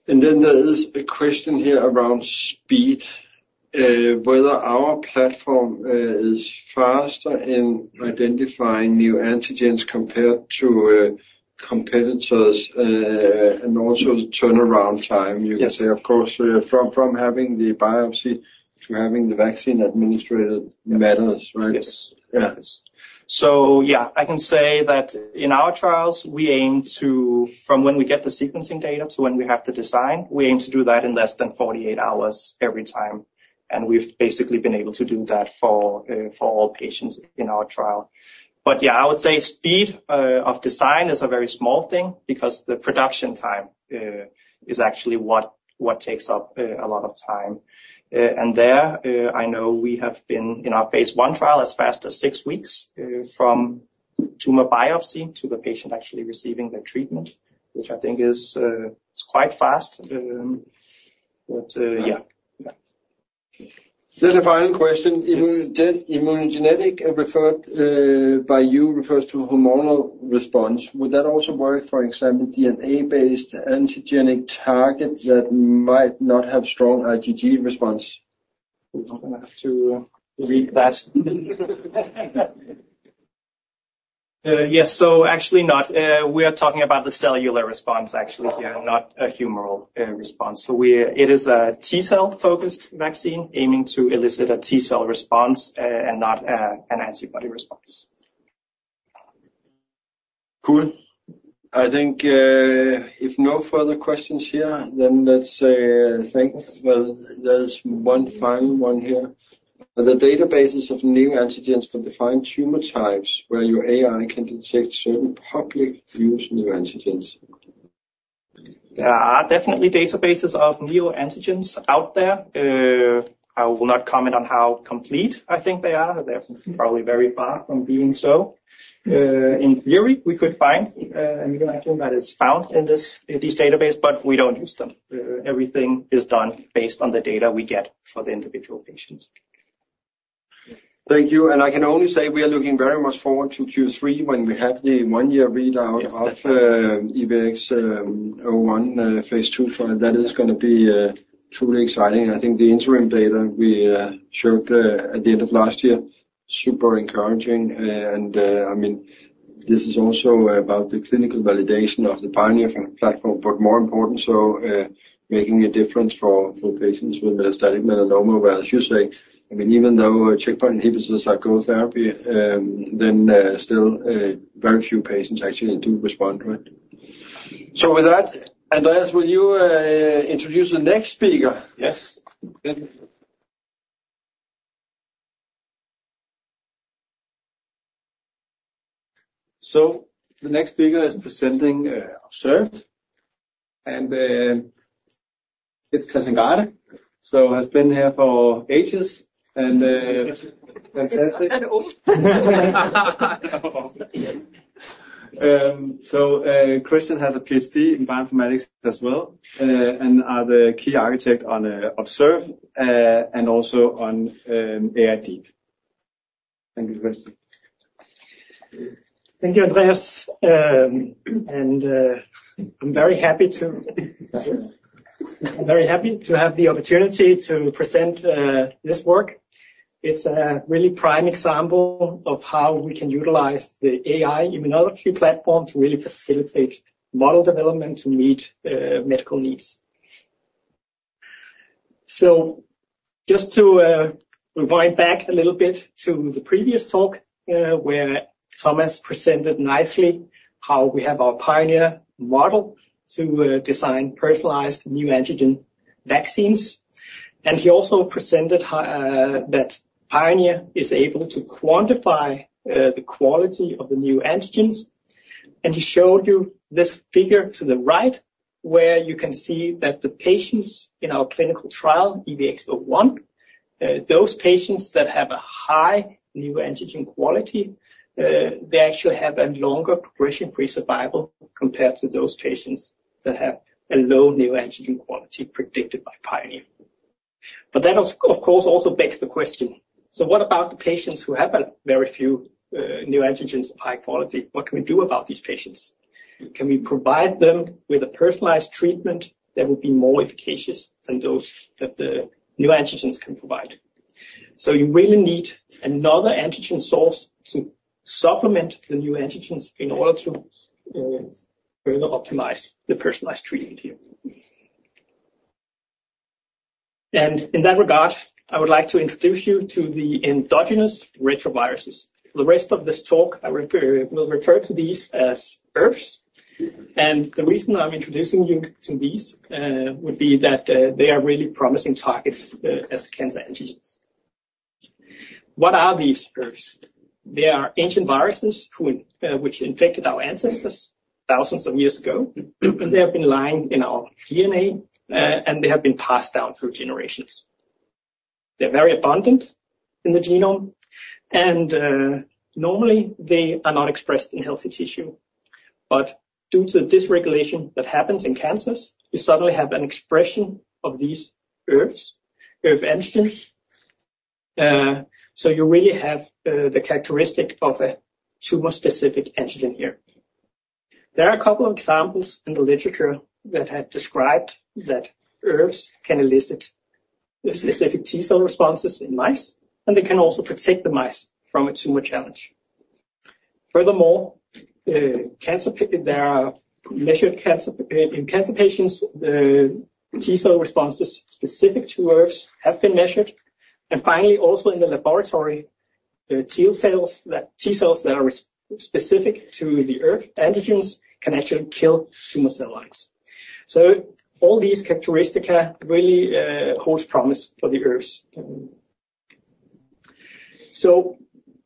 And then there is a question here around speed. Whether our platform is faster in identifying new antigens compared to competitors and also turnaround time, you could say. Of course, from having the biopsy to having the vaccine administered matters, right? Yes. Yes. So yeah, I can say that in our trials, we aim to from when we get the sequencing data to when we have the design, we aim to do that in less than 48 hours every time. And we've basically been able to do that for all patients in our trial. But yeah, I would say speed of design is a very small thing because the production time is actually what takes up a lot of time. And there, I know we have been in our phase one trial as fast as six weeks from tumor biopsy to the patient actually receiving their treatment, which I think is quite fast. But yeah. Yeah. Then a final question. Immunogenic referred by you refers to humoral response. Would that also work, for example, DNA-based antigenic target that might not have strong IgG response? I'm going to have to read that. Yes. So actually, not. We are talking about the cellular response, actually, here, not a humoral response. So it is a T-cell-focused vaccine aiming to elicit a T-cell response and not an antibody response. Cool. I think if no further questions here, then let's say thanks. Well, there's one final one here. Are there databases of neoantigens for defined tumor types where your AI can detect certain public-use neoantigens? There are definitely databases of neoantigens out there. I will not comment on how complete I think they are. They're probably very far from being so. In theory, we could find a neoantigen that is found in these databases, but we don't use them. Everything is done based on the data we get for the individual patients. Thank you. I can only say we are looking very much forward to Q3 when we have the 1-year readout of EVX-01 phase 2 trial. That is going to be truly exciting. I think the interim data we showed at the end of last year, super encouraging. And I mean, this is also about the clinical validation of the PIONEER platform, but more important, so making a difference for patients with metastatic melanoma, whereas you say, I mean, even though checkpoint inhibitors are goal therapy, then still very few patients actually do respond, right? So with that, Andreas, will you introduce the next speaker? Yes. So the next speaker is presenting OBSERVE. And it's Christian Garde, so has been here for ages. And fantastic. And old. So Christian has a PhD in bioinformatics as well and is the key architect on OBSERVE and also on AI-DEEP. Thank you, Christian. Thank you, Andreas. I'm very happy to have the opportunity to present this work. It's a really prime example of how we can utilize the AI-Immunology™ platform to really facilitate model development to meet medical needs. Just to rewind back a little bit to the previous talk where Thomas presented nicely how we have our PIONEER™ model to design personalized neoantigen vaccines. He also presented that PIONEER™ is able to quantify the quality of the neoantigens. He showed you this figure to the right where you can see that the patients in our clinical trial, EVX-01, those patients that have a high neoantigen quality, they actually have a longer progression-free survival compared to those patients that have a low neoantigen quality predicted by PIONEER™. But that, of course, also begs the question, so what about the patients who have very few neoantigens of high quality? What can we do about these patients? Can we provide them with a personalized treatment that will be more efficacious than those that the neoantigens can provide? So you really need another antigen source to supplement the neoantigens in order to further optimize the personalized treatment here. And in that regard, I would like to introduce you to the endogenous retroviruses. For the rest of this talk, I will refer to these as ERVs. And the reason I'm introducing you to these would be that they are really promising targets as cancer antigens. What are these ERVs? They are ancient viruses which infected our ancestors thousands of years ago. They have been lying in our DNA, and they have been passed down through generations. They're very abundant in the genome. Normally, they are not expressed in healthy tissue. Due to the dysregulation that happens in cancers, you suddenly have an expression of these ERVs, ERV antigens. You really have the characteristic of a tumor-specific antigen here. There are a couple of examples in the literature that have described that ERVs can elicit specific T-cell responses in mice, and they can also protect the mice from a tumor challenge. Furthermore, in cancer patients, the T-cell responses specific to ERVs have been measured. Finally, also in the laboratory, T-cells that are specific to the ERV antigens can actually kill tumor cell lines. All these characteristics really hold promise for the ERVs.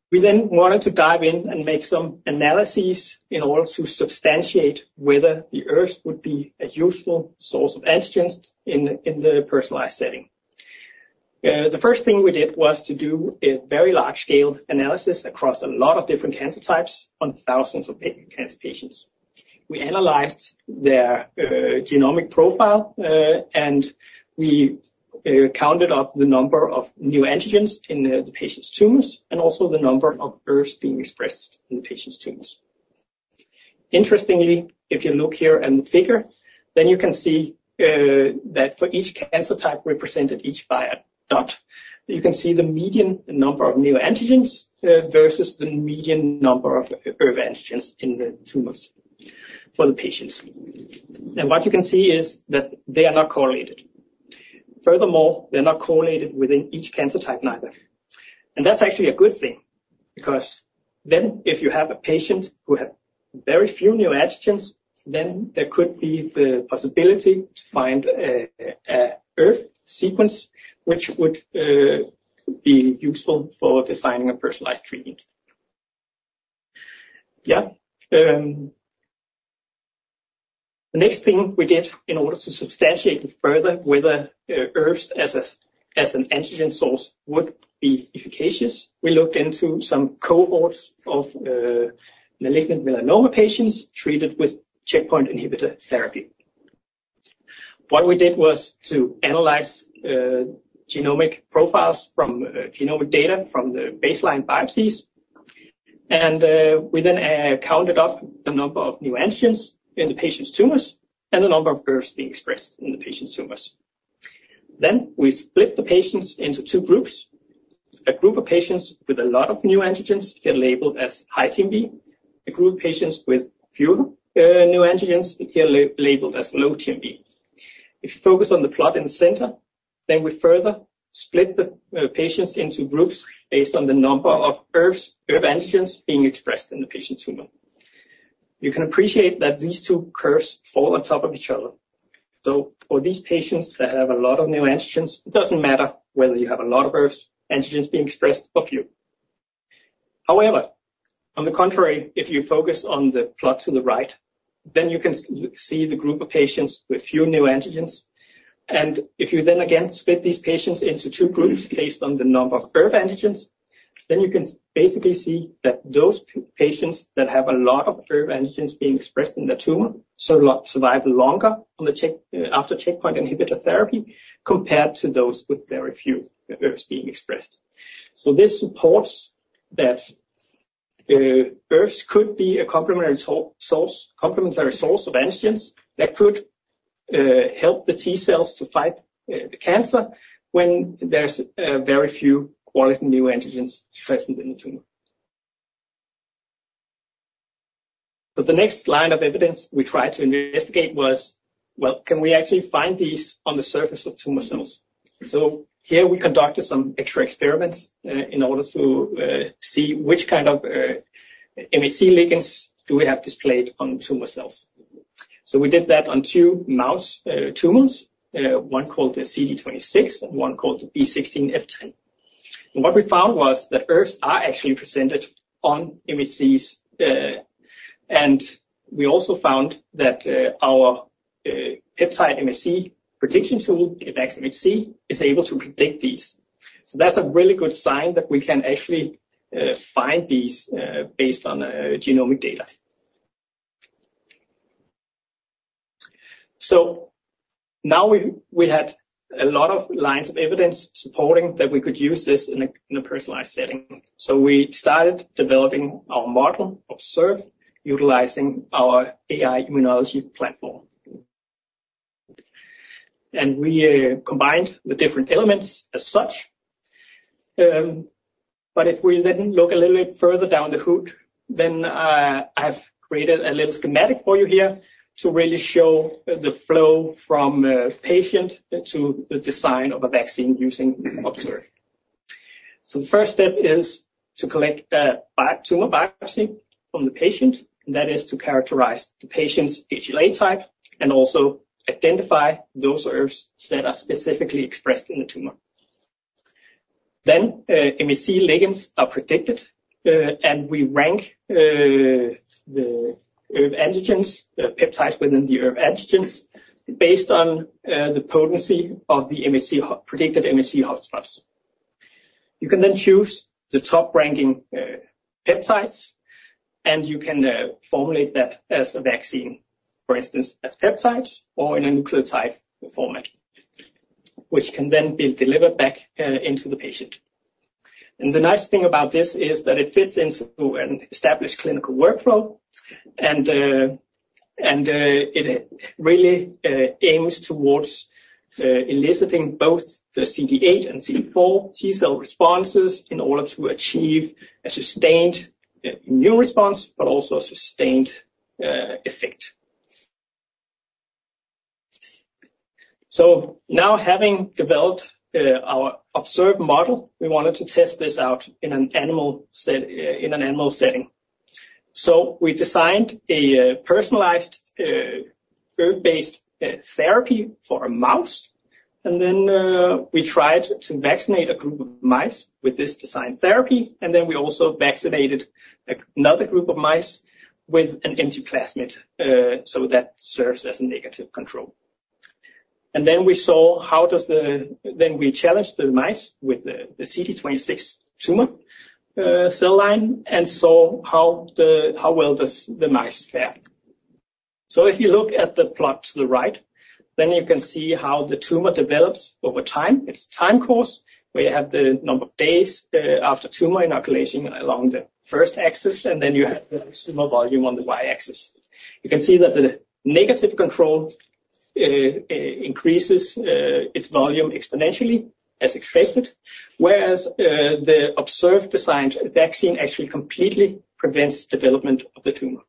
We then wanted to dive in and make some analyses in order to substantiate whether the ERVs would be a useful source of antigens in the personalized setting. The first thing we did was to do a very large-scale analysis across a lot of different cancer types on thousands of cancer patients. We analyzed their genomic profile, and we counted up the number of new antigens in the patients' tumors and also the number of ERVs being expressed in the patients' tumors. Interestingly, if you look here at the figure, then you can see that for each cancer type represented each biodot, you can see the median number of neoantigens versus the median number of ERV antigens in the tumors for the patients. And what you can see is that they are not correlated. Furthermore, they're not correlated within each cancer type either. And that's actually a good thing because then if you have a patient who has very few neoantigens, then there could be the possibility to find an ERV sequence which would be useful for designing a personalized treatment. Yeah. The next thing we did in order to substantiate further whether ERVs as an antigen source would be efficacious, we looked into some cohorts of malignant melanoma patients treated with checkpoint inhibitor therapy. What we did was to analyze genomic profiles from genomic data from the baseline biopsies. We then counted up the number of neoantigens in the patients' tumors and the number of ERVs being expressed in the patients' tumors. Then we split the patients into two groups. A group of patients with a lot of neoantigens get labeled as high TMB. A group of patients with fewer neoantigens get labeled as low TMB. If you focus on the plot in the center, then we further split the patients into groups based on the number of ERV antigens being expressed in the patient's tumor. You can appreciate that these two curves fall on top of each other. So for these patients that have a lot of neoantigens, it doesn't matter whether you have a lot of ERV antigens being expressed or few. However, on the contrary, if you focus on the plot to the right, then you can see the group of patients with fewer neoantigens. And if you then again split these patients into two groups based on the number of ERV antigens, then you can basically see that those patients that have a lot of ERV antigens being expressed in their tumor survive longer after checkpoint inhibitor therapy compared to those with very few ERVs being expressed. So this supports that ERVs could be a complementary source of antigens that could help the T-cells to fight the cancer when there's very few quality new antigens present in the tumor. So the next line of evidence we tried to investigate was, well, can we actually find these on the surface of tumor cells? So here we conducted some extra experiments in order to see which kind of MHC ligands do we have displayed on tumor cells. So we did that on two mouse tumors, one called the CT26 and one called the B16-F10. And what we found was that ERVs are actually presented on MHCs. And we also found that our peptide MHC prediction tool, EVX-MHC, is able to predict these. So that's a really good sign that we can actually find these based on genomic data. So now we had a lot of lines of evidence supporting that we could use this in a personalized setting. So we started developing our model, OBSERVE™, utilizing our AI-Immunology™ platform. And we combined the different elements as such. But if we then look a little bit further under the hood, then I have created a little schematic for you here to really show the flow from patient to the design of a vaccine using OBSERVE™. So the first step is to collect a tumor biopsy from the patient. That is to characterize the patient's HLA type and also identify those ERVs that are specifically expressed in the tumor. Then MHC ligands are predicted, and we rank the ERV antigens, the peptides within the ERV antigens based on the potency of the predicted MHC hotspots. You can then choose the top-ranking peptides, and you can formulate that as a vaccine, for instance, as peptides or in a nucleotide format, which can then be delivered back into the patient. The nice thing about this is that it fits into an established clinical workflow, and it really aims towards eliciting both the CD8 and CD4 T-cell responses in order to achieve a sustained immune response, but also a sustained effect. Now having developed our OBSERVE model, we wanted to test this out in an animal setting. We designed a personalized ERV-based therapy for a mouse, and then we tried to vaccinate a group of mice with this designed therapy. Then we also vaccinated another group of mice with an empty plasmid so that serves as a negative control. Then we saw how, then we challenged the mice with the CT26 tumor cell line and saw how well the mice fare. So if you look at the plot to the right, then you can see how the tumor develops over time. It's a time course where you have the number of days after tumor inoculation along the first axis, and then you have the tumor volume on the y-axis. You can see that the negative control increases its volume exponentially as expected, whereas the OBSERVE™-designed vaccine actually completely prevents development of the tumor.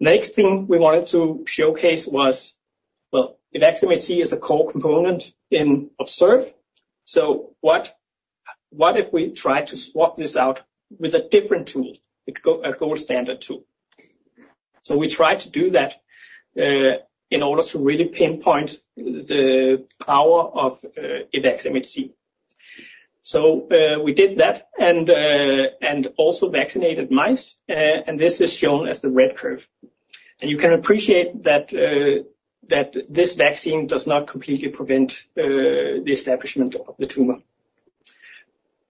The next thing we wanted to showcase was, well, EVX-MHC is a core component in OBSERVE™. So what if we tried to swap this out with a different tool, a gold standard tool? So we tried to do that in order to really pinpoint the power of EVX-MHC. We did that and also vaccinated mice, and this is shown as the red curve. You can appreciate that this vaccine does not completely prevent the establishment of the tumor.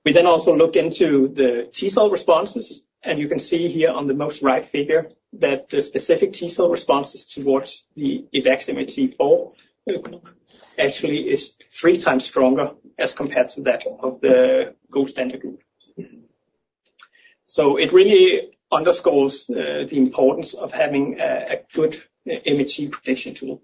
We then also looked into the T-cell responses, and you can see here on the most right figure that the specific T-cell responses towards the EVX-MHC4 actually is 3 times stronger as compared to that of the gold standard group. It really underscores the importance of having a good MHC prediction tool.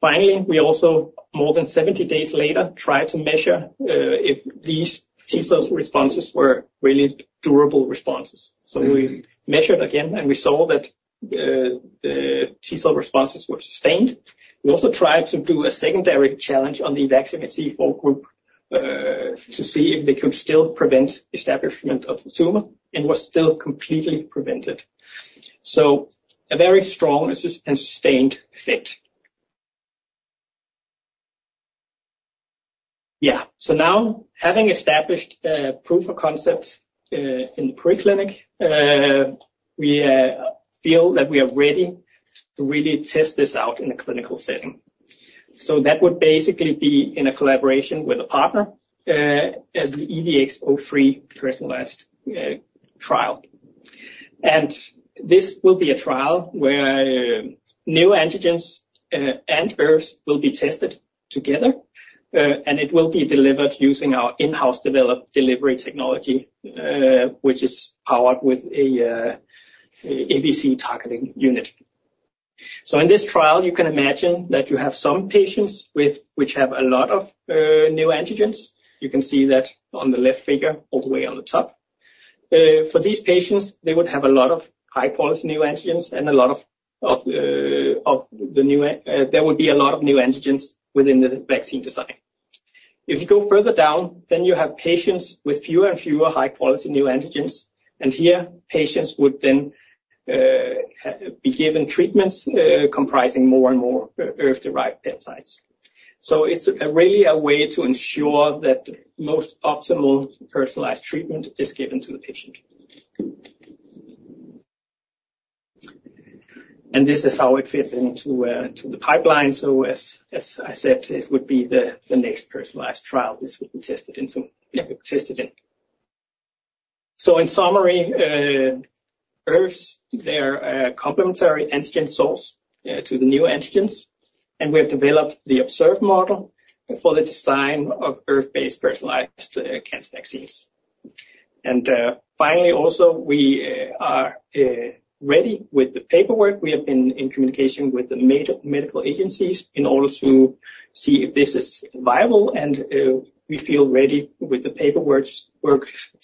Finally, we also, more than 70 days later, tried to measure if these T-cell responses were really durable responses. We measured again, and we saw that the T-cell responses were sustained. We also tried to do a secondary challenge on the EVX-MHC4 group to see if they could still prevent establishment of the tumor and was still completely prevented. So a very strong and sustained effect. Yeah. So now having established proof of concept in the preclinical, we feel that we are ready to really test this out in a clinical setting. So that would basically be in a collaboration with a partner as the EVX-03 personalized trial. And this will be a trial where neoantigens and ERVs will be tested together, and it will be delivered using our in-house developed delivery technology, which is powered with an APC targeting unit. So in this trial, you can imagine that you have some patients which have a lot of neoantigens. You can see that on the left figure all the way on the top. For these patients, they would have a lot of high-quality neoantigens and a lot of the new there would be a lot of neoantigens within the vaccine design. If you go further down, then you have patients with fewer and fewer high-quality neoantigens. And here, patients would then be given treatments comprising more and more ERV-derived peptides. So it's really a way to ensure that the most optimal personalized treatment is given to the patient. And this is how it fits into the pipeline. So as I said, it would be the next personalized trial this would be tested in. So yeah, we've tested it. So in summary, ERVs, they are a complementary antigen source to the neoantigens. And we have developed the OBSERVE™ model for the design of ERV-based personalized cancer vaccines. And finally, also, we are ready with the paperwork. We have been in communication with the medical agencies in order to see if this is viable, and we feel ready with the paperwork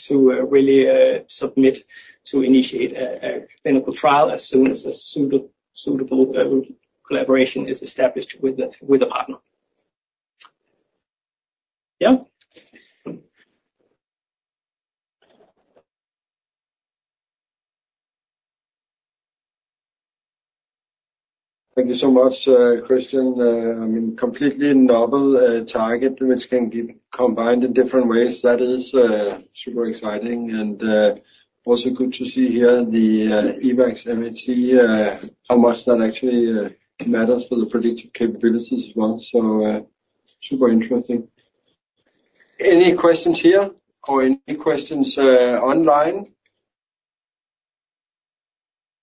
to really submit to initiate a clinical trial as soon as a suitable collaboration is established with a partner. Yeah. Thank you so much, Christian. I mean, completely novel target which can be combined in different ways. That is super exciting. And also good to see here the EVX-MHC, how much that actually matters for the predictive capabilities as well. So super interesting. Any questions here or any questions online?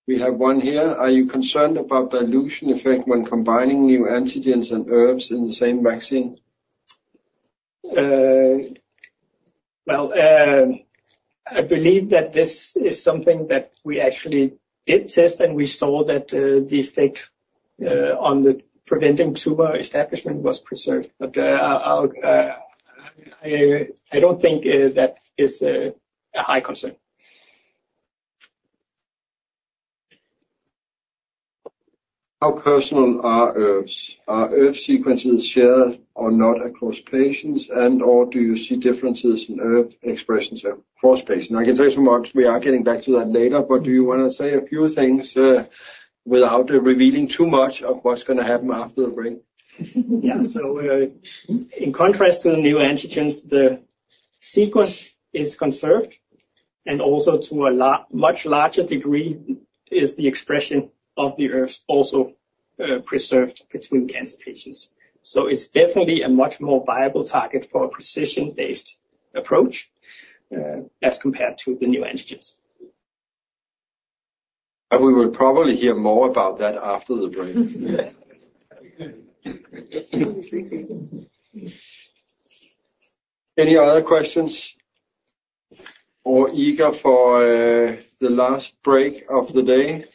We have one here. Are you concerned about dilution effect when combining new antigens and ERVs in the same vaccine? Well, I believe that this is something that we actually did test, and we saw that the effect on the preventing tumor establishment was preserved. But I don't think that is a high concern. How personal are ERVs? Are ERV sequences shared or not across patients, and/or do you see differences in ERV expressions across patients? I can tell you so much, we are getting back to that later. Do you want to say a few things without revealing too much of what's going to happen after the break? Yeah. So in contrast to the neoantigens, the sequence is conserved, and also to a much larger degree is the expression of the ERVs also preserved between cancer patients. So it's definitely a much more viable target for a precision-based approach as compared to the neoantigens. And we will probably hear more about that after the break. Any other questions? Or we go, for the last break of the day,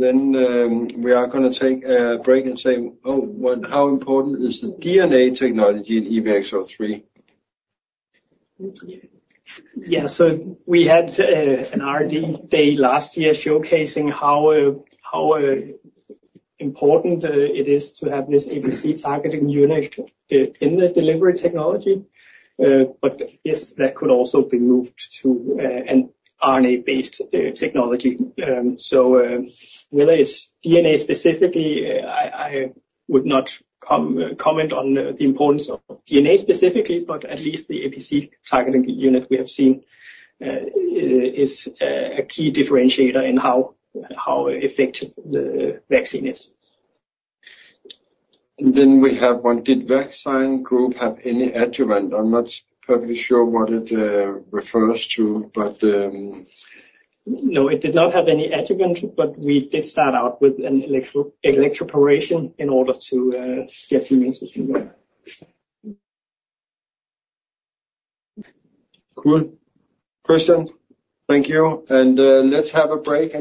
then we are going to take a break and say, "Oh, how important is the DNA technology in EVX-03? Yeah. So we had an R&D day last year showcasing how important it is to have this APC targeting unit in the delivery technology. But yes, that could also be moved to an RNA-based technology. So whether it's DNA specifically, I would not comment on the importance of DNA specifically, but at least the APC targeting unit we have seen is a key differentiator in how effective the vaccine is. Then we have one, "Did vaccine group have any adjuvant?" I'm not perfectly sure what it refers to, but. No, it did not have any adjuvant, but we did start out with an electroporation in order to get humans to do that. Cool. Christian, thank you. Let's have a break.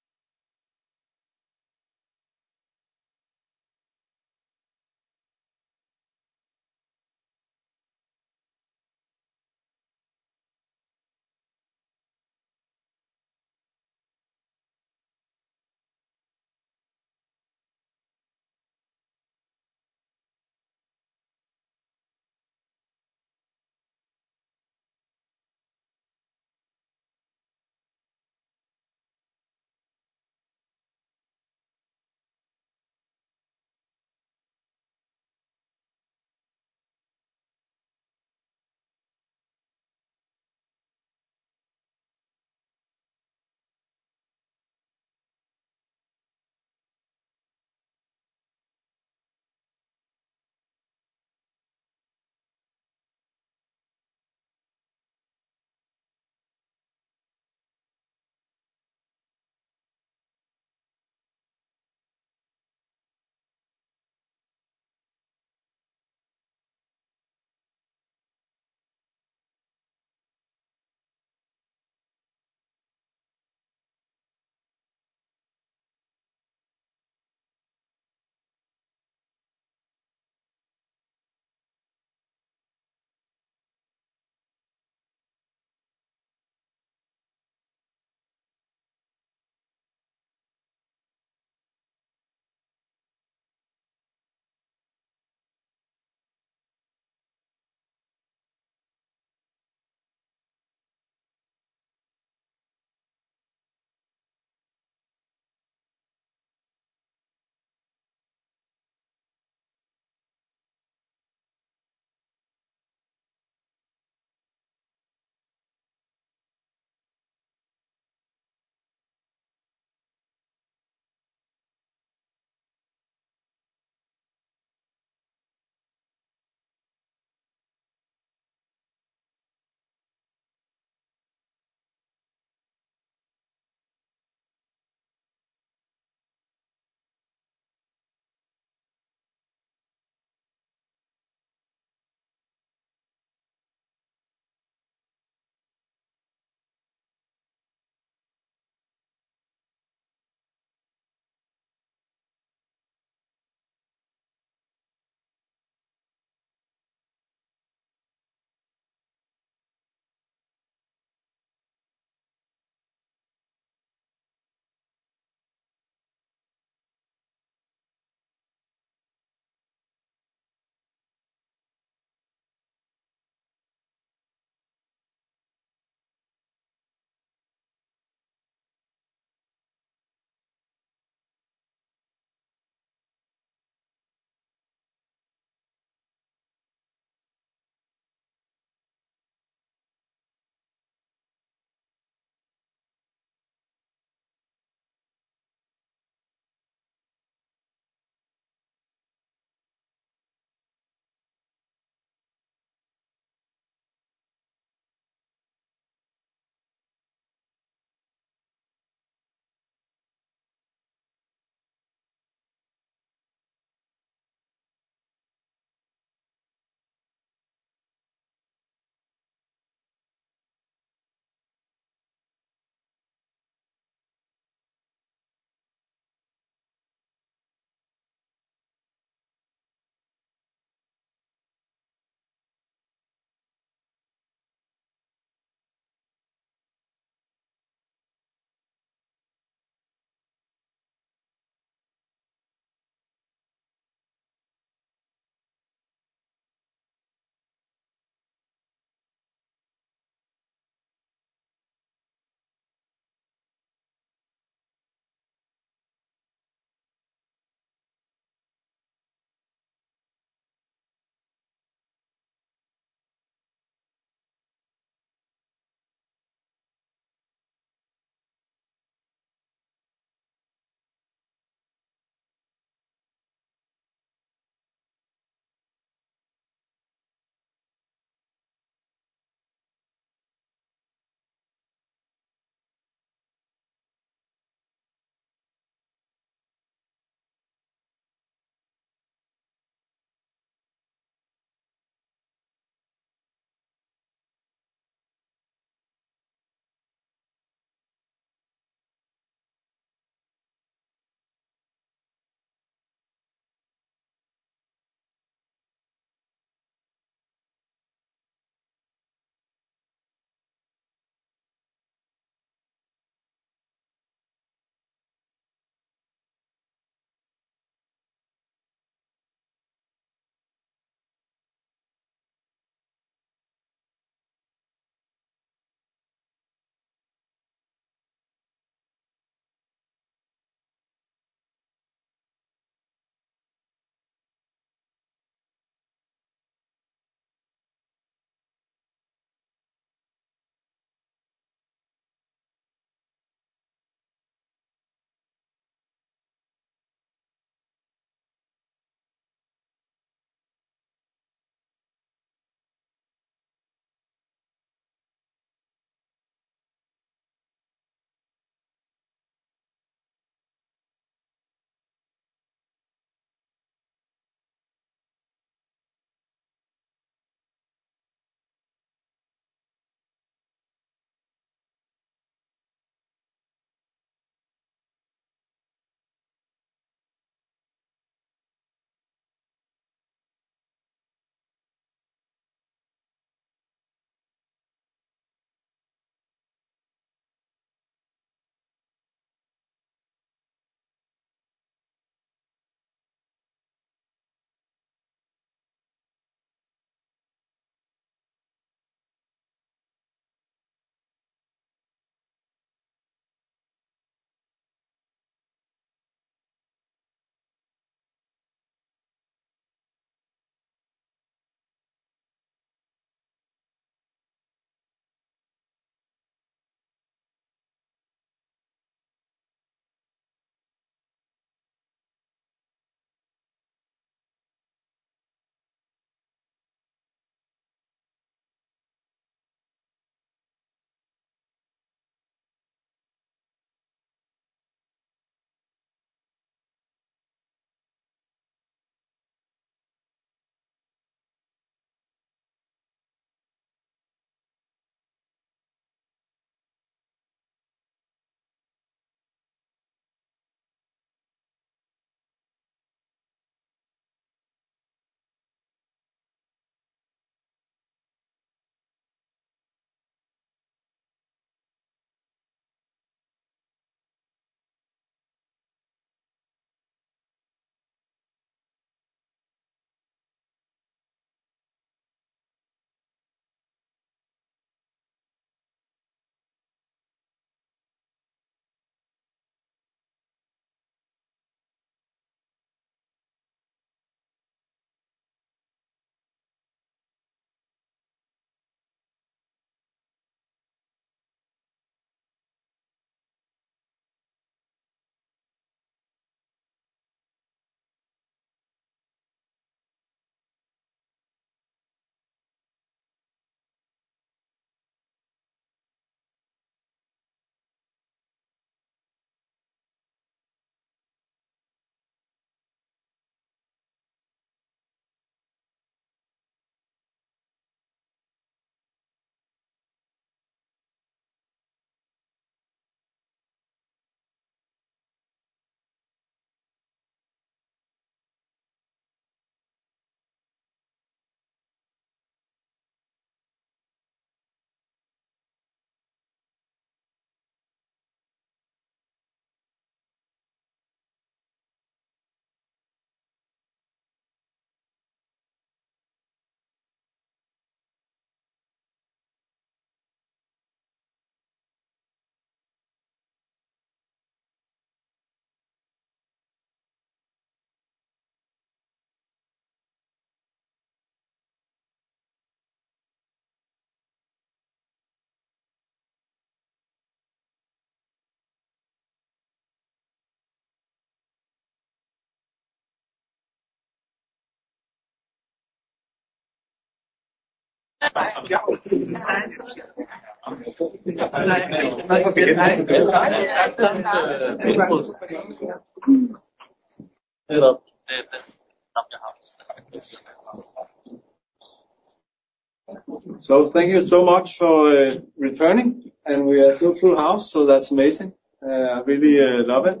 So thank you so much for returning, and we are still full house, so that's amazing. I really love it.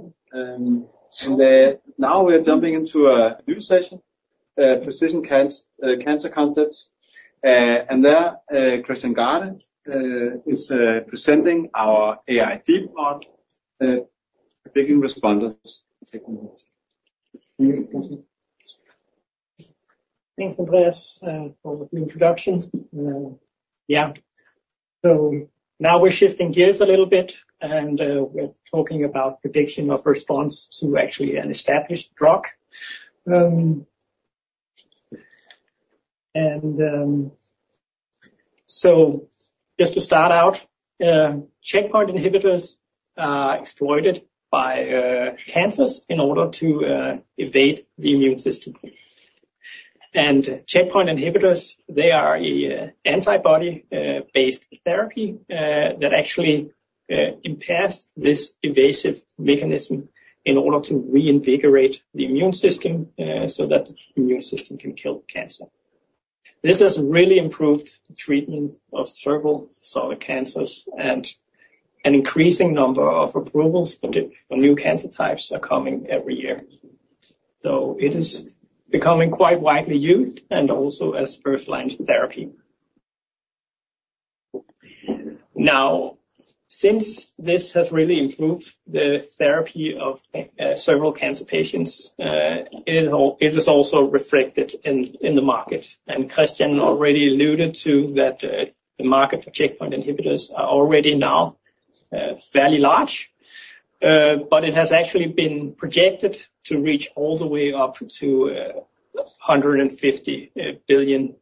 Now we are jumping into a new session, precision cancer concepts. And there Christian Garde is presenting our AI-DEEP™ model, predicting responders technology. Thanks, Andreas, for the introduction. Yeah. So now we're shifting gears a little bit, and we're talking about prediction of response to actually an established drug. And so just to start out, checkpoint inhibitors are exploited by cancers in order to evade the immune system. And checkpoint inhibitors, they are an antibody-based therapy that actually impairs this evasive mechanism in order to reinvigorate the immune system so that the immune system can kill cancer. This has really improved the treatment of several solid cancers, and an increasing number of approvals for new cancer types are coming every year. So it is becoming quite widely used and also as first-line therapy. Now, since this has really improved the therapy of several cancer patients, it is also reflected in the market. Christian already alluded to that the market for checkpoint inhibitors is already now fairly large, but it has actually been projected to reach all the way up to $150 billion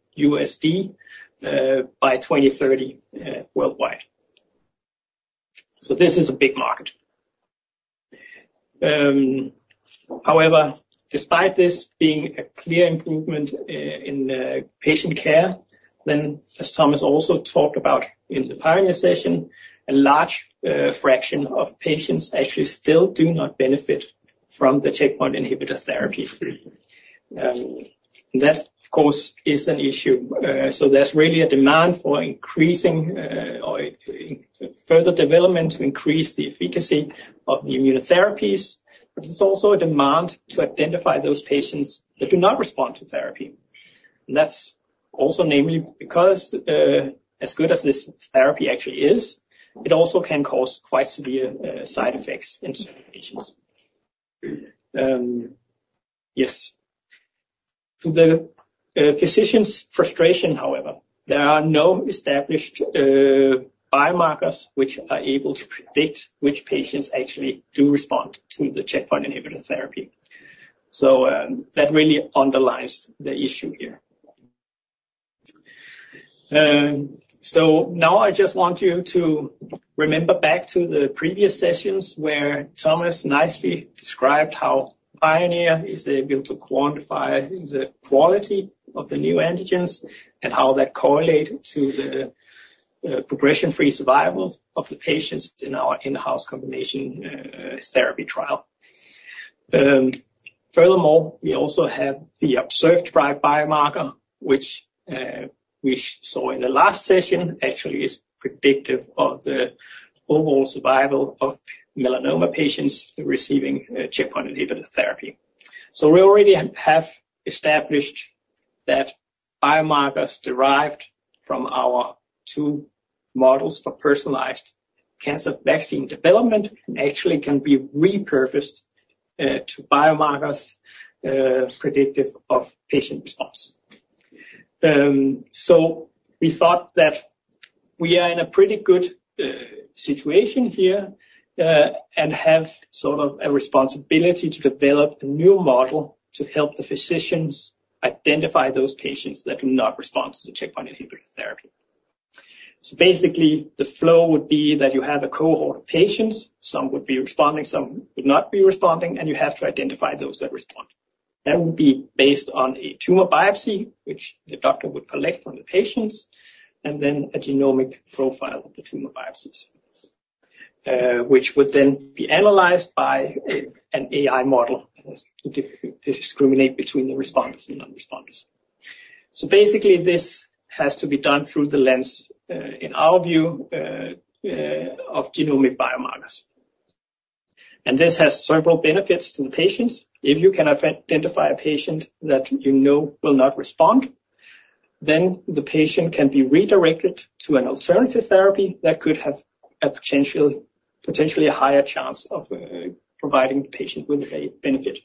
by 2030 worldwide. This is a big market. However, despite this being a clear improvement in patient care, then as Thomas also talked about in the PIONEER session, a large fraction of patients actually still do not benefit from the checkpoint inhibitor therapy. That, of course, is an issue. There's really a demand for increasing or further development to increase the efficacy of the immunotherapies. But there's also a demand to identify those patients that do not respond to therapy. That's also namely because as good as this therapy actually is, it also can cause quite severe side effects in some patients. Yes. To the physician's frustration, however, there are no established biomarkers which are able to predict which patients actually do respond to the checkpoint inhibitor therapy. So that really underlies the issue here. So now I just want you to remember back to the previous sessions where Thomas nicely described how PIONEER is able to quantify the quality of the neoantigens and how that correlates to the progression-free survival of the patients in our in-house combination therapy trial. Furthermore, we also have the OBSERVE biomarker, which we saw in the last session, actually is predictive of the overall survival of melanoma patients receiving checkpoint inhibitor therapy. So we already have established that biomarkers derived from our two models for personalized cancer vaccine development actually can be repurposed to biomarkers predictive of patient response. So we thought that we are in a pretty good situation here and have sort of a responsibility to develop a new model to help the physicians identify those patients that do not respond to the Checkpoint Inhibitor therapy. So basically, the flow would be that you have a cohort of patients. Some would be responding. Some would not be responding. And you have to identify those that respond. That would be based on a tumor biopsy, which the doctor would collect from the patients, and then a genomic profile of the tumor biopsies, which would then be analyzed by an AI model to discriminate between the responders and non-responders. So basically, this has to be done through the lens, in our view, of genomic biomarkers. And this has several benefits to the patients. If you can identify a patient that you know will not respond, then the patient can be redirected to an alternative therapy that could have potentially a higher chance of providing the patient with a benefit.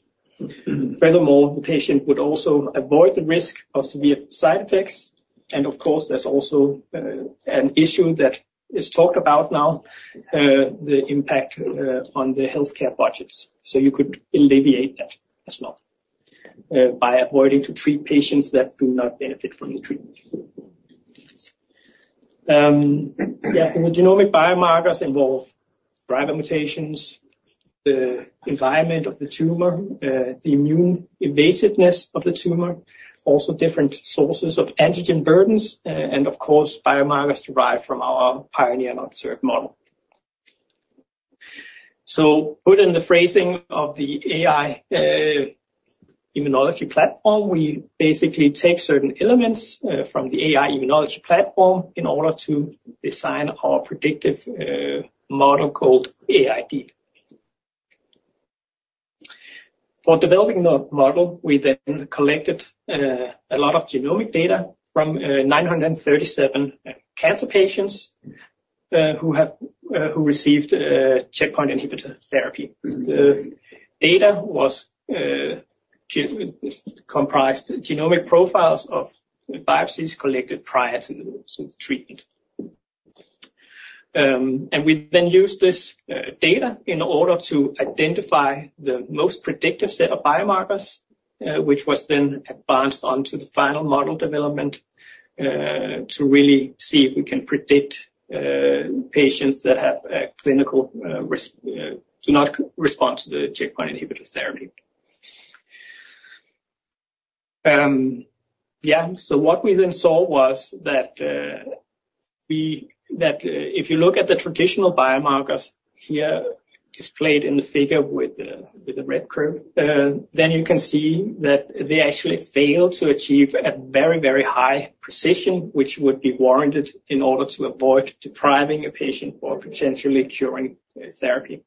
Furthermore, the patient would also avoid the risk of severe side effects. And of course, there's also an issue that is talked about now, the impact on the healthcare budgets. So you could alleviate that as well by avoiding to treat patients that do not benefit from the treatment. Yeah. The genomic biomarkers involve private mutations, the environment of the tumor, the immune invasiveness of the tumor, also different sources of antigen burdens, and of course, biomarkers derived from our PIONEER and OBSERVE model. So put in the phrasing of the AI-Immunology platform, we basically take certain elements from the AI-Immunology platform in order to design our predictive model called AI-DEEP. For developing the model, we then collected a lot of genomic data from 937 cancer patients who received checkpoint inhibitor therapy. The data comprised genomic profiles of biopsies collected prior to the treatment. We then used this data in order to identify the most predictive set of biomarkers, which was then advanced onto the final model development to really see if we can predict patients that do not respond to the checkpoint inhibitor therapy. Yeah. So what we then saw was that if you look at the traditional biomarkers here displayed in the figure with the red curve, then you can see that they actually fail to achieve a very, very high precision, which would be warranted in order to avoid depriving a patient for potentially curing therapy.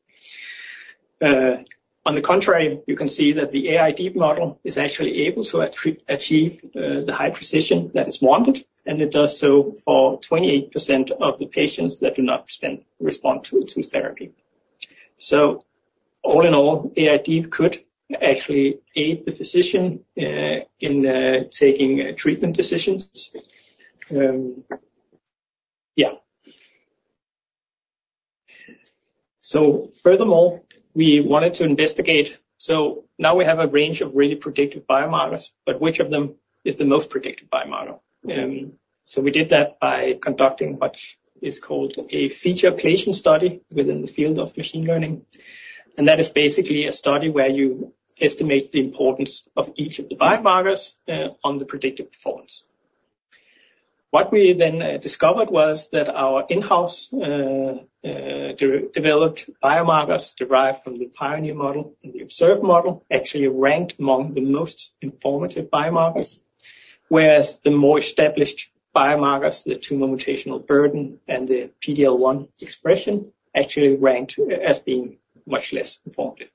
On the contrary, you can see that the AI-DEEP model is actually able to achieve the high precision that is wanted, and it does so for 28% of the patients that do not respond to therapy. So all in all, AI-DEEP could actually aid the physician in taking treatment decisions. Yeah. So furthermore, we wanted to investigate. So now we have a range of really predictive biomarkers, but which of them is the most predictive biomarker? So we did that by conducting what is called a feature equation study within the field of machine learning. And that is basically a study where you estimate the importance of each of the biomarkers on the predictive performance. What we then discovered was that our in-house developed biomarkers derived from the PIONEER™ model and the OBSERVE™ model actually ranked among the most informative biomarkers, whereas the more established biomarkers, the tumor mutational burden and the PD-L1 expression, actually ranked as being much less informative.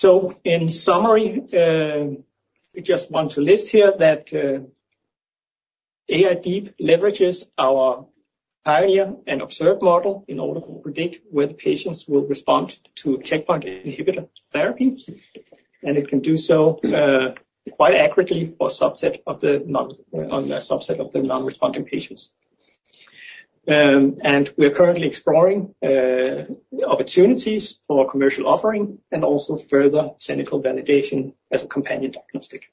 Yeah. So in summary, we just want to list here that AI-DEEP™ leverages our PIONEER™ and OBSERVE™ model in order to predict whether patients will respond to checkpoint inhibitor therapy. And it can do so quite accurately for a subset of the non-responding patients. And we are currently exploring opportunities for commercial offering and also further clinical validation as a companion diagnostic.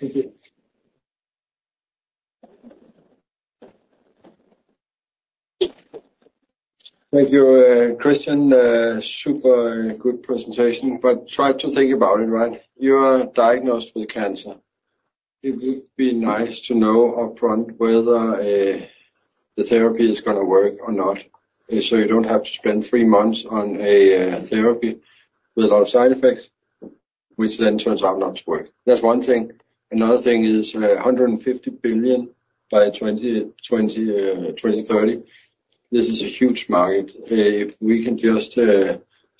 Thank you. Thank you, Christian. Super good presentation. But try to think about it, right? You are diagnosed with cancer. It would be nice to know upfront whether the therapy is going to work or not so you don't have to spend three months on a therapy with a lot of side effects, which then turns out not to work. That's one thing. Another thing is $150 billion by 2030. This is a huge market. If we can just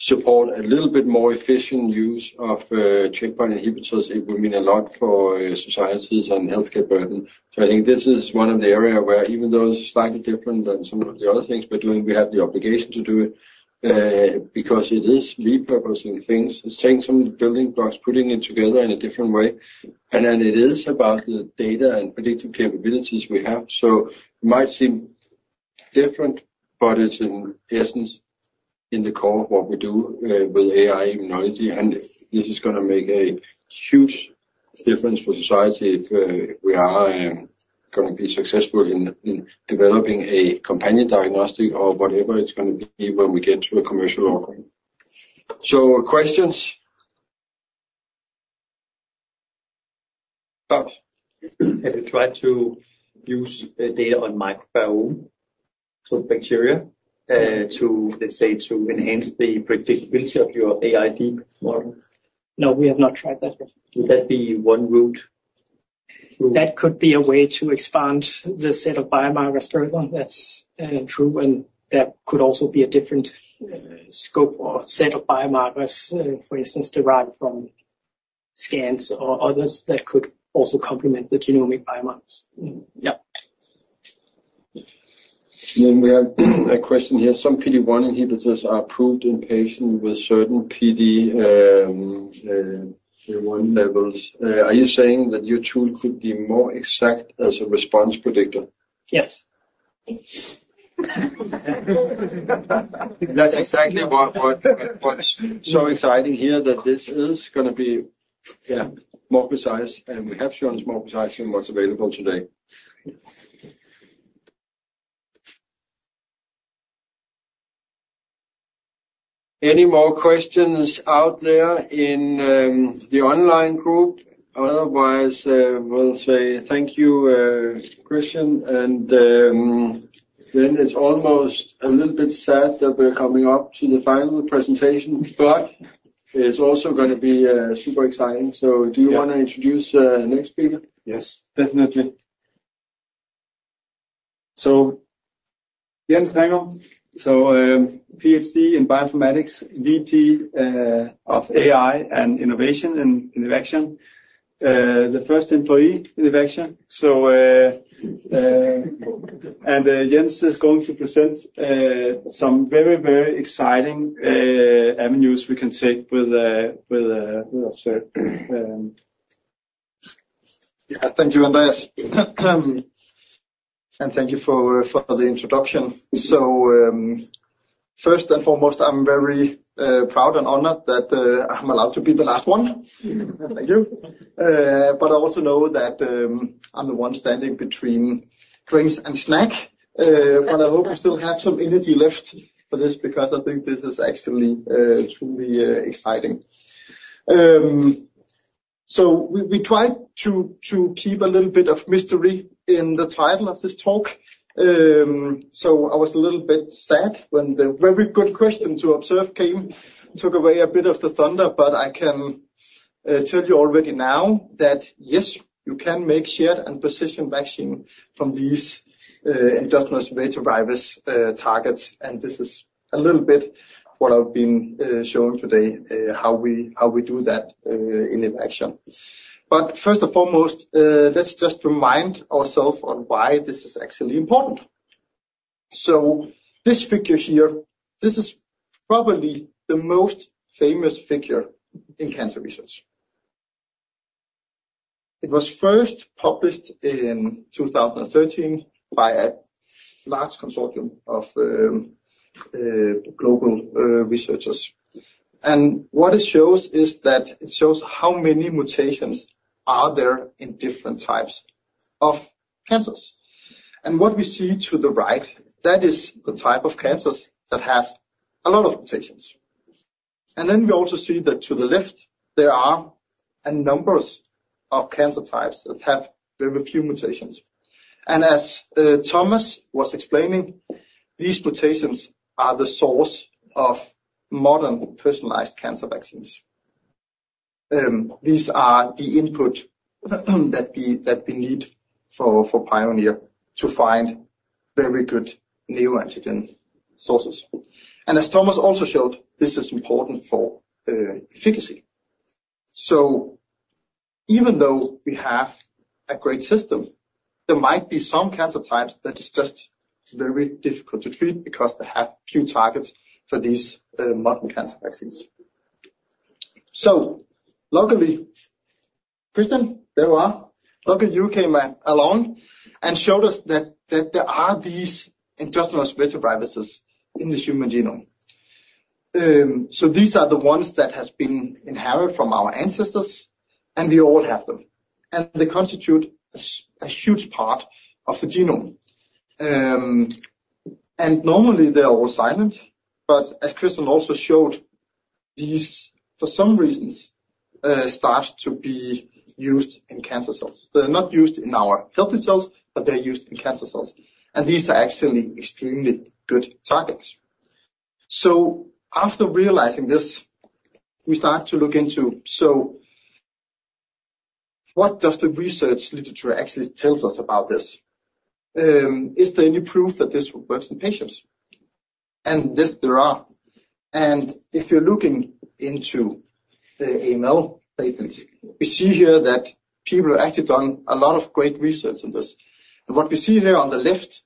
support a little bit more efficient use of checkpoint inhibitors, it would mean a lot for societies and healthcare burden. So I think this is one of the areas where, even though it's slightly different than some of the other things we're doing, we have the obligation to do it because it is repurposing things. It's taking some building blocks, putting it together in a different way. Then it is about the data and predictive capabilities we have. It might seem different, but it's in essence in the core of what we do with AI immunology. This is going to make a huge difference for society if we are going to be successful in developing a companion diagnostic or whatever it's going to be when we get to a commercial offering. Questions? Have you tried to use data on microbiome, so bacteria, to, let's say, enhance the predictability of your AI-DEEP model? No, we have not tried that yet. Would that be one route? That could be a way to expand the set of biomarkers. Furthermore, that's true. And there could also be a different scope or set of biomarkers, for instance, derived from scans or others that could also complement the genomic biomarkers. Yeah. And then we have a question here. Some PD-1 inhibitors are approved in patients with certain PD-1 levels. Are you saying that your tool could be more exact as a response predictor? Yes. That's exactly what's so exciting here that this is going to be more precise. We have shown it's more precise than what's available today. Any more questions out there in the online group? Otherwise, we'll say thank you, Christian. Then it's almost a little bit sad that we're coming up to the final presentation, but it's also going to be super exciting. Do you want to introduce the next speaker? Yes, definitely. So Jens Kringelum. So PhD in bioinformatics, VP of AI and innovation in Evaxion, the first employee in Evaxion. And Jens is going to present some very, very exciting avenues we can take with OBSERVE. Yeah. Thank you, Andreas. And thank you for the introduction. So first and foremost, I'm very proud and honored that I'm allowed to be the last one. Thank you. But I also know that I'm the one standing between drinks and snack. But I hope we still have some energy left for this because I think this is actually truly exciting. So we tried to keep a little bit of mystery in the title of this talk. So I was a little bit sad when the very good question to OBSERVE came, took away a bit of the thunder. But I can tell you already now that, yes, you can make shared and precision vaccine from these endogenous retrovirus targets. And this is a little bit what I've been showing today, how we do that in Evaxion. But first and foremost, let's just remind ourselves on why this is actually important. So this figure here, this is probably the most famous figure in cancer research. It was first published in 2013 by a large consortium of global researchers. And what it shows is that it shows how many mutations are there in different types of cancers. And what we see to the right, that is the type of cancers that has a lot of mutations. And then we also see that to the left, there are numbers of cancer types that have very few mutations. And as Thomas was explaining, these mutations are the source of modern personalized cancer vaccines. These are the input that we need for PIONEER to find very good neoantigen sources. And as Thomas also showed, this is important for efficacy. So even though we have a great system, there might be some cancer types that are just very difficult to treat because they have few targets for these modern cancer vaccines. So luckily, Christian, there you are. Luckily, you came along and showed us that there are these endogenous retroviruses in the human genome. So these are the ones that have been inherited from our ancestors, and we all have them. And they constitute a huge part of the genome. And normally, they're all silent. But as Christian also showed, these, for some reasons, start to be used in cancer cells. They're not used in our healthy cells, but they're used in cancer cells. And these are actually extremely good targets. So after realizing this, we start to look into, so what does the research literature actually tell us about this? Is there any proof that this works in patients? There are. If you're looking into AML studies, we see here that people have actually done a lot of great research on this. What we see here on the left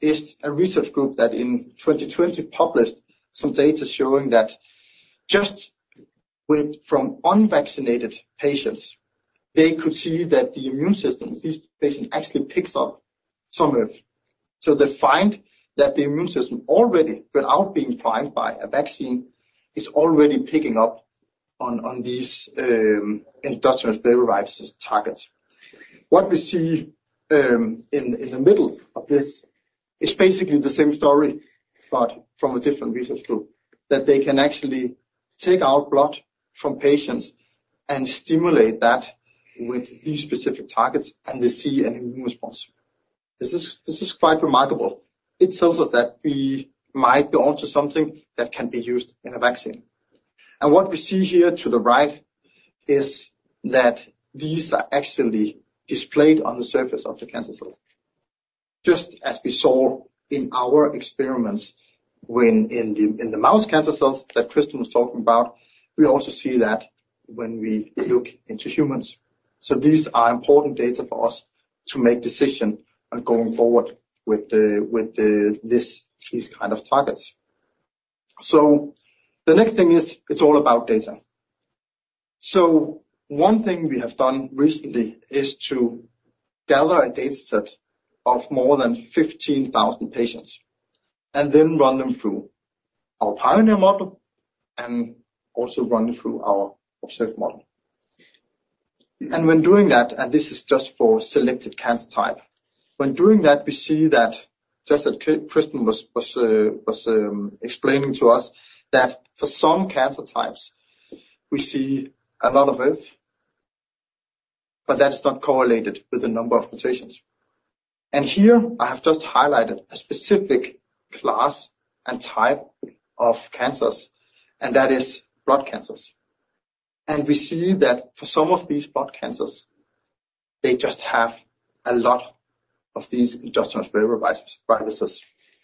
is a research group that in 2020 published some data showing that just from unvaccinated patients, they could see that the immune system of these patients actually picks up some of so they find that the immune system already, without being primed by a vaccine, is already picking up on these endogenous retroviruses targets. What we see in the middle of this is basically the same story, but from a different research group, that they can actually take out blood from patients and stimulate that with these specific targets, and they see an immune response. This is quite remarkable. It tells us that we might be onto something that can be used in a vaccine. What we see here to the right is that these are actually displayed on the surface of the cancer cells, just as we saw in our experiments in the mouse cancer cells that Christian was talking about. We also see that when we look into humans. So these are important data for us to make decisions on going forward with these kinds of targets. The next thing is, it's all about data. One thing we have done recently is to gather a dataset of more than 15,000 patients and then run them through our PIONEER model and also run it through our OBSERVE model. When doing that, and this is just for selected cancer types, when doing that, we see that, just as Christian was explaining to us, that for some cancer types, we see a lot of ERVs, but that is not correlated with the number of mutations. Here, I have just highlighted a specific class and type of cancers, and that is blood cancers. We see that for some of these blood cancers, they just have a lot of these endogenous retroviruses.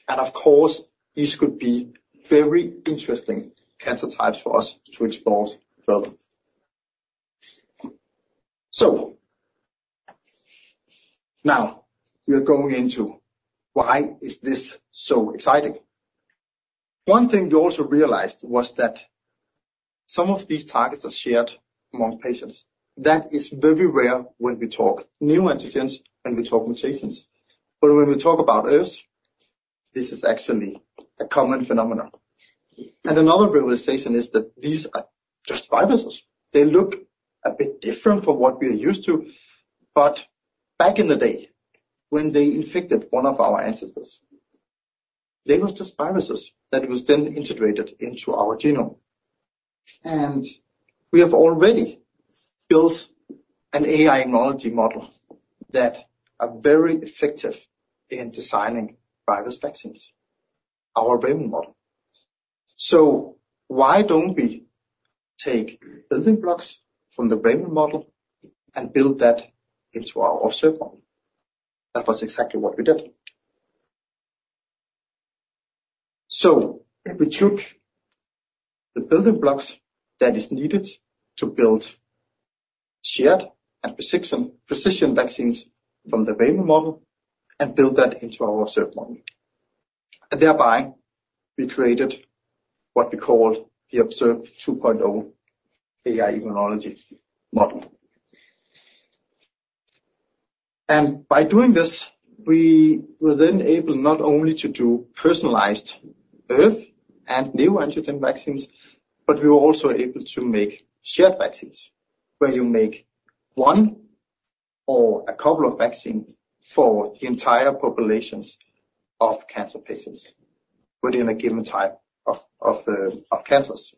Of course, these could be very interesting cancer types for us to explore further. Now we are going into why this is so exciting. One thing we also realized was that some of these targets are shared among patients. That is very rare when we talk neoantigens and we talk mutations. But when we talk about ERVs, this is actually a common phenomenon. Another realization is that these are just viruses. They look a bit different from what we are used to. But back in the day, when they infected one of our ancestors, they were just viruses that were then integrated into our genome. We have already built an AI immunology model that is very effective in designing virus vaccines, our RAVEN model. So why don't we take building blocks from the RAVEN model and build that into our OBSERVE model? That was exactly what we did. So we took the building blocks that are needed to build shared and precision vaccines from the RAVEN model and built that into our OBSERVE model. And thereby, we created what we called the OBSERVE 2.0 AI immunology model. By doing this, we were then able not only to do personalized T and neoantigen vaccines, but we were also able to make shared vaccines where you make one or a couple of vaccines for the entire populations of cancer patients within a given type of cancers.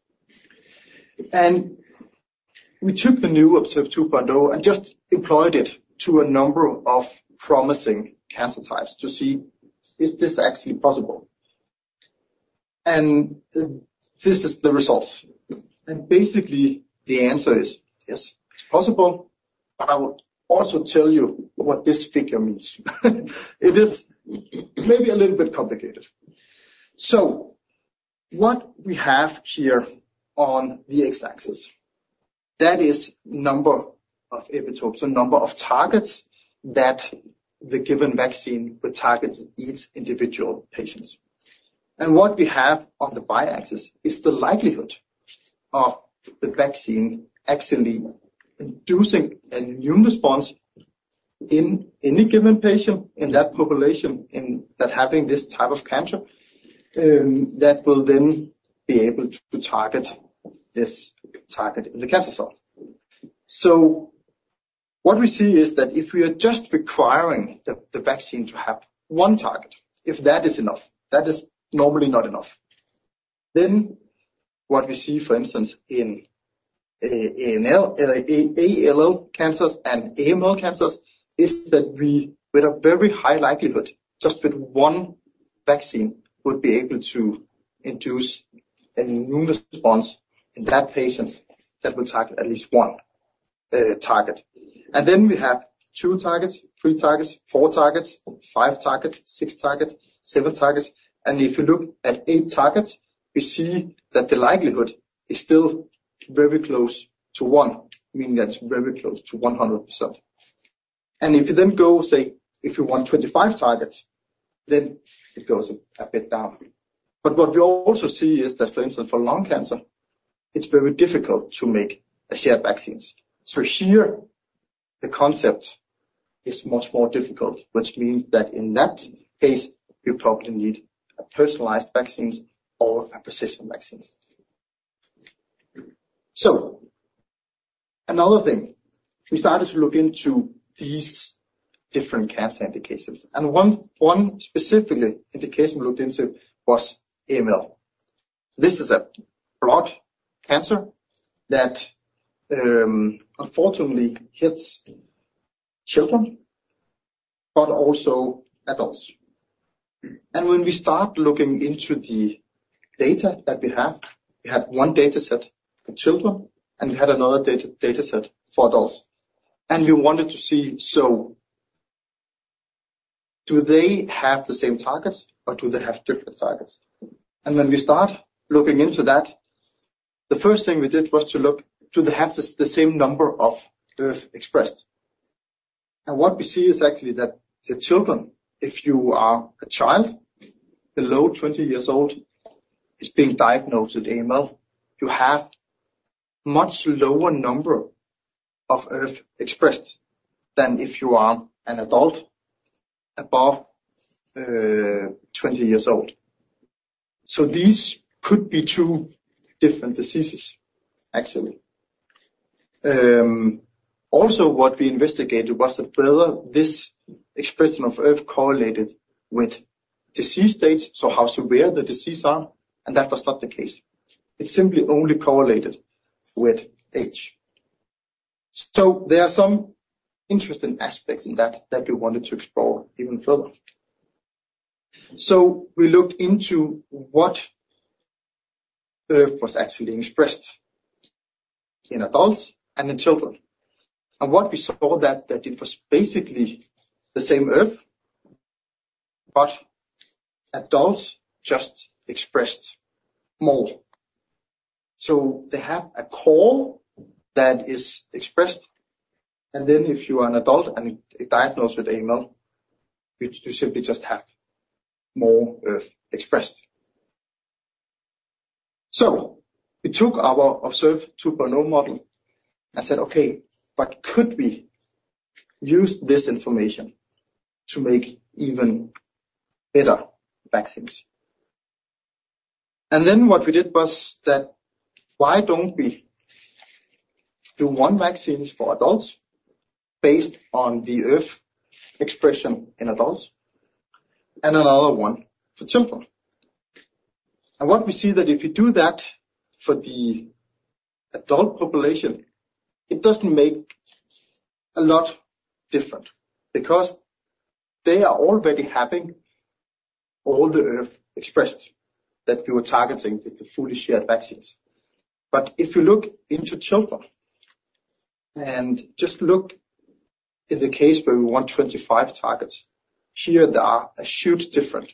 We took the new OBSERVE 2.0 and just employed it to a number of promising cancer types to see, is this actually possible? This is the results. Basically, the answer is, yes, it's possible. But I will also tell you what this figure means. It is maybe a little bit complicated. So what we have here on the x-axis, that is number of epitopes, a number of targets that the given vaccine would target each individual patient. What we have on the y-axis is the likelihood of the vaccine actually inducing an immune response in any given patient in that population that is having this type of cancer that will then be able to target this target in the cancer cell. So what we see is that if we are just requiring the vaccine to have 1 target, if that is enough, that is normally not enough. Then what we see, for instance, in ALL cancers and AML cancers is that we, with a very high likelihood, just with 1 vaccine, would be able to induce an immune response in that patient that will target at least 1 target. And then we have 2 targets, 3 targets, 4 targets, 5 targets, 6 targets, 7 targets. If you look at 8 targets, we see that the likelihood is still very close to 1, meaning that it's very close to 100%. If you then go, say, if you want 25 targets, then it goes a bit down. But what we also see is that, for instance, for lung cancer, it's very difficult to make shared vaccines. So here, the concept is much more difficult, which means that in that case, we probably need personalized vaccines or precision vaccines. Another thing, we started to look into these different cancer indications. One specific indication we looked into was AML. This is a broad cancer that, unfortunately, hits children but also adults. When we start looking into the data that we have, we had one dataset for children, and we had another dataset for adults. We wanted to see, so do they have the same targets, or do they have different targets? When we start looking into that, the first thing we did was to look, do they have the same number of F expressed? What we see is actually that the children, if you are a child below 20 years old, are being diagnosed with AML. You have a much lower number of F expressed than if you are an adult above 20 years old. These could be two different diseases, actually. What we investigated was whether this expression of F correlated with disease states, so how severe the disease are. That was not the case. It simply only correlated with age. There are some interesting aspects in that that we wanted to explore even further. So we looked into what F was actually expressed in adults and in children. What we saw was that it was basically the same F, but adults just expressed more. So they have all that is expressed. Then if you are an adult and diagnosed with AML, you simply just have more F expressed. So we took our OBSERVE 2.0 model and said, "Okay, but could we use this information to make even better vaccines?" Then what we did was that, why don't we do one vaccine for adults based on the F expression in adults and another one for children? What we see is that if you do that for the adult population, it doesn't make a lot different because they are already having all the F expressed that we were targeting with the fully shared vaccines. If you look into children and just look in the case where we want 25 targets, here, they are a huge difference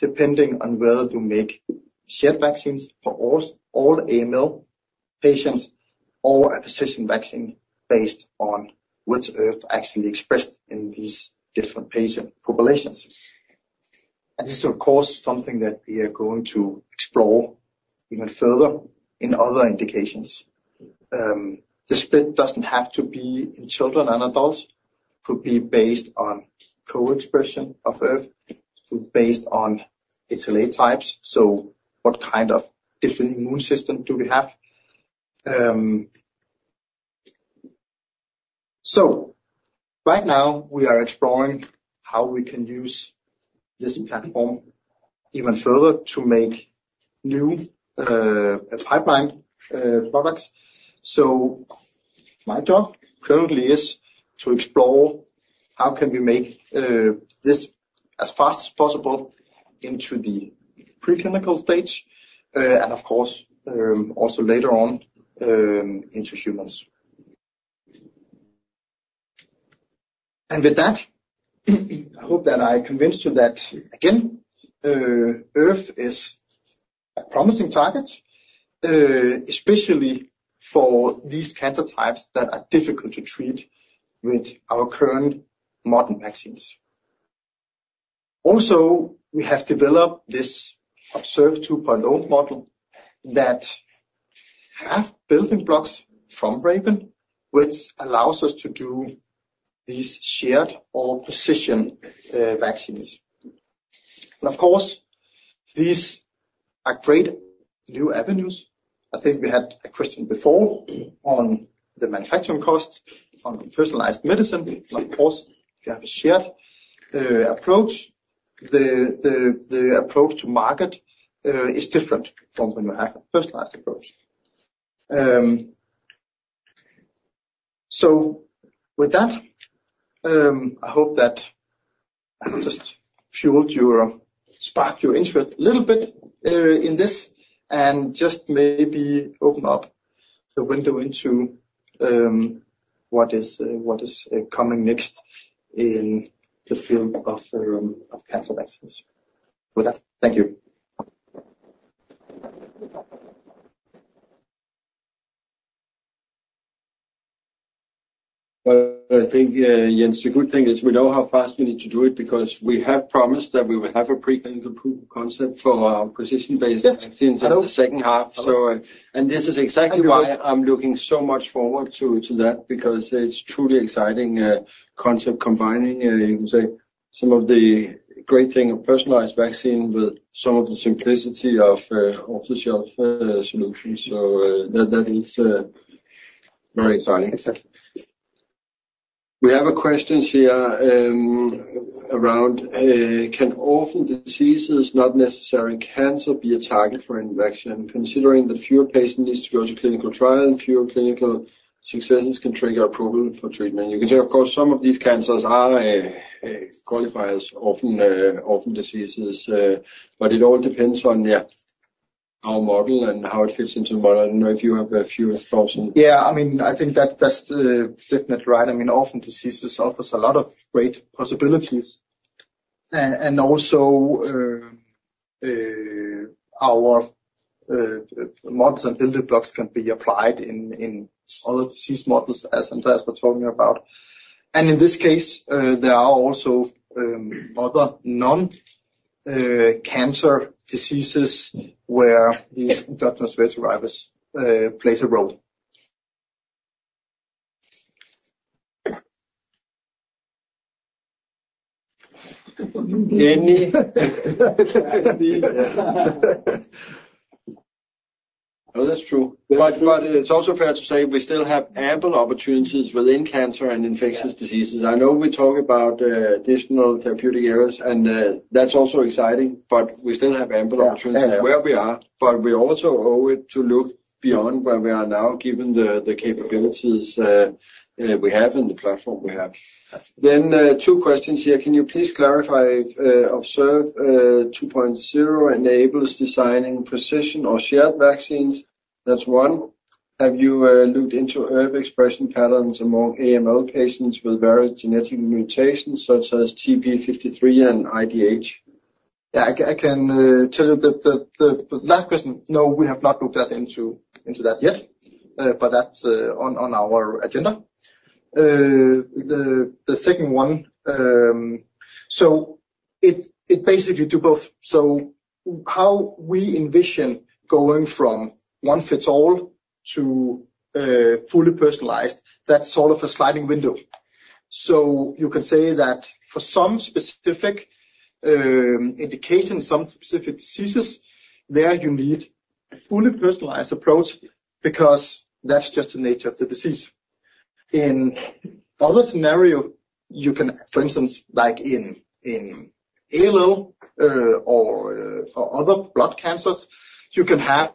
depending on whether you make shared vaccines for all AML patients or a precision vaccine based on which F is actually expressed in these different patient populations. And this is, of course, something that we are going to explore even further in other indications. The split doesn't have to be in children and adults. It could be based on co-expression of F, based on HLA types, so what kind of different immune system do we have? Right now, we are exploring how we can use this platform even further to make new pipeline products. My job currently is to explore how can we make this as fast as possible into the preclinical stage and, of course, also later on into humans. And with that, I hope that I convinced you that, again, EVX-03 is a promising target, especially for these cancer types that are difficult to treat with our current modern vaccines. Also, we have developed this OBSERVE™ 2.0 model that has building blocks from RAVEN™, which allows us to do these shared or precision vaccines. And of course, these are great new avenues. I think we had a question before on the manufacturing costs on personalized medicine. Of course, if you have a shared approach, the approach to market is different from when you have a personalized approach. So with that, I hope that I have just sparked your interest a little bit in this and just maybe open up the window into what is coming next in the field of cancer vaccines. With that, thank you. Well, I think, Jens, the good thing is we know how fast we need to do it because we have promised that we will have a preclinical proof of concept for our precision-based vaccines in the second half. And this is exactly why I'm looking so much forward to that because it's a truly exciting concept combining, you can say, some of the great things of personalized vaccine with some of the simplicity of off-the-shelf solutions. So that is very exciting. Exactly. We have a question here around, can orphan diseases, not necessarily cancer, be a target for Evaxion considering that fewer patients need to go to clinical trial and fewer clinical successes can trigger approval for treatment? You can say, of course, some of these cancers are qualified as orphan diseases, but it all depends on our model and how it fits into the model. I don't know if you have a few thousand. Yeah. I mean, I think that's definitely right. I mean, often diseases offer us a lot of great possibilities. And also, our models and building blocks can be applied in other disease models, as Andreas was talking about. And in this case, there are also other non-cancer diseases where these endogenous retroviruses play a role. Jens. Oh, that's true. But it's also fair to say we still have ample opportunities within cancer and infectious diseases. I know we talk about additional therapeutic areas, and that's also exciting, but we still have ample opportunities where we are. But we also owe it to look beyond where we are now given the capabilities we have and the platform we have. Then two questions here. Can you please clarify if OBSERVE 2.0 enables designing precision or shared vaccines? That's one. Have you looked into FLT3 expression patterns among AML patients with various genetic mutations such as TP53 and IDH? Yeah. I can tell you the last question. No, we have not looked into that yet, but that's on our agenda. The second one, so it basically does both. So how we envision going from one fits all to fully personalized, that's sort of a sliding window. So you can say that for some specific indications, some specific diseases, there, you need a fully personalized approach because that's just the nature of the disease. In other scenarios, you can, for instance, like in ALL or other blood cancers, you can have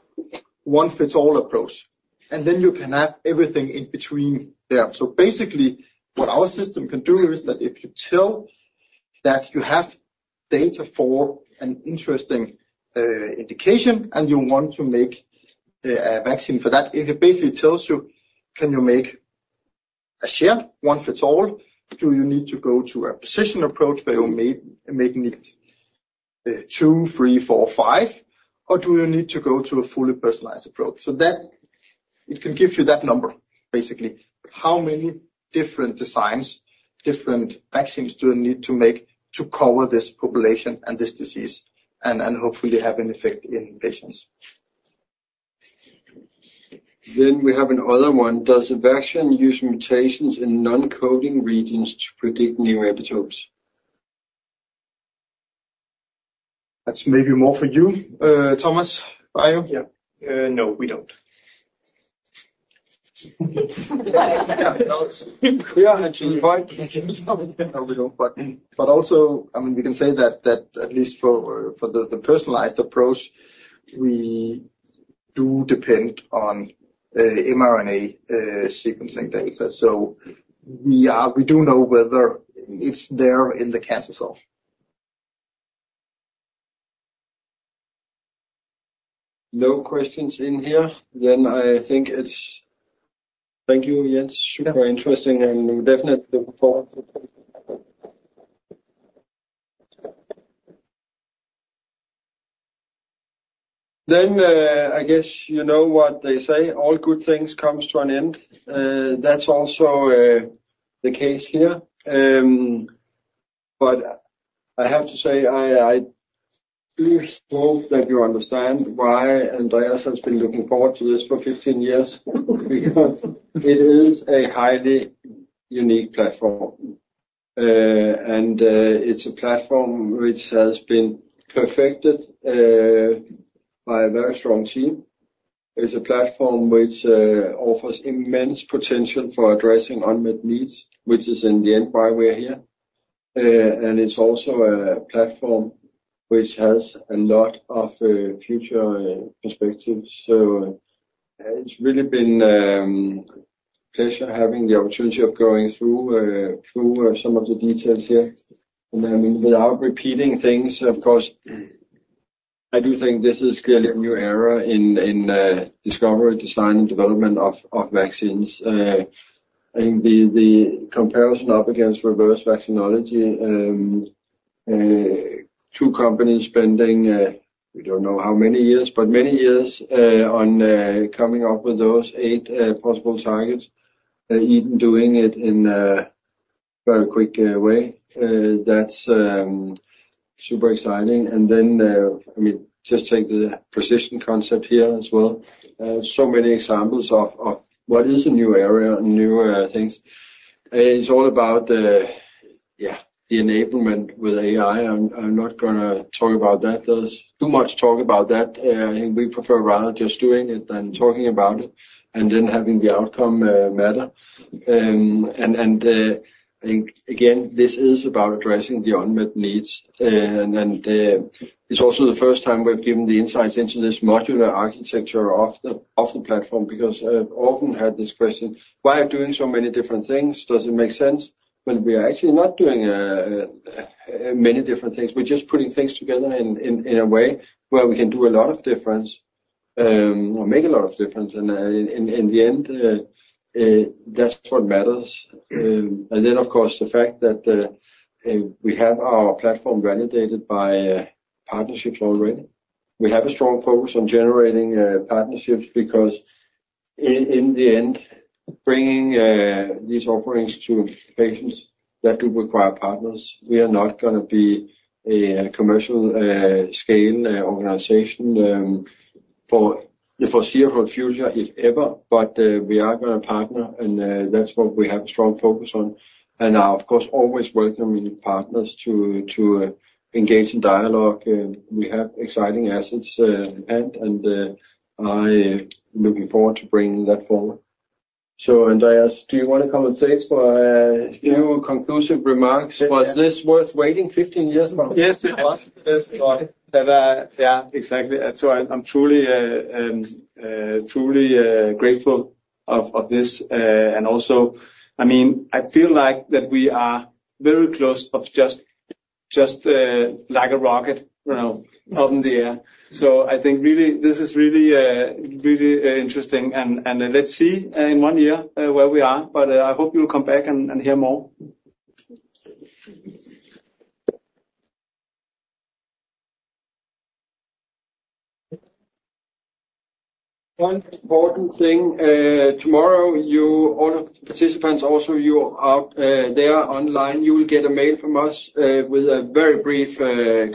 one fits all approach, and then you can have everything in between there. So basically, what our system can do is that if you tell that you have data for an interesting indication and you want to make a vaccine for that, it basically tells you, can you make a shared one fits all? Do you need to go to a precision approach where you may need 2, 3, 4, 5, or do you need to go to a fully personalized approach? So it can give you that number, basically, how many different designs, different vaccines do you need to make to cover this population and this disease and hopefully have an effect in patients? We have another one. Does a vaccine use mutations in non-coding regions to predict new epitopes? That's maybe more for you, Thomas. Yeah. No, we don't. Yeah. No, we don't. We are actually fine. No, we don't. But also, I mean, we can say that at least for the personalized approach, we do depend on mRNA sequencing data. So we do know whether it's there in the cancer cell. No questions in here. Then I think it's thank you, Jens. Super interesting and definitely looking forward to. Then I guess you know what they say. All good things come to an end. That's also the case here. But I have to say, I do hope that you understand why Andreas has been looking forward to this for 15 years because it is a highly unique platform. And it's a platform which has been perfected by a very strong team. It's a platform which offers immense potential for addressing unmet needs, which is in the end why we are here. And it's also a platform which has a lot of future perspectives. So it's really been a pleasure having the opportunity of going through some of the details here. And I mean, without repeating things, of course, I do think this is clearly a new era in discovery, design, and development of vaccines. I think the comparison up against reverse vaccinology, two companies spending we don't know how many years, but many years on coming up with those eight possible targets, even doing it in a very quick way, that's super exciting. And then, I mean, just take the precision concept here as well. So many examples of what is a new area and new things. It's all about, yeah, the enablement with AI. I'm not going to talk about that. There's too much talk about that. I think we prefer rather just doing it than talking about it and then having the outcome matter. And again, this is about addressing the unmet needs. It's also the first time we've given the insights into this modular architecture of the platform because often had this question, why are you doing so many different things? Does it make sense? Well, we are actually not doing many different things. We're just putting things together in a way where we can do a lot of difference or make a lot of difference. And in the end, that's what matters. And then, of course, the fact that we have our platform validated by partnerships already. We have a strong focus on generating partnerships because in the end, bringing these offerings to patients that do require partners, we are not going to be a commercial-scale organization for the foreseeable future, if ever, but we are going to partner, and that's what we have a strong focus on. And I'll, of course, always welcome partners to engage in dialogue. We have exciting assets, and I'm looking forward to bringing that forward. So, Andreas, do you want to come on stage for a few conclusive remarks? Was this worth waiting 15 years for? Yes, it was. Yes, it was. Yeah, exactly. So I'm truly grateful of this. And also, I mean, I feel like that we are very close of just like a rocket up in the air. So I think really, this is really, really interesting. And let's see in one year where we are. But I hope you'll come back and hear more. One important thing. Tomorrow, all of the participants, also, you are there online. You will get a mail from us with a very brief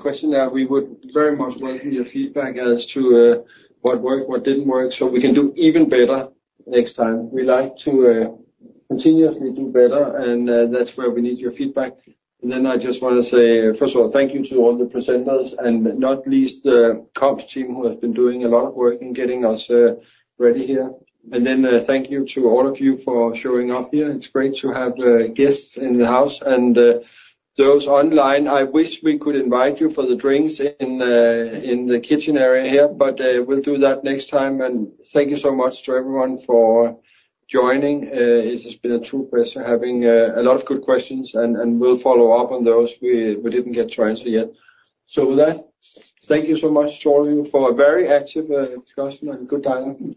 questionnaire. We would very much welcome your feedback as to what worked, what didn't work, so we can do even better next time. We like to continuously do better, and that's where we need your feedback. And then I just want to say, first of all, thank you to all the presenters and not least the comps team who have been doing a lot of work and getting us ready here. And then thank you to all of you for showing up here. It's great to have guests in the house. And those online, I wish we could invite you for the drinks in the kitchen area here, but we'll do that next time. And thank you so much to everyone for joining. It has been a true pleasure having a lot of good questions, and we'll follow up on those. We didn't get to answer yet. With that, thank you so much, Jordan, for a very active discussion and good dialogue.